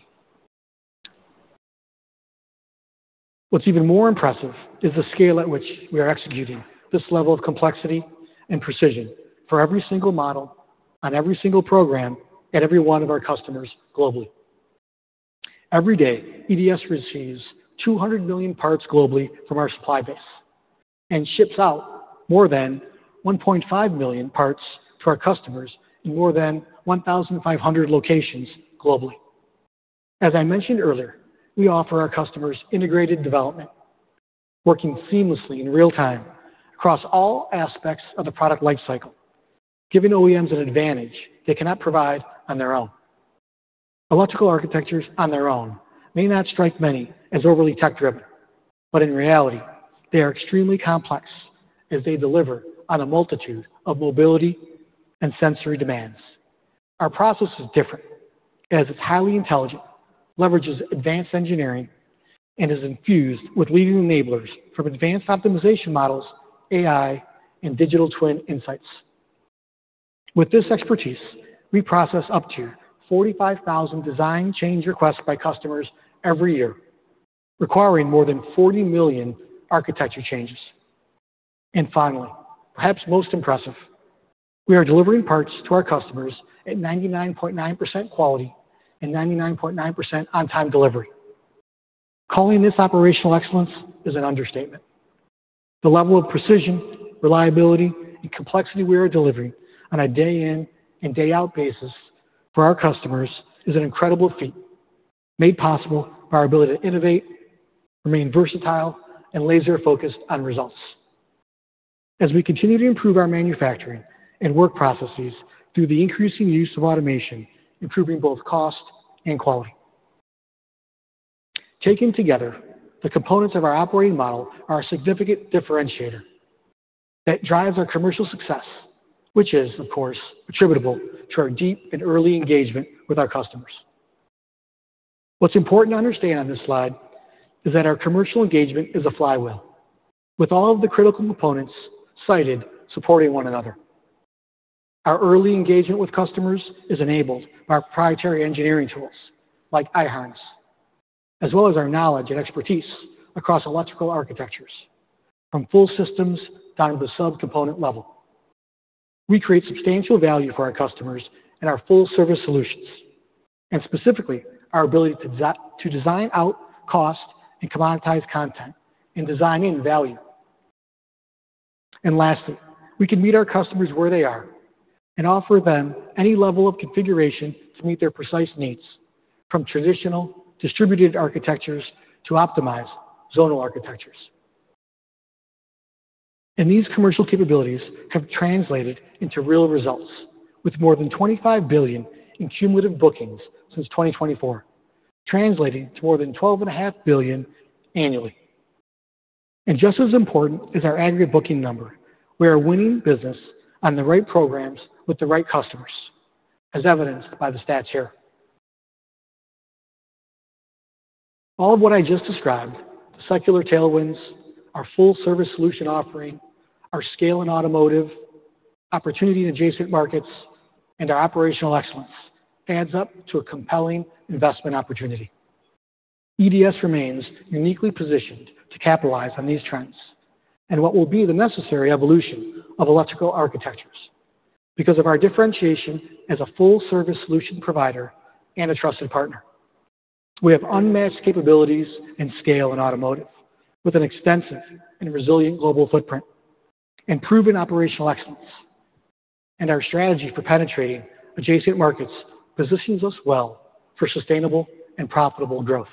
What's even more impressive is the scale at which we are executing this level of complexity and precision for every single model on every single program at every one of our customers globally. Every day, EDS receives 200 million parts globally from our supply base and ships out more than 1.5 million parts to our customers in more than 1,500 locations globally. As I mentioned earlier, we offer our customers integrated development, working seamlessly in real time across all aspects of the product lifecycle, giving OEMs an advantage they cannot provide on their own. Electrical architectures on their own may not strike many as overly tech-driven, but in reality, they are extremely complex as they deliver on a multitude of mobility and sensory demands. Our process is different as it's highly intelligent, leverages advanced engineering, and is infused with leading enablers from advanced optimization models, AI, and digital twin insights. With this expertise, we process up to 45,000 design change requests by customers every year, requiring more than 40 million architecture changes. Finally, perhaps most impressive, we are delivering parts to our customers at 99.9% quality and 99.9% on-time delivery. Calling this Operational Excellence is an understatement. The level of precision, reliability, and complexity we are delivering on a day-in and day-out basis for our customers is an incredible feat, made possible by our ability to innovate, remain versatile, and laser-focused on results. As we continue to improve our manufacturing and work processes through the increasing use of automation, improving both cost and quality. Taken together, the components of our operating model are a significant differentiator that drives our commercial success, which is, of course, attributable to our deep and early engagement with our customers. What's important to understand on this slide is that our commercial engagement is a flywheel, with all of the critical components cited supporting one another. Our early engagement with customers is enabled by proprietary engineering tools like iHarness, as well as our knowledge and expertise across electrical architectures, from full systems down to the sub-component level. We create substantial value for our customers in our full-service solutions, and specifically our ability to design out cost and commoditize content in design and value. Lastly, we can meet our customers where they are and offer them any level of configuration to meet their precise needs, from traditional distributed architectures to optimized zonal architectures. These commercial capabilities have translated into real results, with more than $25 billion in cumulative bookings since 2024, translating to more than $12.5 billion annually. Just as important is our aggregate booking number. We are a winning business on the right programs with the right customers, as evidenced by the stats here. All of what I just described, the secular tailwinds, our full-service solution offering, our scale in automotive, opportunity in adjacent markets, and our Operational Excellence adds up to a compelling investment opportunity. EDS remains uniquely positioned to capitalize on these trends and what will be the necessary evolution of electrical architectures because of our differentiation as a full-service solution provider and a trusted partner. We have unmatched capabilities and scale in automotive, with an extensive and resilient global footprint and proven Operational Excellence. Our strategy for penetrating adjacent markets positions us well for sustainable and profitable growth.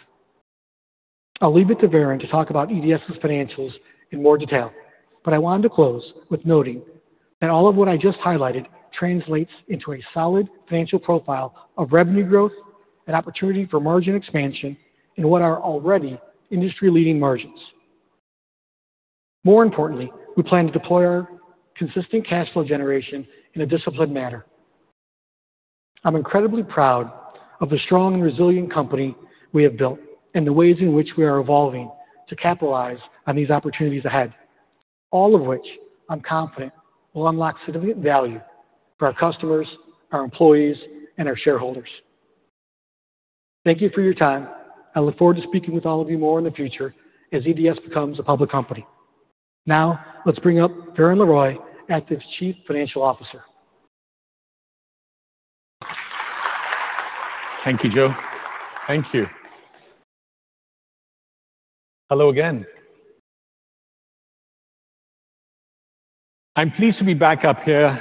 I'll leave it to Varun to talk about EDS's financials in more detail, but I wanted to close with noting that all of what I just highlighted translates into a solid financial profile of revenue growth and opportunity for margin expansion in what are already industry-leading margins. More importantly, we plan to deploy our consistent cash flow generation in a disciplined manner. I'm incredibly proud of the strong and resilient company we have built and the ways in which we are evolving to capitalize on these opportunities ahead, all of which I'm confident will unlock significant value for our customers, our employees, and our shareholders. Thank you for your time. I look forward to speaking with all of you more in the future as EDS becomes a public company. Now, let's bring up Varun Laroyia, Aptiv's Chief Financial Officer. Thank you, Joe. Thank you. Hello again. I'm pleased to be back up here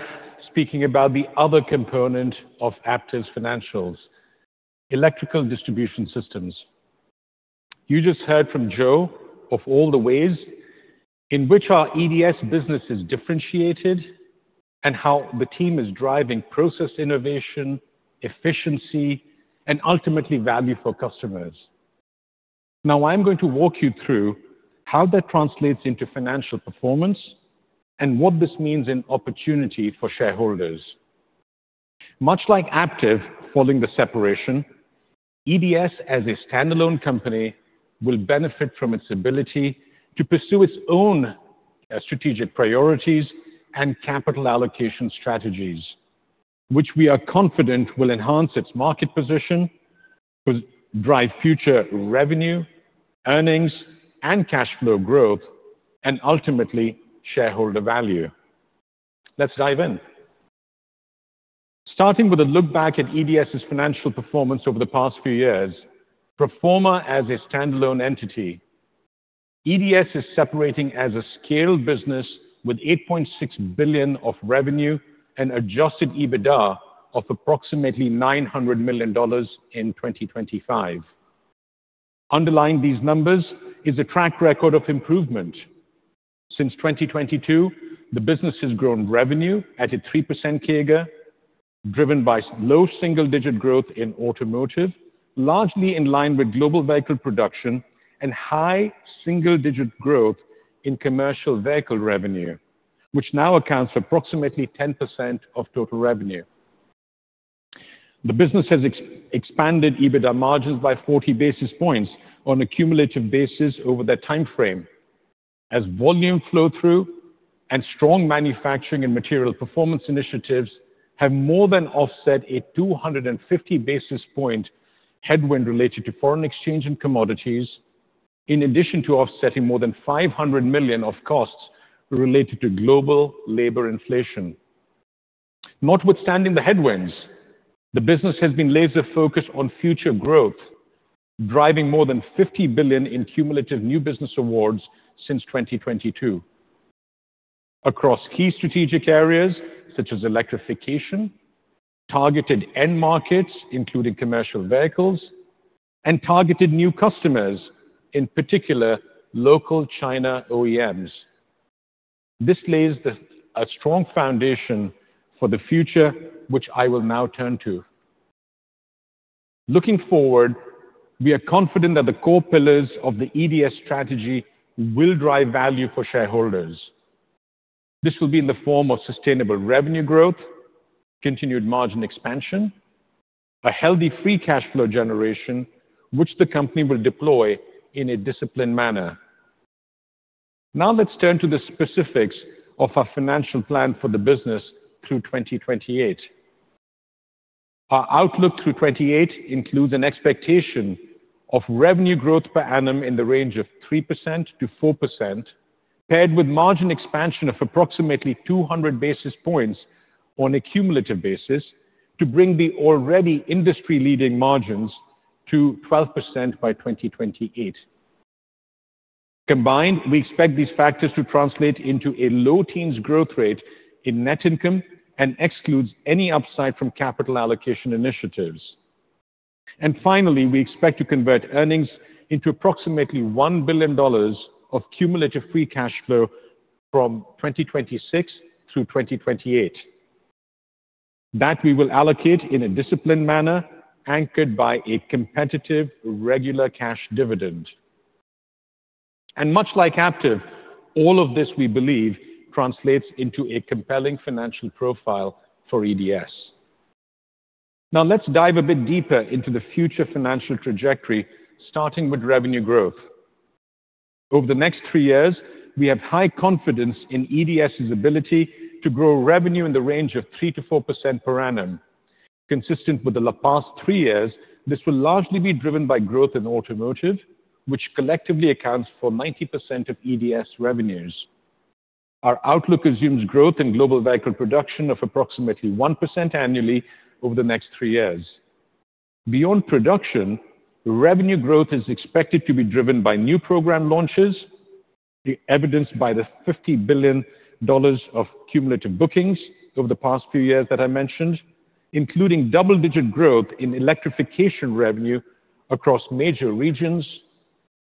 speaking about the other component of Aptiv's financials, Electrical Distribution Systems. You just heard from Joe of all the ways in which our EDS business is differentiated and how the team is driving process innovation, efficiency, and ultimately value for customers. Now, I'm going to walk you through how that translates into financial performance and what this means in opportunity for shareholders. Much like Active following the separation, EDS, as a standalone company, will benefit from its ability to pursue its own strategic priorities and capital allocation strategies, which we are confident will enhance its market position, drive future revenue, earnings, and cash flow growth, and ultimately shareholder value. Let's dive in. Starting with a look back at EDS's financial performance over the past few years, pro forma as a stand-alone entity, EDS is separating as a scaled business with $8.6 billion of revenue and Adjusted EBITDA of approximately $900 million in 2025. Underlying these numbers is a track record of improvement. Since 2022, the business has grown revenue at a 3% CAGR, driven by low single-digit growth in automotive, largely in line with global vehicle production, and high single-digit growth in commercial vehicle revenue, which now accounts for approximately 10% of total revenue. The business has Expanded EBITDA margins by 40 basis points on a cumulative basis over that timeframe, as volume flow-through and strong manufacturing and material performance initiatives have more than offset a 250 basis point headwind related to foreign exchange and commodities, in addition to offsetting more than $500 million of costs related to global labor inflation. Notwithstanding the headwinds, the business has been laser-focused on future growth, driving more than $50 billion in cumulative new business awards since 2022 across key strategic areas such as electrification, targeted end markets, including Commercial Vehicles, and targeted new customers, in particular local China OEMs. This lays a strong foundation for the future, which I will now turn to. Looking forward, we are confident that the core pillars of the EDS strategy will drive value for shareholders. This will be in the form of sustainable revenue growth, continued margin expansion, a healthy free cash flow generation, which the company will deploy in a disciplined manner. Now, let's turn to the specifics of our financial plan for the business through 2028. Our outlook through 2028 includes an expectation of revenue growth per annum in the range of 3%-4%, paired with margin expansion of approximately 200 basis points on a cumulative basis to bring the already industry-leading margins to 12% by 2028. Combined, we expect these factors to translate into a low teens growth rate in net income and excludes any upside from capital allocation initiatives. Finally, we expect to convert earnings into approximately $1 billion of cumulative free cash flow from 2026 through 2028. That we will allocate in a disciplined manner, anchored by a competitive regular cash dividend. Much like Aptiv, all of this we believe translates into a compelling financial profile for EDS. Now, let's dive a bit deeper into the future financial trajectory, starting with revenue growth. Over the next three years, we have high confidence in EDS's ability to grow revenue in the range of 3%-4% per annum, consistent with the past three years. This will largely be driven by growth in automotive, which collectively accounts for 90% of EDS revenues. Our outlook assumes growth in global vehicle production of approximately 1% annually over the next three years. Beyond production, revenue growth is expected to be driven by new program launches, evidenced by the $50 billion of cumulative bookings over the past few years that I mentioned, including double-digit growth in Electrification revenue across major regions.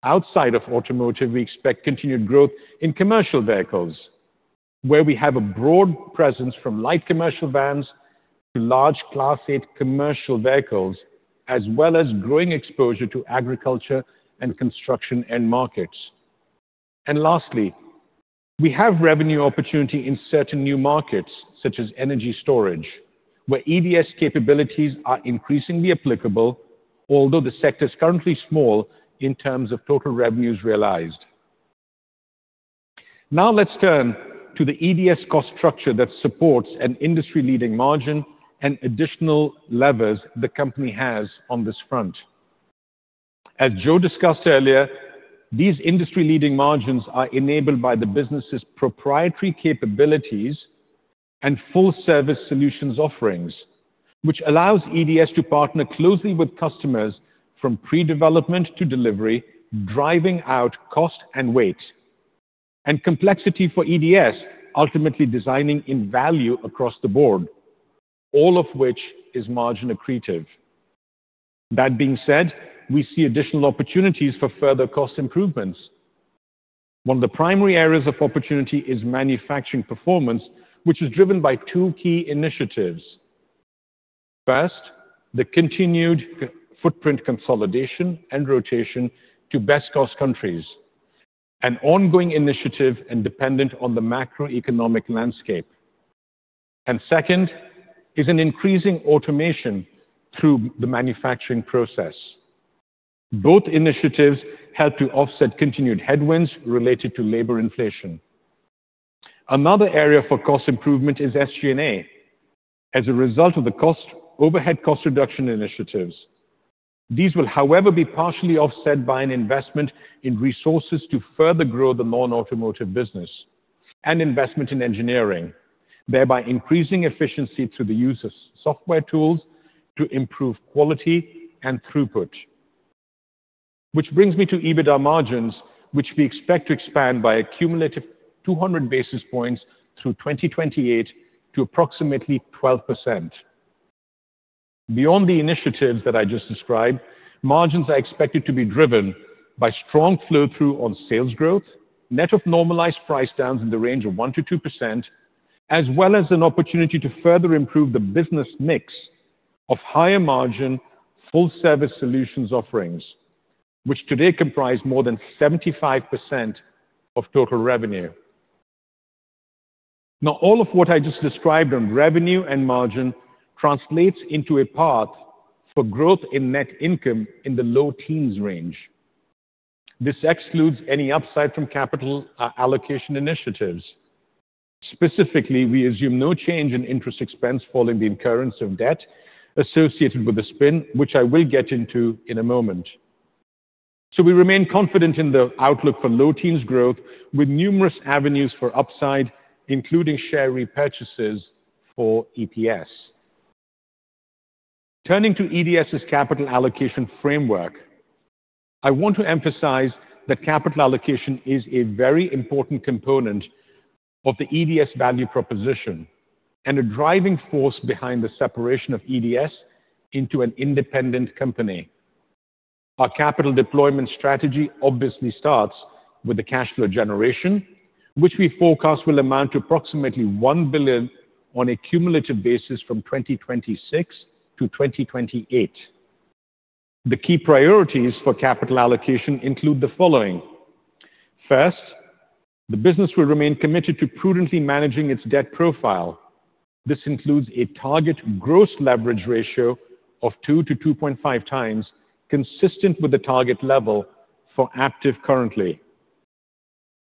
Outside of automotive, we expect continued growth in Commercial Vehicles, where we have a broad presence from light commercial vans to large Class 8 Commercial Vehicles, as well as growing exposure to agriculture and construction end markets. Lastly, we have revenue opportunity in certain new markets, such as energy storage, where EDS capabilities are increasingly applicable, although the sector is currently small in terms of total revenues realized. Now, let's turn to the EDS cost structure that supports an industry-leading margin and additional levers the company has on this front. As Joe discussed earlier, these industry-leading margins are enabled by the business's proprietary capabilities and full-service solutions offerings, which allows EDS to partner closely with customers from pre-development to delivery, driving out cost and weight, and complexity for EDS, ultimately designing in value across the board, all of which is margin accretive. That being said, we see additional opportunities for further cost improvements. One of the primary areas of opportunity is manufacturing performance, which is driven by two key initiatives. First, the continued footprint consolidation and rotation to best-cost countries, an ongoing initiative and dependent on the macroeconomic landscape. Second is an increasing automation through the manufacturing process. Both initiatives help to offset continued headwinds related to labor inflation. Another area for cost improvement is SG&A as a result of the overhead cost reduction initiatives. These will, however, be partially offset by an investment in resources to further grow the non-automotive business and investment in engineering, thereby increasing efficiency through the use of software tools to improve quality and throughput. Which brings me to EBITDA margins, which we expect to expand by a cumulative 200 basis points through 2028 to approximately 12%. Beyond the initiatives that I just described, margins are expected to be driven by strong flow-through on sales growth, net of normalized price downs in the range of 1%-2%, as well as an opportunity to further improve the business mix of higher margin full-service solutions offerings, which today comprise more than 75% of total revenue. Now, all of what I just described on revenue and margin translates into a path for growth in net income in the low teens range. This excludes any upside from capital allocation initiatives. Specifically, we assume no change in interest expense following the incurrence of debt associated with the spin, which I will get into in a moment. We remain confident in the outlook for low teens growth with numerous avenues for upside, including share repurchases for EPS. Turning to EDS's capital allocation framework, I want to emphasize that capital allocation is a very important component of the EDS value proposition and a driving force behind the separation of EDS into an independent company. Our capital deployment strategy obviously starts with the cash flow generation, which we forecast will amount to approximately $1 billion on a cumulative basis from 2026 to 2028. The key priorities for capital allocation include the following. First, the business will remain committed to prudently managing its debt profile. This includes a target gross leverage ratio of 2-2.5x, consistent with the target level for Aptiv currently.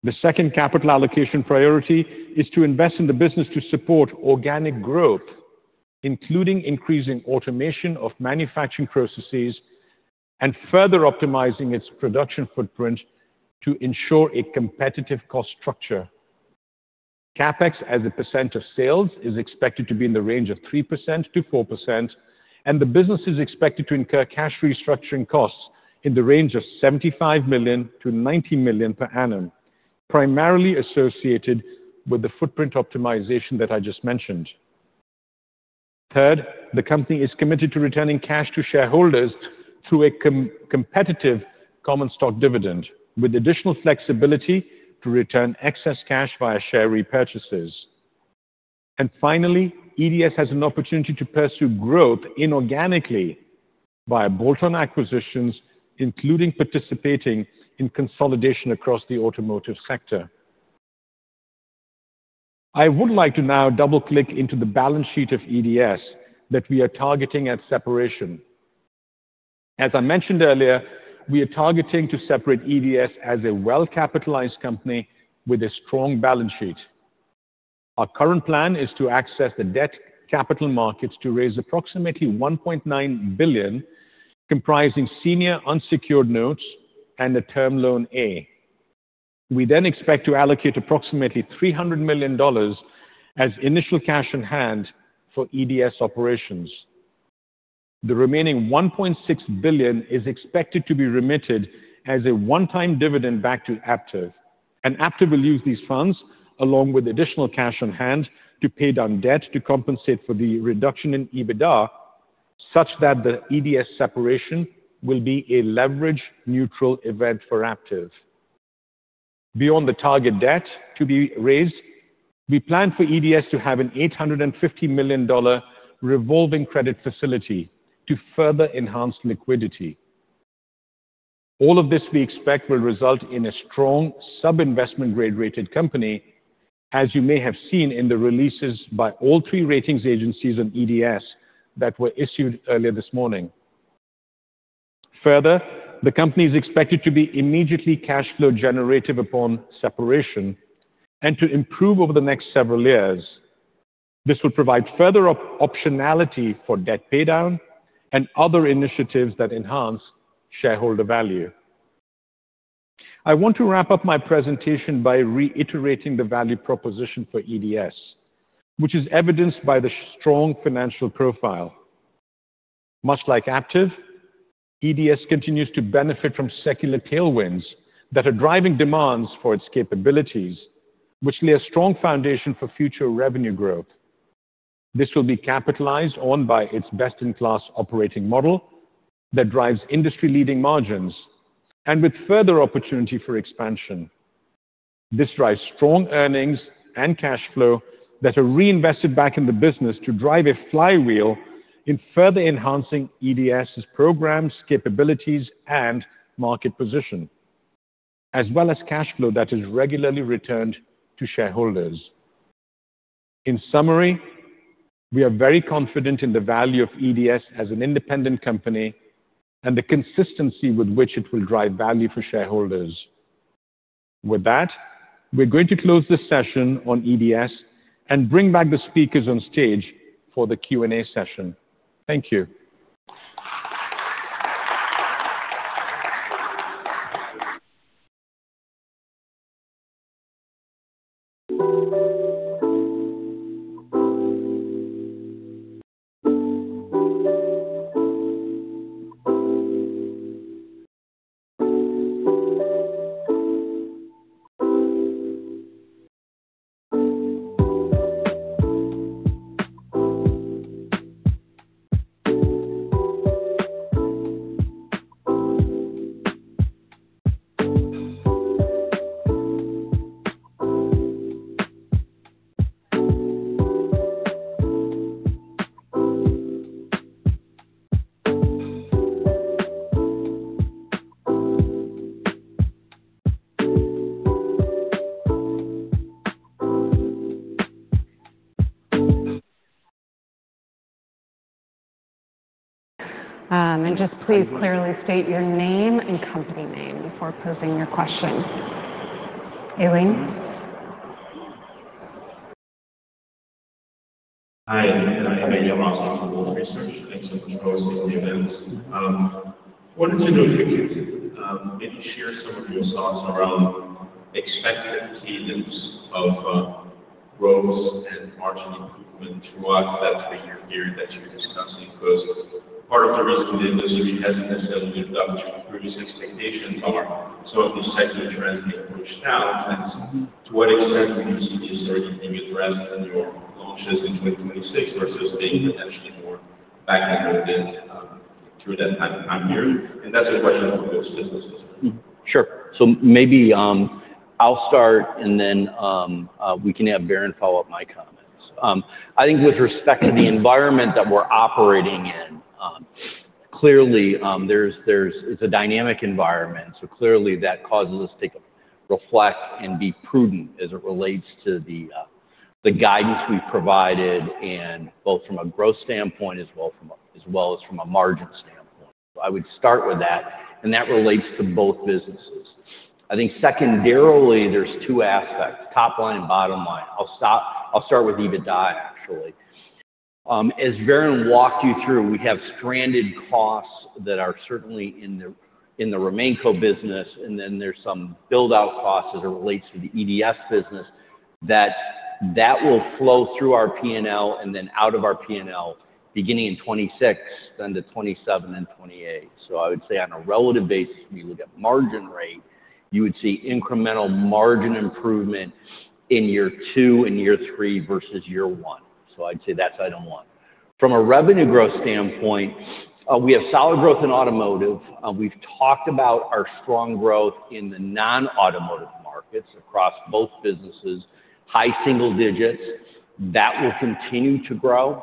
The second capital allocation priority is to invest in the business to support organic growth, including increasing automation of manufacturing processes and further optimizing its production footprint to ensure a competitive cost structure. CapEx as a percent of sales is expected to be in the range of 3%-4%, and the business is expected to incur cash restructuring costs in the range of $75 million-$90 million per annum, primarily associated with the footprint optimization that I just mentioned. Third, the company is committed to returning cash to shareholders through a competitive common stock dividend, with additional flexibility to return excess cash via share repurchases. Finally, EDS has an opportunity to pursue growth inorganically via bolt-on acquisitions, including participating in consolidation across the automotive sector. I would like to now double-click into the balance sheet of EDS that we are targeting at separation. As I mentioned earlier, we are targeting to separate EDS as a well-capitalized company with a strong balance sheet. Our current plan is to access the debt capital markets to raise approximately $1.9 billion, comprising senior unsecured notes and a Term Loan A. We then expect to allocate approximately $300 million as initial cash on hand for EDS operations. The remaining $1.6 billion is expected to be remitted as a one-time dividend back to Aptiv, and Aptiv will use these funds along with additional cash on hand to pay down debt to compensate for the reduction in EBITDA, such that the EDS separation will be a leverage-neutral event for Aptiv. Beyond the target debt to be raised, we plan for EDS to have an $850 million revolving credit facility to further enhance liquidity. All of this we expect will result in a strong sub-investment-grade rated company, as you may have seen in the releases by all three ratings agencies on EDS that were issued earlier this morning. Further, the company is expected to be immediately cash flow generative upon separation and to improve over the next several years. This will provide further optionality for debt paydown and other initiatives that enhance shareholder value. I want to wrap up my presentation by reiterating the value proposition for EDS, which is evidenced by the strong financial profile. Much like Active, EDS continues to benefit from secular tailwinds that are driving demands for its capabilities, which lay a strong foundation for future revenue growth. This will be capitalized on by its best-in-class operating model that drives industry-leading margins and with further opportunity for expansion. This drives strong earnings and cash flow that are reinvested back in the business to drive a flywheel in further enhancing EDS's programs, capabilities, and market position, as well as cash flow that is regularly returned to shareholders. In summary, we are very confident in the value of EDS as an independent company and the consistency with which it will drive value for shareholders. With that, we're going to close this session on EDS and bring back the speakers on stage for the Q&A session. Thank you. Just please clearly state your name and company name before posing your question. Anyone? Hi, my name is Emmanuel. I'm from Wolfe Research. I also control safety events. I wanted to know if you could maybe share some of your thoughts around expected cadence of growth and margin improvement throughout that three-year period that you're discussing, because part of the reason the industry hasn't necessarily lived up to previous expectations are some of these sector trends may push down. To what extent do you see these starting to be addressed in your launches in 2026 versus being potentially more backhanded through that time period? That's a question for both businesses. Sure. Maybe I'll start, and then we can have Varun follow-up my comments. I think with respect to the environment that we're operating in, clearly it's a dynamic environment. Clearly that causes us to reflect and be prudent as it relates to the guidance we've provided, both from a growth standpoint as well as from a margin standpoint. I would start with that, and that relates to both businesses. I think secondarily, there's two aspects: top line and bottom line. I'll start with EBITDA, actually. As Varun walked you through, we have stranded costs that are certainly in the Remainco business, and then there's some build-out costs as it relates to the EDS business that will flow through our P&L and then out of our P&L, beginning in 2026, then to 2027 and 2028. I would say on a relative basis, when you look at margin rate, you would see incremental margin improvement in year two and year three versus year one. I'd say that's item one. From a revenue growth standpoint, we have solid growth in automotive. We've talked about our strong growth in the non-automotive markets across both businesses, high single digits. That will continue to grow.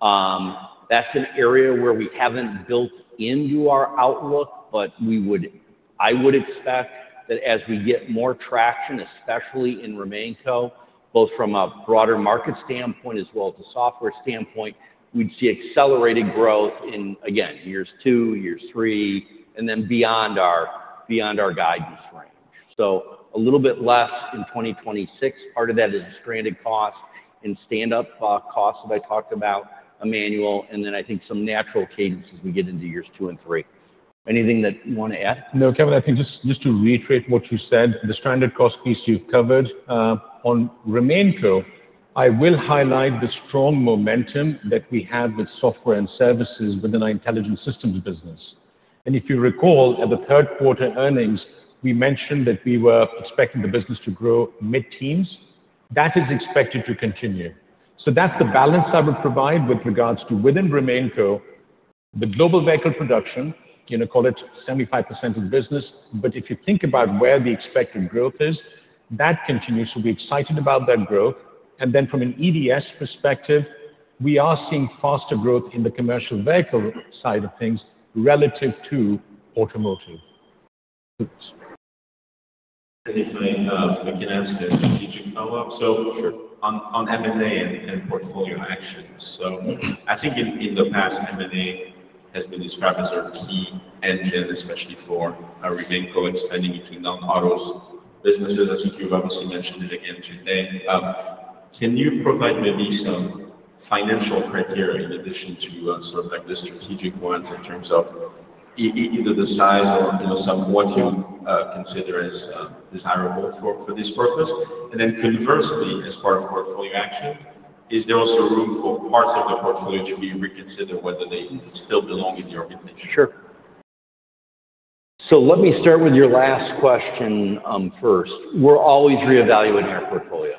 That's an area where we haven't built into our outlook, but I would expect that as we get more traction, especially in Remainco, both from a broader market standpoint as well as a software standpoint, we'd see accelerated growth in, again, years two, years three, and then beyond our guidance range. A little bit less in 2026. Part of that is stranded costs and stand-up costs that I talked about, Emmanuel, and then I think some natural cadence as we get into years two and three. Anything that you want to add? No, Kevin, I think just to reiterate what you said, the stranded cost piece you've covered. On Remainco, I will highlight the strong momentum that we have with software and services within our Intelligent Systems business. If you recall, at the third quarter earnings, we mentioned that we were expecting the business to grow mid-teens. That is expected to continue. That is the balance I would provide with regards to within Remainco, the global vehicle production, call it 75% of the business. If you think about where the expected growth is, that continues. We are excited about that growth. From an EDS perspective, we are seeing faster growth in the Commercial Vehicle side of things relative to automotive. If I can ask a strategic follow-up. On M&A and portfolio actions, I think in the past, M&A has been described as a key engine, especially for Remainco expanding into non-auto businesses, as you obviously mentioned it again today. Can you provide maybe some financial criteria in addition to sort of the strategic ones in terms of either the size or what you consider as desirable for this purpose? Conversely, as far as portfolio action, is there also room for parts of the portfolio to be reconsidered, whether they still belong in your organization? Sure. Let me start with your last question first. We're always re-evaluating our portfolio.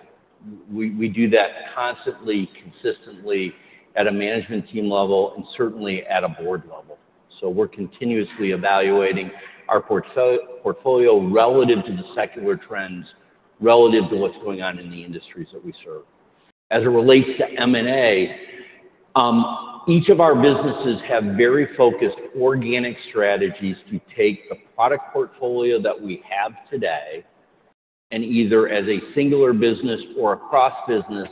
We do that constantly, consistently at a management team level and certainly at a board level. We're continuously evaluating our portfolio relative to the secular trends, relative to what's going on in the industries that we serve. As it relates to M&A, each of our businesses have very focused organic strategies to take the product portfolio that we have today and either as a singular business or across business,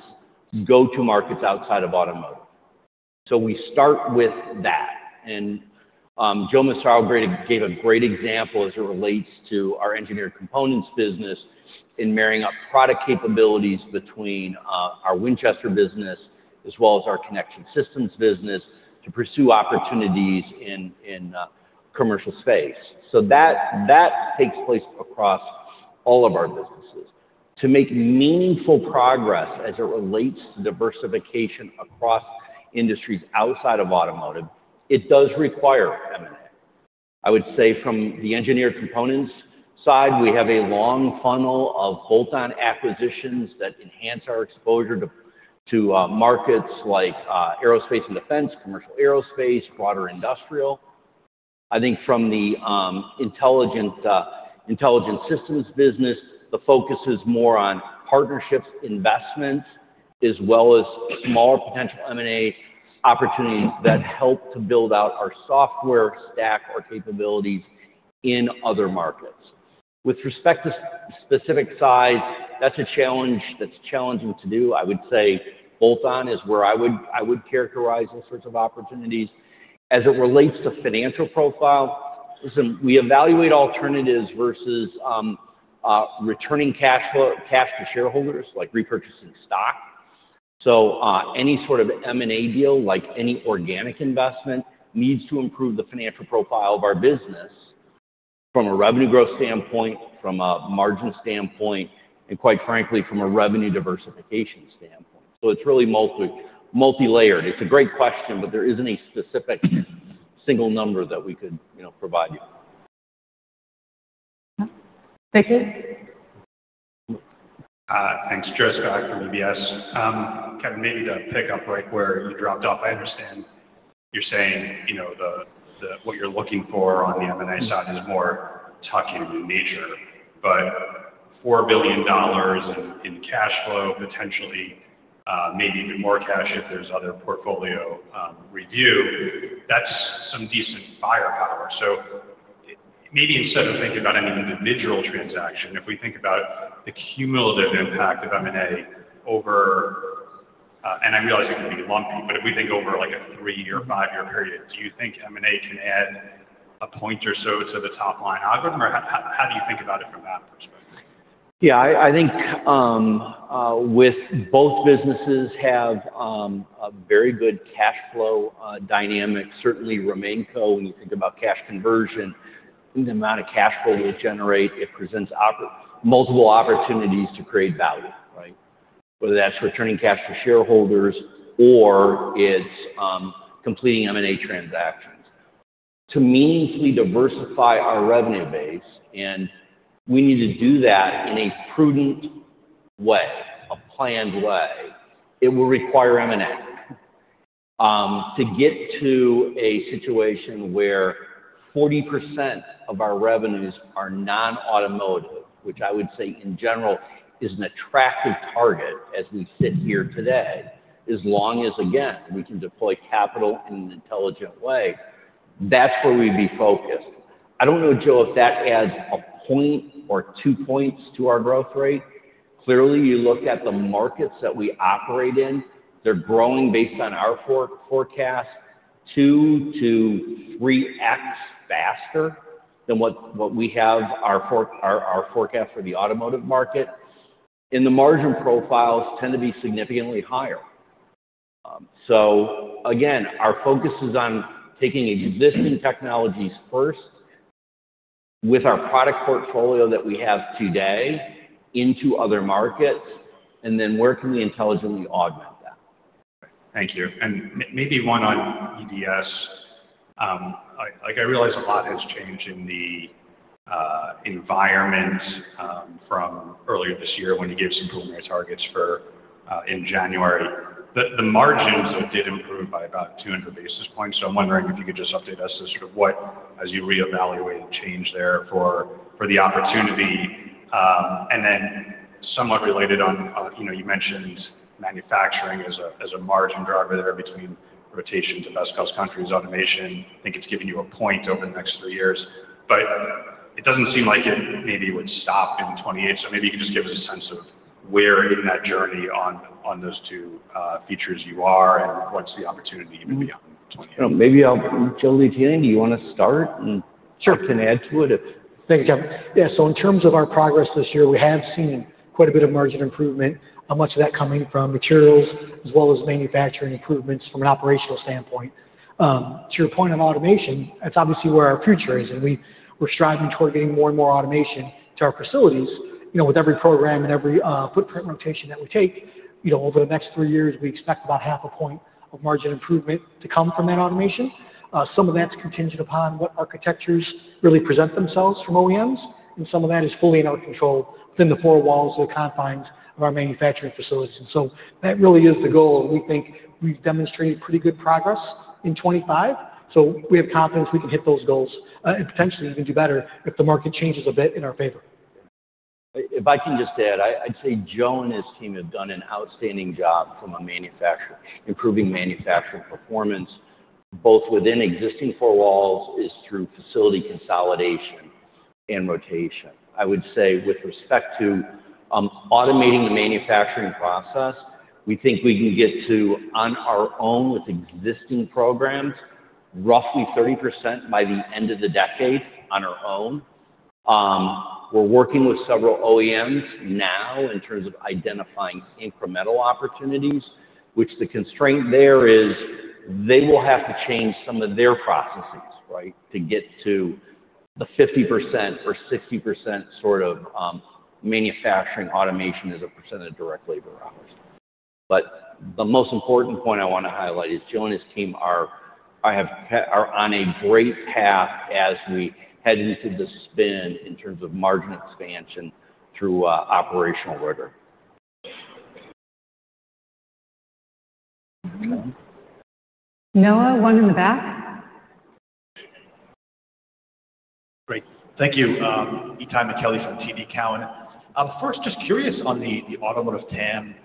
go-to-markets outside of automotive. We start with that. Joe Massaro gave a great example as it relates to our Engineered Components business in marrying up product capabilities between our Winchester business as well as our Connected Systems business to pursue opportunities in commercial space. That takes place across all of our businesses. To make meaningful progress as it relates to diversification across industries outside of automotive, it does require M&A. I would say from the Engineered Components side, we have a long funnel of bolt-on acquisitions that enhance our exposure to markets like aerospace and defense, commercial aerospace, broader industrial. I think from the Intelligent Systems business, the focus is more on partnerships, investments, as well as small potential M&A opportunities that help to build out our software stack or capabilities in other markets. With respect to specific size, that's a challenge, that's challenging to do. I would say bolt-on is where I would characterize these sorts of opportunities. As it relates to financial profile, we evaluate alternatives versus returning cash to shareholders, like repurchasing stock. Any sort of M&A deal, like any organic investment, needs to improve the financial profile of our business from a revenue growth standpoint, from a margin standpoint, and quite frankly, from a revenue diversification standpoint. It is really multilayered. It is a great question, but there is not a specific single number that we could provide you. Thank you. Thanks. Joe Spak from UBS. Kevin, maybe to pick up right where you dropped off, I understand you are saying what you are looking for on the M&A side is more tuck-in innature. $4 billion in cash flow, potentially maybe even more cash if there is other portfolio review, that is some decent buyer power. Maybe instead of thinking about any individual transaction, if we think about the cumulative impact of M&A over—and I realize it can be lumpy—but if we think over like a three-year, five-year period, do you think M&A can add a point or so to the top line algorithm? Or how do you think about it from that perspective? Yeah, I think both businesses have a very good cash flow dynamic. Certainly, Remainco, when you think about cash conversion, the amount of cash flow we generate, it presents multiple opportunities to create value, right? Whether that's returning cash to shareholders or it's completing M&A transactions. To meaningfully diversify our revenue base, and we need to do that in a prudent way, a planned way, it will require M&A to get to a situation where 40% of our revenues are non-automotive, which I would say in general is an attractive target as we sit here today, as long as, again, we can deploy capital in an intelligent way. That is where we would be focused. I do not know, Joe, if that adds a point or two points to our growth rate. Clearly, you look at the markets that we operate in, they are growing based on our forecast two to three X faster than what we have our forecast for the automotive market. And the margin profiles tend to be significantly higher. Again, our focus is on taking existing technologies first with our product portfolio that we have today into other markets, and then where can we intelligently augment that? Thank you. Maybe one on EDS. I realize a lot has changed in the environment from earlier this year when you gave some preliminary targets in January. The margins did improve by about 200 basis points. I am wondering if you could just update us as to sort of what, as you re-evaluate the change there for the opportunity. Somewhat related, you mentioned manufacturing as a margin driver there between rotation to best cost countries, automation. I think it is giving you a point over the next three years. It does not seem like it maybe would stop in 2028. Maybe you could just give us a sense of where in that journey on those two features you are and what's the opportunity maybe on 2028? Maybe I'll—Joe Liotine, do you want to start and can add to it? Thank you, Kevin. Yeah. In terms of our progress this year, we have seen quite a bit of margin improvement. Much of that coming from materials as well as manufacturing improvements from an operational standpoint. To your point on automation, that's obviously where our future is. We're striving toward getting more and more automation to our facilities. With every program and every footprint rotation that we take over the next three years, we expect about half a point of margin improvement to come from that automation. Some of that's contingent upon what architectures really present themselves from OEMs. Some of that is fully in our control within the four walls of the confines of our manufacturing facilities. That really is the goal. We think we have demonstrated pretty good progress in 2025. We have confidence we can hit those goals and potentially even do better if the market changes a bit in our favor. If I can just add, I would say Joe and his team have done an outstanding job from improving manufacturing performance, both within existing four walls and through facility consolidation and rotation. I would say with respect to automating the manufacturing process, we think we can get to, on our own with existing programs, roughly 30% by the end of the decade on our own. We're working with several OEMs now in terms of identifying incremental opportunities, which the constraint there is they will have to change some of their processes, right, to get to the 50% or 60% sort of manufacturing automation as a % of direct labor hours. The most important point I want to highlight is Joe and his team are on a great path as we head into the spin in terms of margin expansion through operational rigor. Noah, one in the back. Great. Thank you. Itay Michaeli from TD Cowen. First, just curious on the automotive TAM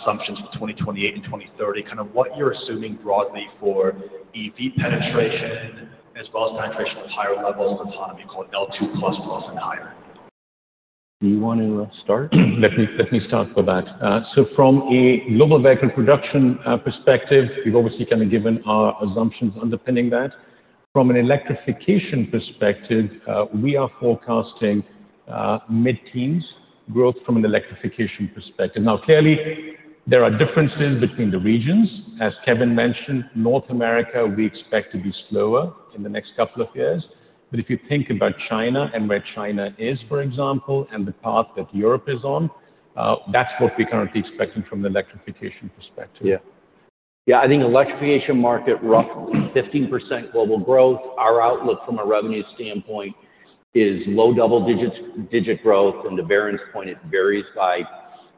assumptions for 2028 and 2030, kind of what you're assuming broadly for EV penetration as well as penetration of higher levels of autonomy called L2+ and higher. Do you want to start? Let me start with that. From a global vehicle production perspective, we've obviously kind of given our assumptions underpinning that. From an electrification perspective, we are forecasting mid-teens growth from an electrification perspective. Now, clearly, there are differences between the regions. As Kevin mentioned, North America, we expect to be slower in the next couple of years. If you think about China and where China is, for example, and the path that Europe is on, that's what we're currently expecting from the electrification perspective. Yeah. Yeah. I think electrification market, roughly 15% global growth. Our outlook from a revenue standpoint is low double-digit growth. To Varun's point, it varies by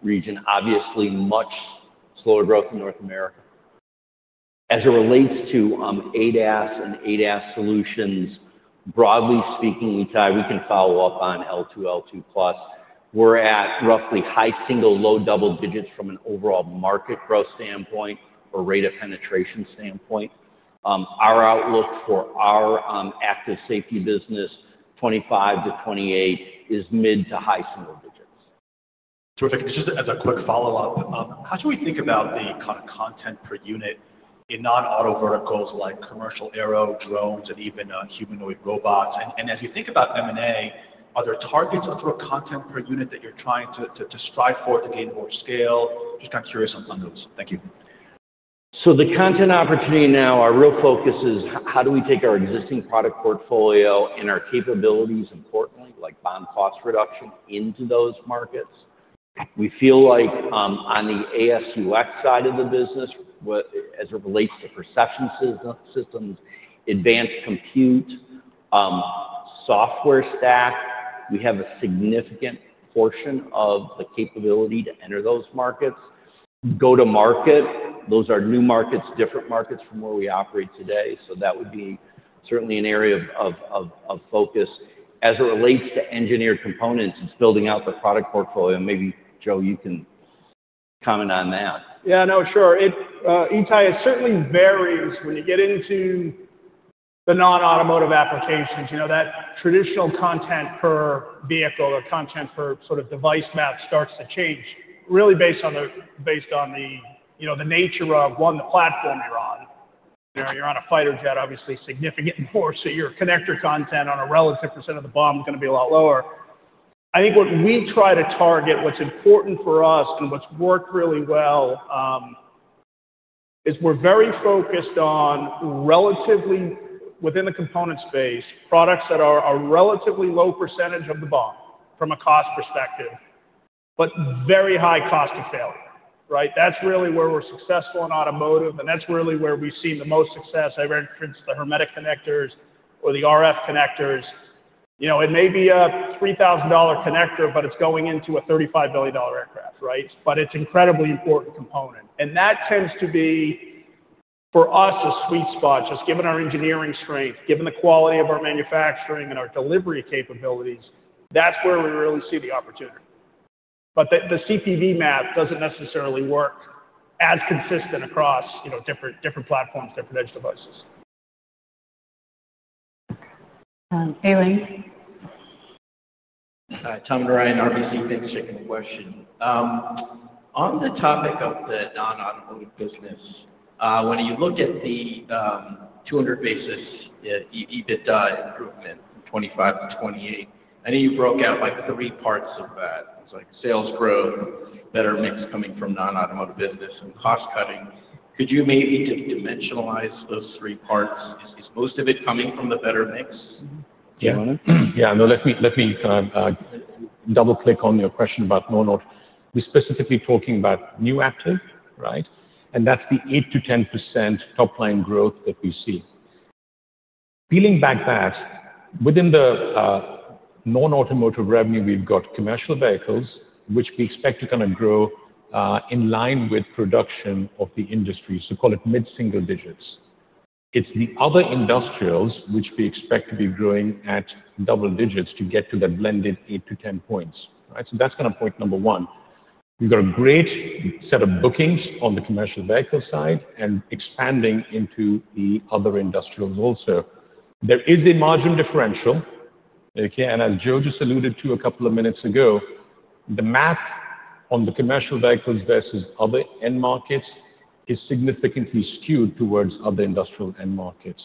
region. Obviously, much slower growth in North America. As it relates to ADAS and ADAS solutions, broadly speaking, we can follow up on L2, L2+. We're at roughly high single, low double digits from an overall market growth standpoint or rate-of-penetration standpoint. Our outlook for our Active Safety business 2025 to 2028 is mid to high single digits. Terrific. Just as a quick follow-up, how should we think about the content per unit in non-auto verticals like commercial aero, drones, and even humanoid robots? As you think about M&A, are there targets or content per unit that you're trying to strive for to gain more scale? Just kind of curious on those. Thank you. The content opportunity now, our real focus is how do we take our existing product portfolio and our capabilities, importantly, like BOM cost reduction, into those markets? We feel like on the ASUX side of the business, as it relates to perception systems, advanced compute, software stack, we have a significant portion of the capability to enter those markets. Go-to-market, those are new markets, different markets from where we operate today. That would be certainly an area of focus. As it relates to Engineered Components, it's building out the product portfolio. Maybe Joe, you can comment on that. Yeah. No, sure. CPV certainly varies when you get into the non-automotive applications. That traditional content per vehicle or content per sort of device map starts to change really based on the nature of, one, the platform you're on. You're on a fighter jet, obviously, significant more. Your connector content on a relative percantage of the BOM is going to be a lot lower. I think what we try to target, what's important for us and what's worked really well is we're very focused on relatively within the component space, products that are a relatively low percentage of the BOM from a cost perspective, but very high cost of failure, right? That's really where we're successful in automotive. That's really where we've seen the most success. I've referenced the hermetic connectors or the RF connectors. It may be a $3,000 connector, but it's going into a $35 billion aircraft, right? It's an incredibly important component. That tends to be, for us, a sweet spot. Just given our engineering strength, given the quality of our manufacturing and our delivery capabilities, that's where we really see the opportunity. The CPV map doesn't necessarily work as consistent across different platforms, different edge devices. On three. Tom Narayan, RBC, thanks for taking the question. On the topic of the non-automotive business, when you look at the 200 basis points EBITDA improvement from 2025 to 2028, I know you broke out three parts of that. It's like sales growth, better mix coming from non-automotive business, and cost cutting. Could you maybe just dimensionalize those three parts? Is most of it coming from the better mix? You know what I mean? Yeah. No, let me double-click on your question about non-auto. We're specifically talking about New Aptiv, right? And that's the 8%-10% top line growth that we see. Peeling back that, within the non-automotive revenue, we've got commercial vehicles, which we expect to kind of grow in line with production of the industry. So call it mid-single digits. It's the other industrials which we expect to be growing at double digits to get to that blended 8-10 points, right? That's kind of point number one. We've got a great set of bookings on the Commercial Vehicle side and expanding into the other industrials also. There is a margin differential. As Joe just alluded to a couple of minutes ago, the math on the Commercial Vehicles versus other end markets is significantly skewed towards other industrial end markets.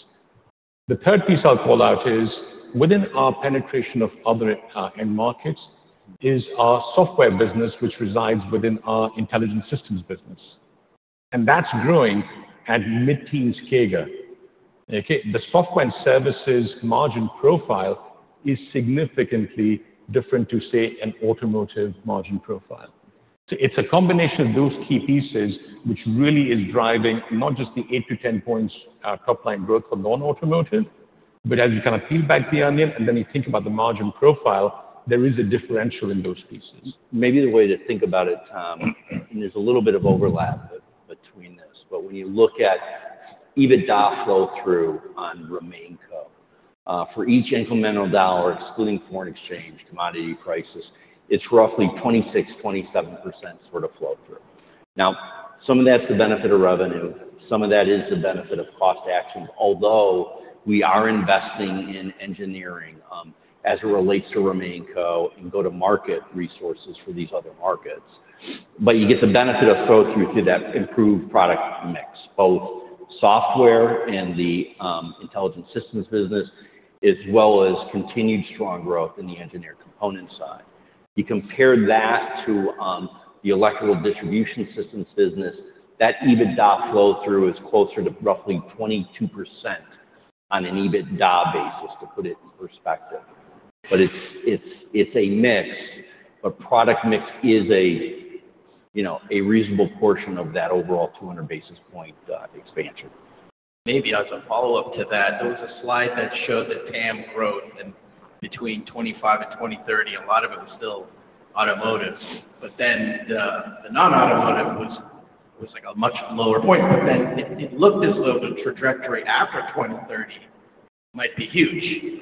The third piece I'll call out is within our penetration of other end markets is our software business, which resides within our Intelligent Systems business. That's growing at mid-teens CAGR. The software and services margin profile is significantly different to, say, an automotive margin profile. It's a combination of those key pieces which really is driving not just the 8-10 points top line growth for non-automotive, but as you kind of peel back the onion and then you think about the margin profile, there is a differential in those pieces. Maybe the way to think about it, and there's a little bit of overlap between this, but when you look at EBITDA flow-through on Remainco for each incremental dollar, excluding foreign exchange, commodity prices, it's roughly 26%-27% sort of flow-through. Now, some of that's the benefit of revenue. Some of that is the benefit of cost actions, although we are investing in engineering as it relates to Remainco and go-to-market resources for these other markets. You get the benefit of flow-through through that improved product mix, both software and the Intelligence Systems business, as well as continued strong growth in the Engineered Component side. You compare that to the Electrical Distribution Systems business, that EBITDA flow-through is closer to roughly 22% on an EBITDA basis to put it in perspective. It is a mix. Product mix is a reasonable portion of that overall 200 basis point expansion. Maybe as a follow-up to that, there was a slide that showed the TAM growth between 2025 and 2023. A lot of it was still automotive. The non-automotive was a much lower point. It looked as though the trajectory after 2030 might be huge.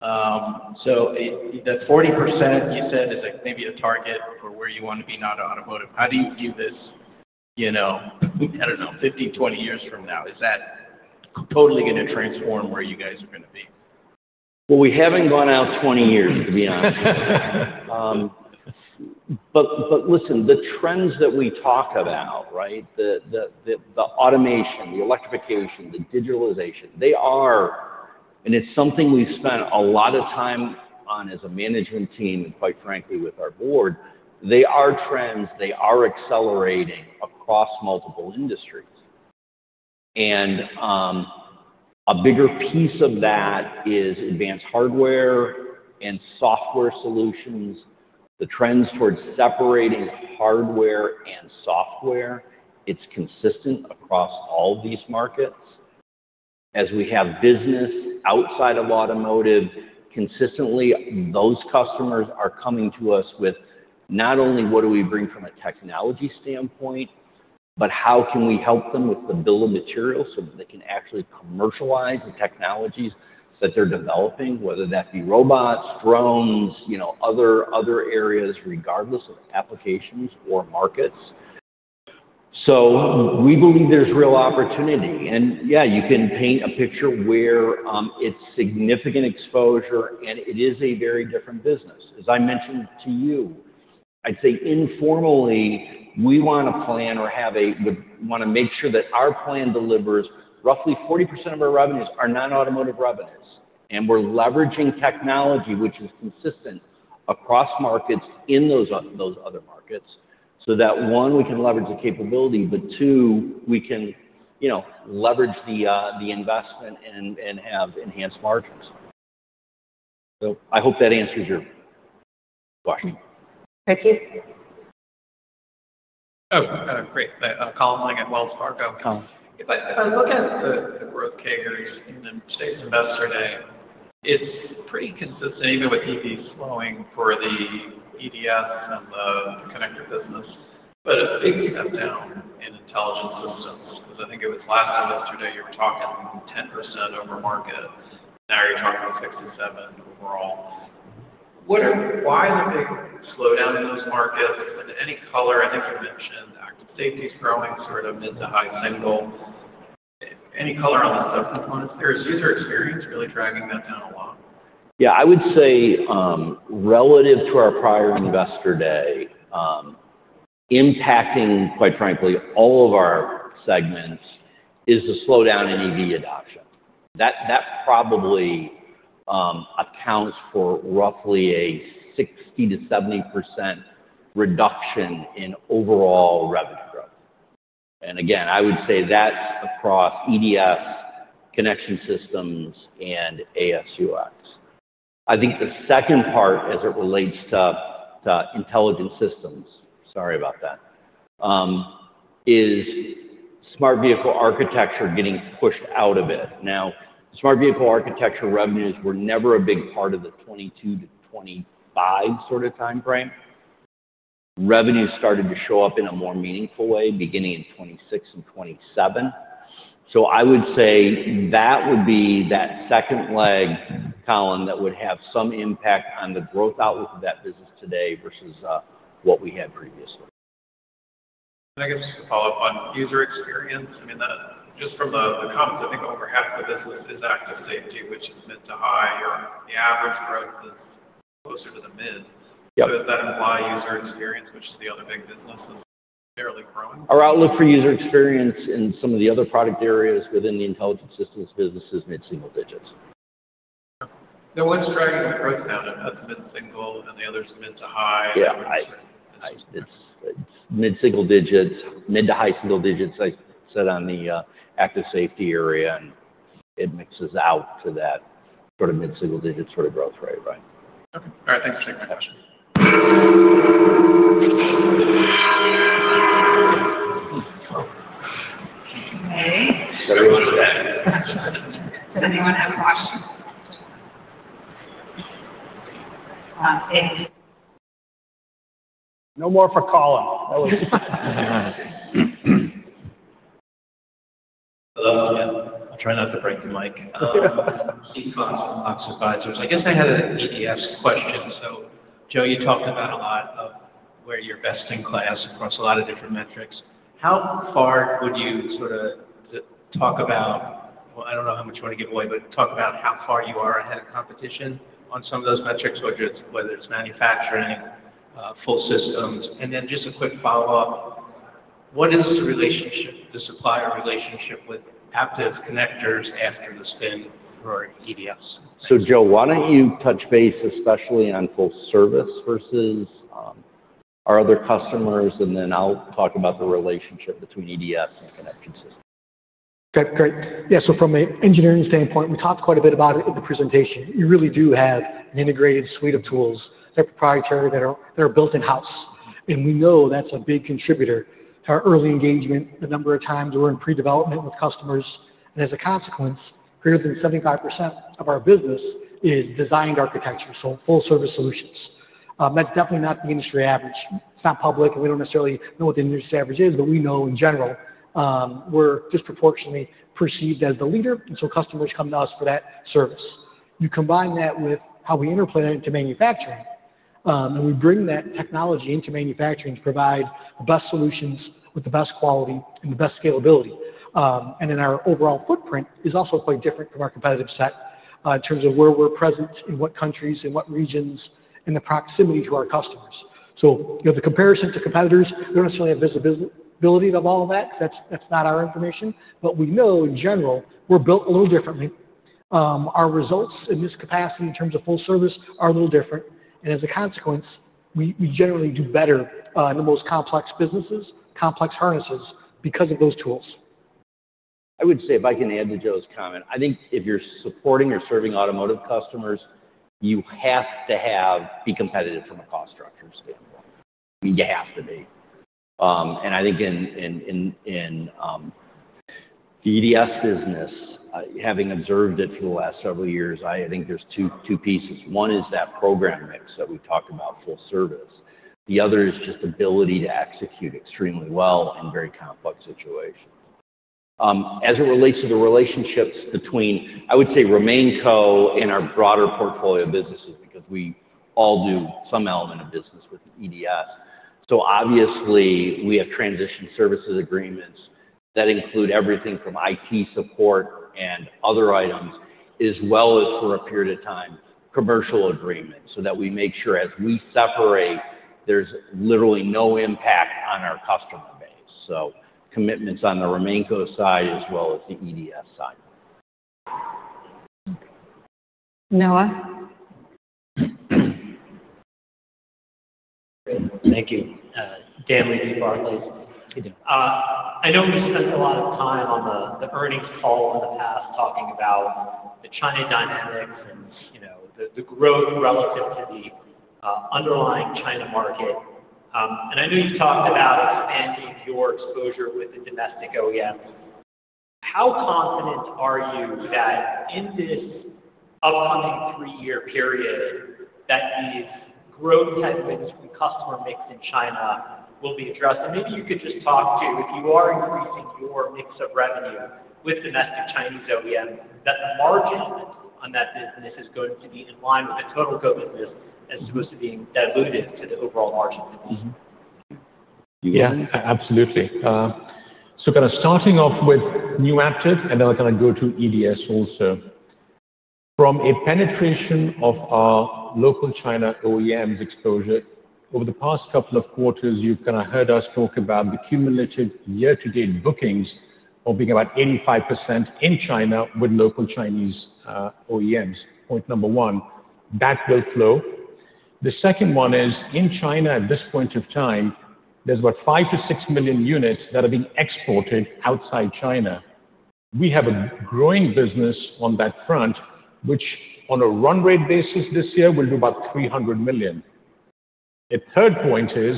That 40% you said is maybe a target for where you want to be not automotive. How do you view this, I don't know, 15-20 years from now? Is that totally going to transform where you guys are going to be? I mean, we haven't gone out 20 years, to be honest. Listen, the trends that we talk about, right, the automation, the electrification, the digitalization, they are, and it's something we've spent a lot of time on as a management team and, quite frankly, with our board, they are trends. They are accelerating across multiple industries. A bigger piece of that is advanced hardware and software solutions. The trends towards separating hardware and software, it's consistent across all these markets. As we have business outside of automotive, consistently, those customers are coming to us with not only what do we bring from a technology standpoint, but how can we help them with the Bill of Materials so that they can actually commercialize the technologies that they're developing, whether that be robots, drones, other areas, regardless of applications or markets. We believe there's real opportunity. Yeah, you can paint a picture where it's significant exposure, and it is a very different business. As I mentioned to you, I'd say informally, we want to plan or want to make sure that our plan delivers roughly 40% of our revenues are non-automotive revenues. We're leveraging technology, which is consistent across markets in those other markets so that, one, we can leverage the capability, but two, we can leverage the investment and have enhanced margins. I hope that answers your question. Thank you. Oh, great. Colin Langan at Wells Fargo. If I look at the growth CAGRs in the state's Investor Day, it's pretty consistent, even with EV slowing for the EDS and the connector business, but a big cutdown in Intelligent Systems. Because I think it was last semester, you were talking 10% over market. Now you're talking 6%-7% overall. Why the big slowdown in those markets? And any color? I think you mentioned Active Safety is growing sort of mid to high single. Any color on the subcomponents there? Is User Experience really dragging that down a lot? Yeah. I would say relative to our prior Investor Day, impacting, quite frankly, all of our segments is the slowdown in EV adoption. That probably accounts for roughly a 60%-70% reduction in overall revenue growth. I would say that's across EDS, connection systems, and ASUX. I think the second part, as it relates to Intelligent Systems—sorry about that—is Smart Vehicle Architecture getting pushed out a bit. Now, Smart Vehicle Architecture revenues were never a big part of the 2022 to 2025 sort of time frame. Revenues started to show up in a more meaningful way beginning in 2026 and 2027. I would say that would be that second leg, Colin, that would have some impact on the growth outlook of that business today versus what we had previously. I guess just to follow up on User Experience, I mean, just from the comments, I think over half of the business is Active Safety, which is mid to high, or the average growth is closer to the mid. Does that imply User Experience, which is the other big business, is fairly growing? Our outlook for User Experience in some of the other product areas within the Intelligent Systems business is mid-single digits. Okay. Now, what's dragging the growth down? That's mid-single, and the other is mid to high? Yeah. It's mid-single digits, mid to high single digits, like I said, on the Active Safety area, and it mixes out to that sort of mid-single digit sort of growth rate, right? Okay. All right. Thanks for taking my question. Okay. Does anyone have a question? No more for Colin. Hello. I'll try not to break the mic. KeyBanc. I guess I had an EDS question. So Joe, you talked about a lot of where you're best-in-class across a lot of different metrics. How far would you sort of talk about, I do not know how much you want to give away, but talk about how far you are ahead of competition on some of those metrics, whether it is manufacturing, full systems? And then just a quick follow-up. What is the relationship, the supplier relationship, with Aptiv Connectors after the spin for EDS? So Joe, why do you not touch base, especially on full service versus our other customers, and then I will talk about the relationship between EDS and connected systems? Okay. Great. Yeah. From an engineering standpoint, we talked quite a bit about it in the presentation. You really do have an integrated suite of tools that are proprietary, that are built in-house. And we know that is a big contributor to our early engagement. A number of times, we are in pre-development with customers. As a consequence, greater than 75% of our business is designed architecture, so full-service solutions. That's definitely not the industry average. It's not public, and we don't necessarily know what the industry average is, but we know, in general, we're disproportionately perceived as the leader. Customers come to us for that service. You combine that with how we interplay into manufacturing, and we bring that technology into manufacturing to provide the best solutions with the best quality and the best scalability. Our overall footprint is also quite different from our competitive set in terms of where we're present, in what countries, in what regions, and the proximity to our customers. The comparison to competitors, we don't necessarily have visibility of all of that. That's not our information. We know, in general, we're built a little differently. Our results in this capacity in terms of full service are a little different. As a consequence, we generally do better in the most complex businesses, complex harnesses, because of those tools. I would say, if I can add to Joe's comment, I think if you're supporting or serving automotive customers, you have to be competitive from a cost structure standpoint. I mean, you have to be. I think in the EDS business, having observed it for the last several years, I think there are two pieces. One is that program mix that we talked about, full service. The other is just ability to execute extremely well in very complex situations. As it relates to the relationships between, I would say, Remainco and our broader portfolio of businesses, because we all do some element of business with EDS. Obviously, we have Transition Services Agreements that include everything from IT support and other items, as well as, for a period of time, commercial agreements so that we make sure as we separate, there is literally no impact on our customer base. Commitments on the Remainco side as well as the EDS side. Noah? Thank you. Dan Levy, Barclays. I know we have spent a lot of time on the earnings call in the past talking about the China dynamics and the growth relative to the underlying China market. I know you have talked about expanding your exposure with the domestic OEM. How confident are you that in this upcoming three-year period, these growth segments and customer mix in China will be addressed? Maybe you could just talk to, if you are increasing your mix of revenue with domestic Chinese OEM, that the margin on that business is going to be in line with the Total Core Business as opposed to being diluted to the overall margin of the business? Yeah. Absolutely. Kind of starting off with New Aptiv, and then we're going to go to EDS also. From a penetration of our local China OEMs exposure, over the past couple of quarters, you've kind of heard us talk about the cumulative year-to-date bookings of being about 85% in China with local Chinese OEMs. Point number one, that will flow. The second one is, in China at this point of time, there's about 5-6 million units that are being exported outside China. We have a growing business on that front, which, on a run rate basis this year, will do about $300 million. A third point is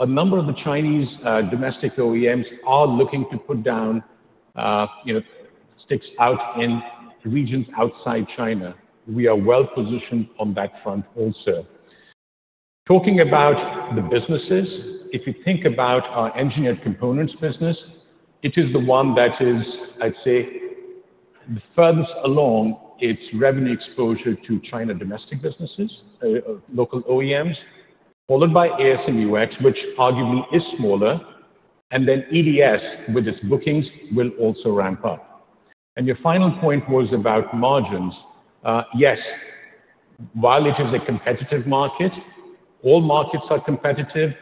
a number of the Chinese domestic OEMs are looking to put down sticks out in regions outside China. We are well-positioned on that front also. Talking about the businesses, if you think about our Engineered Components business, it is the one that is, I'd say, the furthest along its revenue exposure to China domestic businesses, local OEMs, followed by AS&UX, which arguably is smaller. EDS, with its bookings, will also ramp up. Your final point was about margins. Yes, while it is a competitive market, all markets are competitive.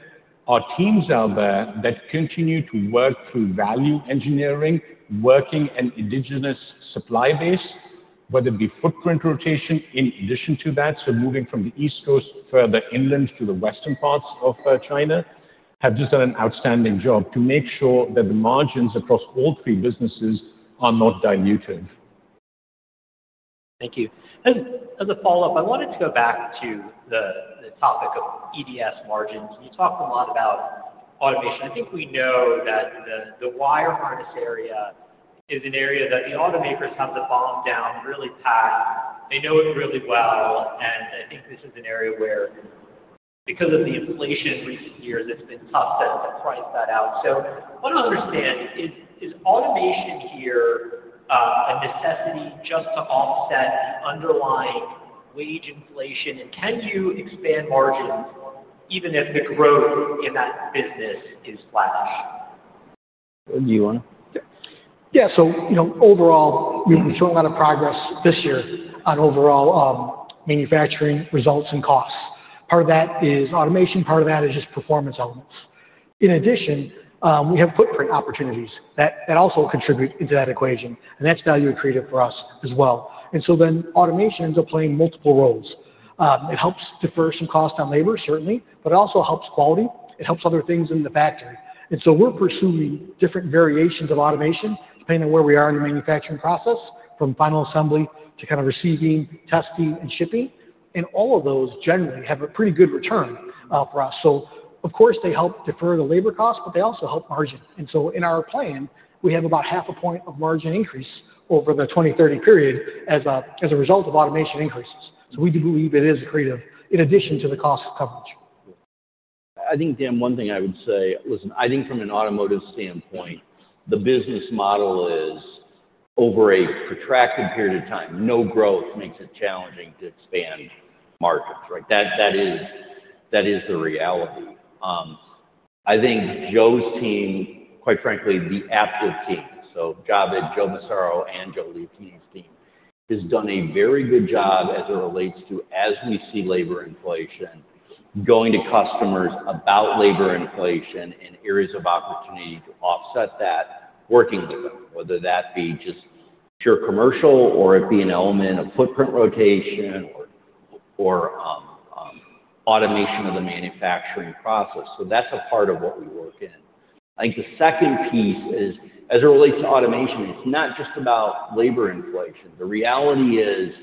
Our teams out there that continue to work through value engineering, working an indigenous supply base, whether it be footprint rotation in addition to that, moving from the East Coast further inland to the western parts of China, have just done an outstanding job to make sure that the margins across all three businesses are not diluted. Thank you. As a follow-up, I wanted to go back to the topic of EDS margins. You talked a lot about automation. I think we know that the wire harness area is an area that the automakers have to bomb down really packed. They know it really well. I think this is an area where, because of the inflation recent years, it's been tough to price that out. I want to understand, is automation here a necessity just to offset the underlying wage inflation? Can you expand margins even if the growth in that business is flat-ish? Do you want to? Yeah. Overall, we've shown a lot of progress this year on overall manufacturing results and costs. Part of that is automation. Part of that is just performance elements. In addition, we have footprint opportunities that also contribute into that equation. That is value accretive for us as well. Automation ends up playing multiple roles. It helps defer some cost on labor, certainly, but it also helps quality. It helps other things in the factory. We are pursuing different variations of automation depending on where we are in the manufacturing process, from final assembly to kind of receiving, testing, and shipping. All of those generally have a pretty good return for us. Of course, they help defer the labor costs, but they also help margin. In our plan, we have about half a point of margin increase over the 2030 period as a result of automation increases. We do believe it is accretive in addition to the cost coverage. I think, Dan, one thing I would say, listen, I think from an automotive standpoint, the business model is over a protracted period of time, no growth makes it challenging to expand margins, right? That is the reality. I think Joe's team, quite frankly, the active team, so Javed, Joe Massaro, and Joe Liotine's team has done a very good job as it relates to, as we see labor inflation, going to customers about labor inflation and areas of opportunity to offset that working with them, whether that be just pure commercial or it be an element of footprint rotation or automation of the manufacturing process. That's a part of what we work in. I think the second piece is, as it relates to automation, it's not just about labor inflation. The reality is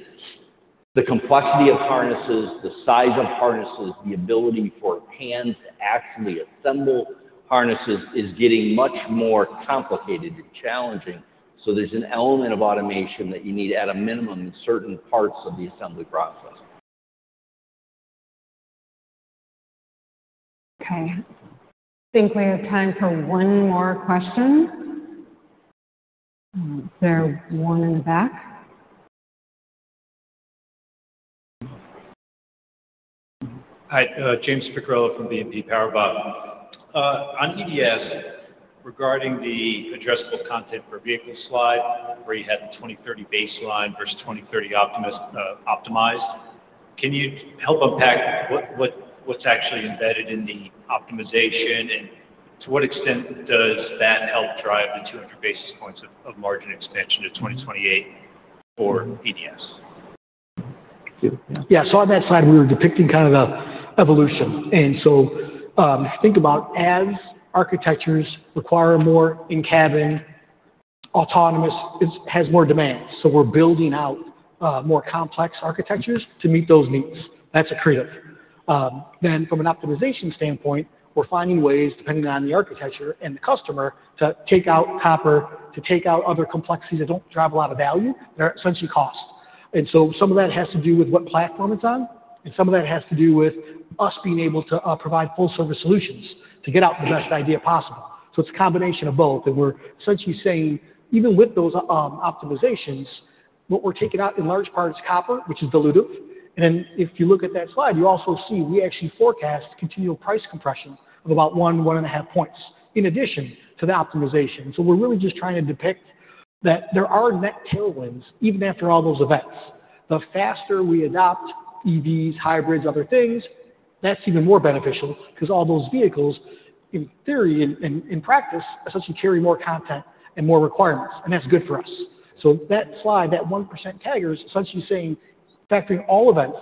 the complexity of harnesses, the size of harnesses, the ability for hands to actually assemble harnesses is getting much more complicated and challenging. There is an element of automation that you need at a minimum in certain parts of the assembly process. Okay. I think we have time for one more question. Is there one in the back? Hi. James Picariello from BNP Paribas. On EDS, regarding the addressable content for vehicle slide, where you had the 2030 baseline versus 2030 optimized, can you help unpack what's actually embedded in the optimization? And to what extent does that help drive the 200 basis points of margin expansion to 2028 for EDS? Yeah. On that slide, we were depicting kind of the evolution. If you think about as architectures require more in-cabin, autonomous has more demand. We are building out more complex architectures to meet those needs. That is accretive. From an optimization standpoint, we are finding ways, depending on the architecture and the customer, to take out copper, to take out other complexities that do not drive a lot of value. They are essentially cost. Some of that has to do with what platform it is on. Some of that has to do with us being able to provide full-service solutions to get out the best idea possible. It is a combination of both. We are essentially saying, even with those optimizations, what we are taking out in large part is copper, which is dilutive. If you look at that slide, you also see we actually forecast continual price compression of about 1-1.5 percentage points in addition to the optimization. We are really just trying to depict that there are net tailwinds even after all those events. The faster we adopt EVs, hybrids, other things, that is even more beneficial because all those vehicles, in theory, in practice, essentially carry more content and more requirements. That is good for us. That slide, that 1% taggers, essentially saying, factoring all events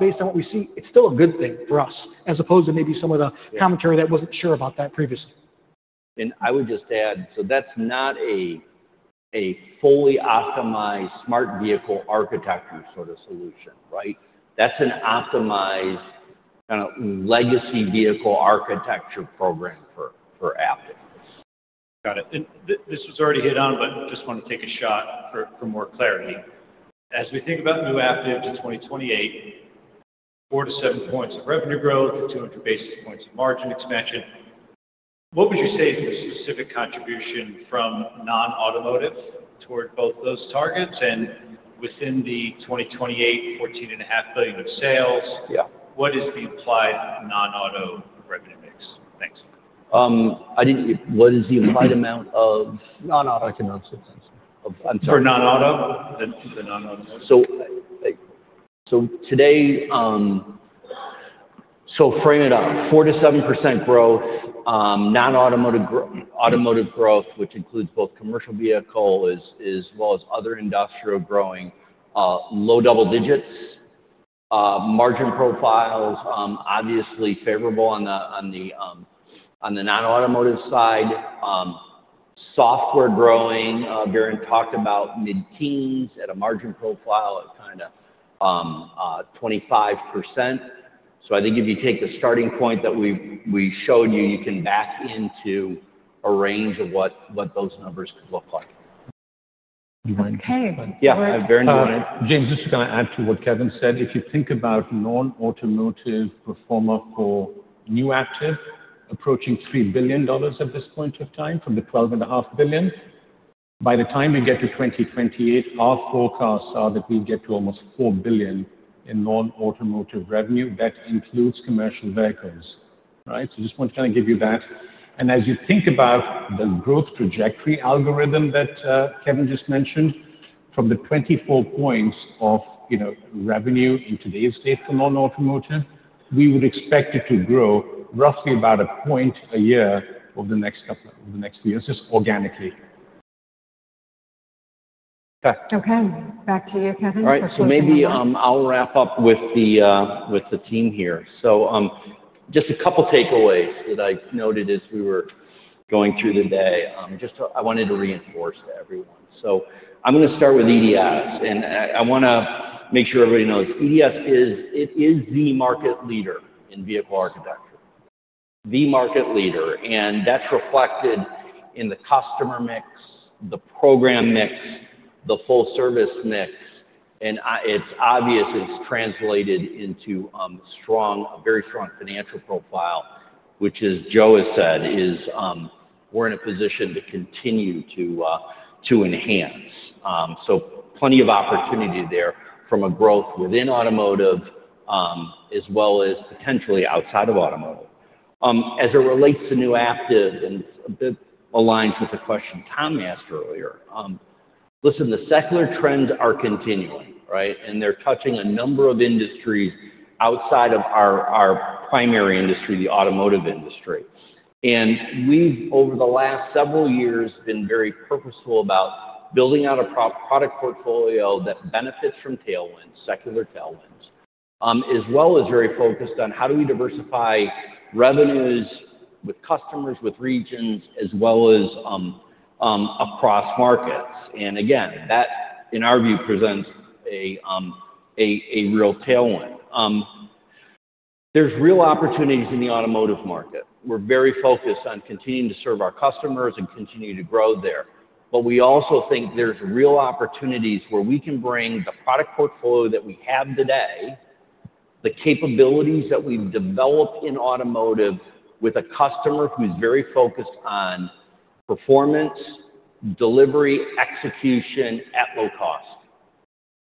based on what we see, it is still a good thing for us as opposed to maybe some of the commentary that was not sure about that previously. I would just add, that is not a fully optimized Smart Vehicle Architecture sort of solution, right? That is an optimized kind of legacy vehicle architecture program for Aptiv. Got it. This was already hit on, but just want to take a shot for more clarity. As we think about New Aptiv to 2028, 4-7 points of revenue growth, 200 basis points of margin expansion. What would you say is the specific contribution from non-automotive toward both those targets? And within the 2028, $14.5 billion of sales, what is the applied non-auto revenue mix? Thanks. What is the applied amount of non-auto? I think you answer that. I'm sorry. For non-auto? The non-automotive. So today, so frame it up. 4%-7% growth, non-automotive growth, which includes both commercial vehicle as well as other industrial growing, low double digits. Margin profiles, obviously favorable on the non-automotive side. Software growing, Varun talked about mid-teens at a margin profile of kind of 25%. I think if you take the starting point that we showed you, you can back into a range of what those numbers could look like. Okay. James, just to kind of add to what Kevin said, if you think about non-automotive performer for New Aptiv approaching $3 billion at this point of time from the $12.5 billion, by the time we get to 2028, our forecasts are that we get to almost $4 billion in non-automotive revenue. That includes commercial vehicles, right? I just want to kind of give you that. As you think about the growth trajectory algorithm that Kevin just mentioned, from the 24 points of revenue in today's date for non-automotive, we would expect it to grow roughly about a point a year over the next couple of the next few years, just organically. Okay. Back to you, Kevin for closing remarks. Maybe I'll wrap up with the team here. Just a couple of takeaways that I noted as we were going through the day. I wanted to reinforce to everyone. I'm going to start with EDS. I want to make sure everybody knows EDS is the market leader in vehicle architecture. The market leader. That's reflected in the customer mix, the program mix, the full-service mix. It's obvious it's translated into a very strong financial profile, which, as Joe has said, we're in a position to continue to enhance. Plenty of opportunity there from growth within automotive as well as potentially outside of automotive. As it relates to new Aptiv, and it's a bit aligned with the question Tom asked earlier, listen, the secular trends are continuing, right? They're touching a number of industries outside of our primary industry, the automotive industry. We have, over the last several years, been very purposeful about building out a product portfolio that benefits from tailwinds, secular tailwinds, as well as very focused on how do we diversify revenues with customers, with regions, as well as across markets. In our view, that presents a real tailwind. There are real opportunities in the automotive market. We are very focused on continuing to serve our customers and continue to grow there. We also think there are real opportunities where we can bring the product portfolio that we have today, the capabilities that we have developed in automotive with a customer who is very focused on performance, delivery, execution at low cost.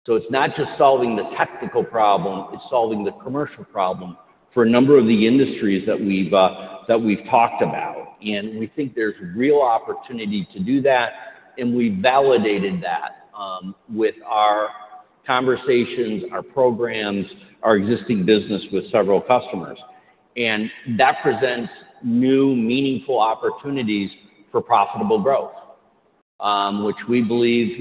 It is not just solving the technical problem. It is solving the commercial problem for a number of the industries that we have talked about. We think there is real opportunity to do that. We validated that with our conversations, our programs, our existing business with several customers. That presents new meaningful opportunities for profitable growth, which we believe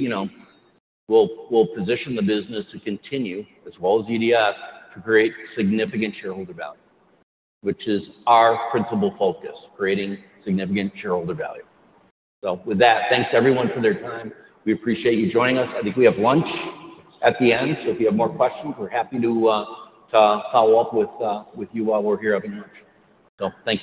will position the business to continue, as well as EDS, to create significant shareholder value, which is our principal focus, creating significant shareholder value. With that, thanks to everyone for their time. We appreciate you joining us. I think we have lunch at the end. If you have more questions, we're happy to follow up with you while we're here having lunch. Thank you.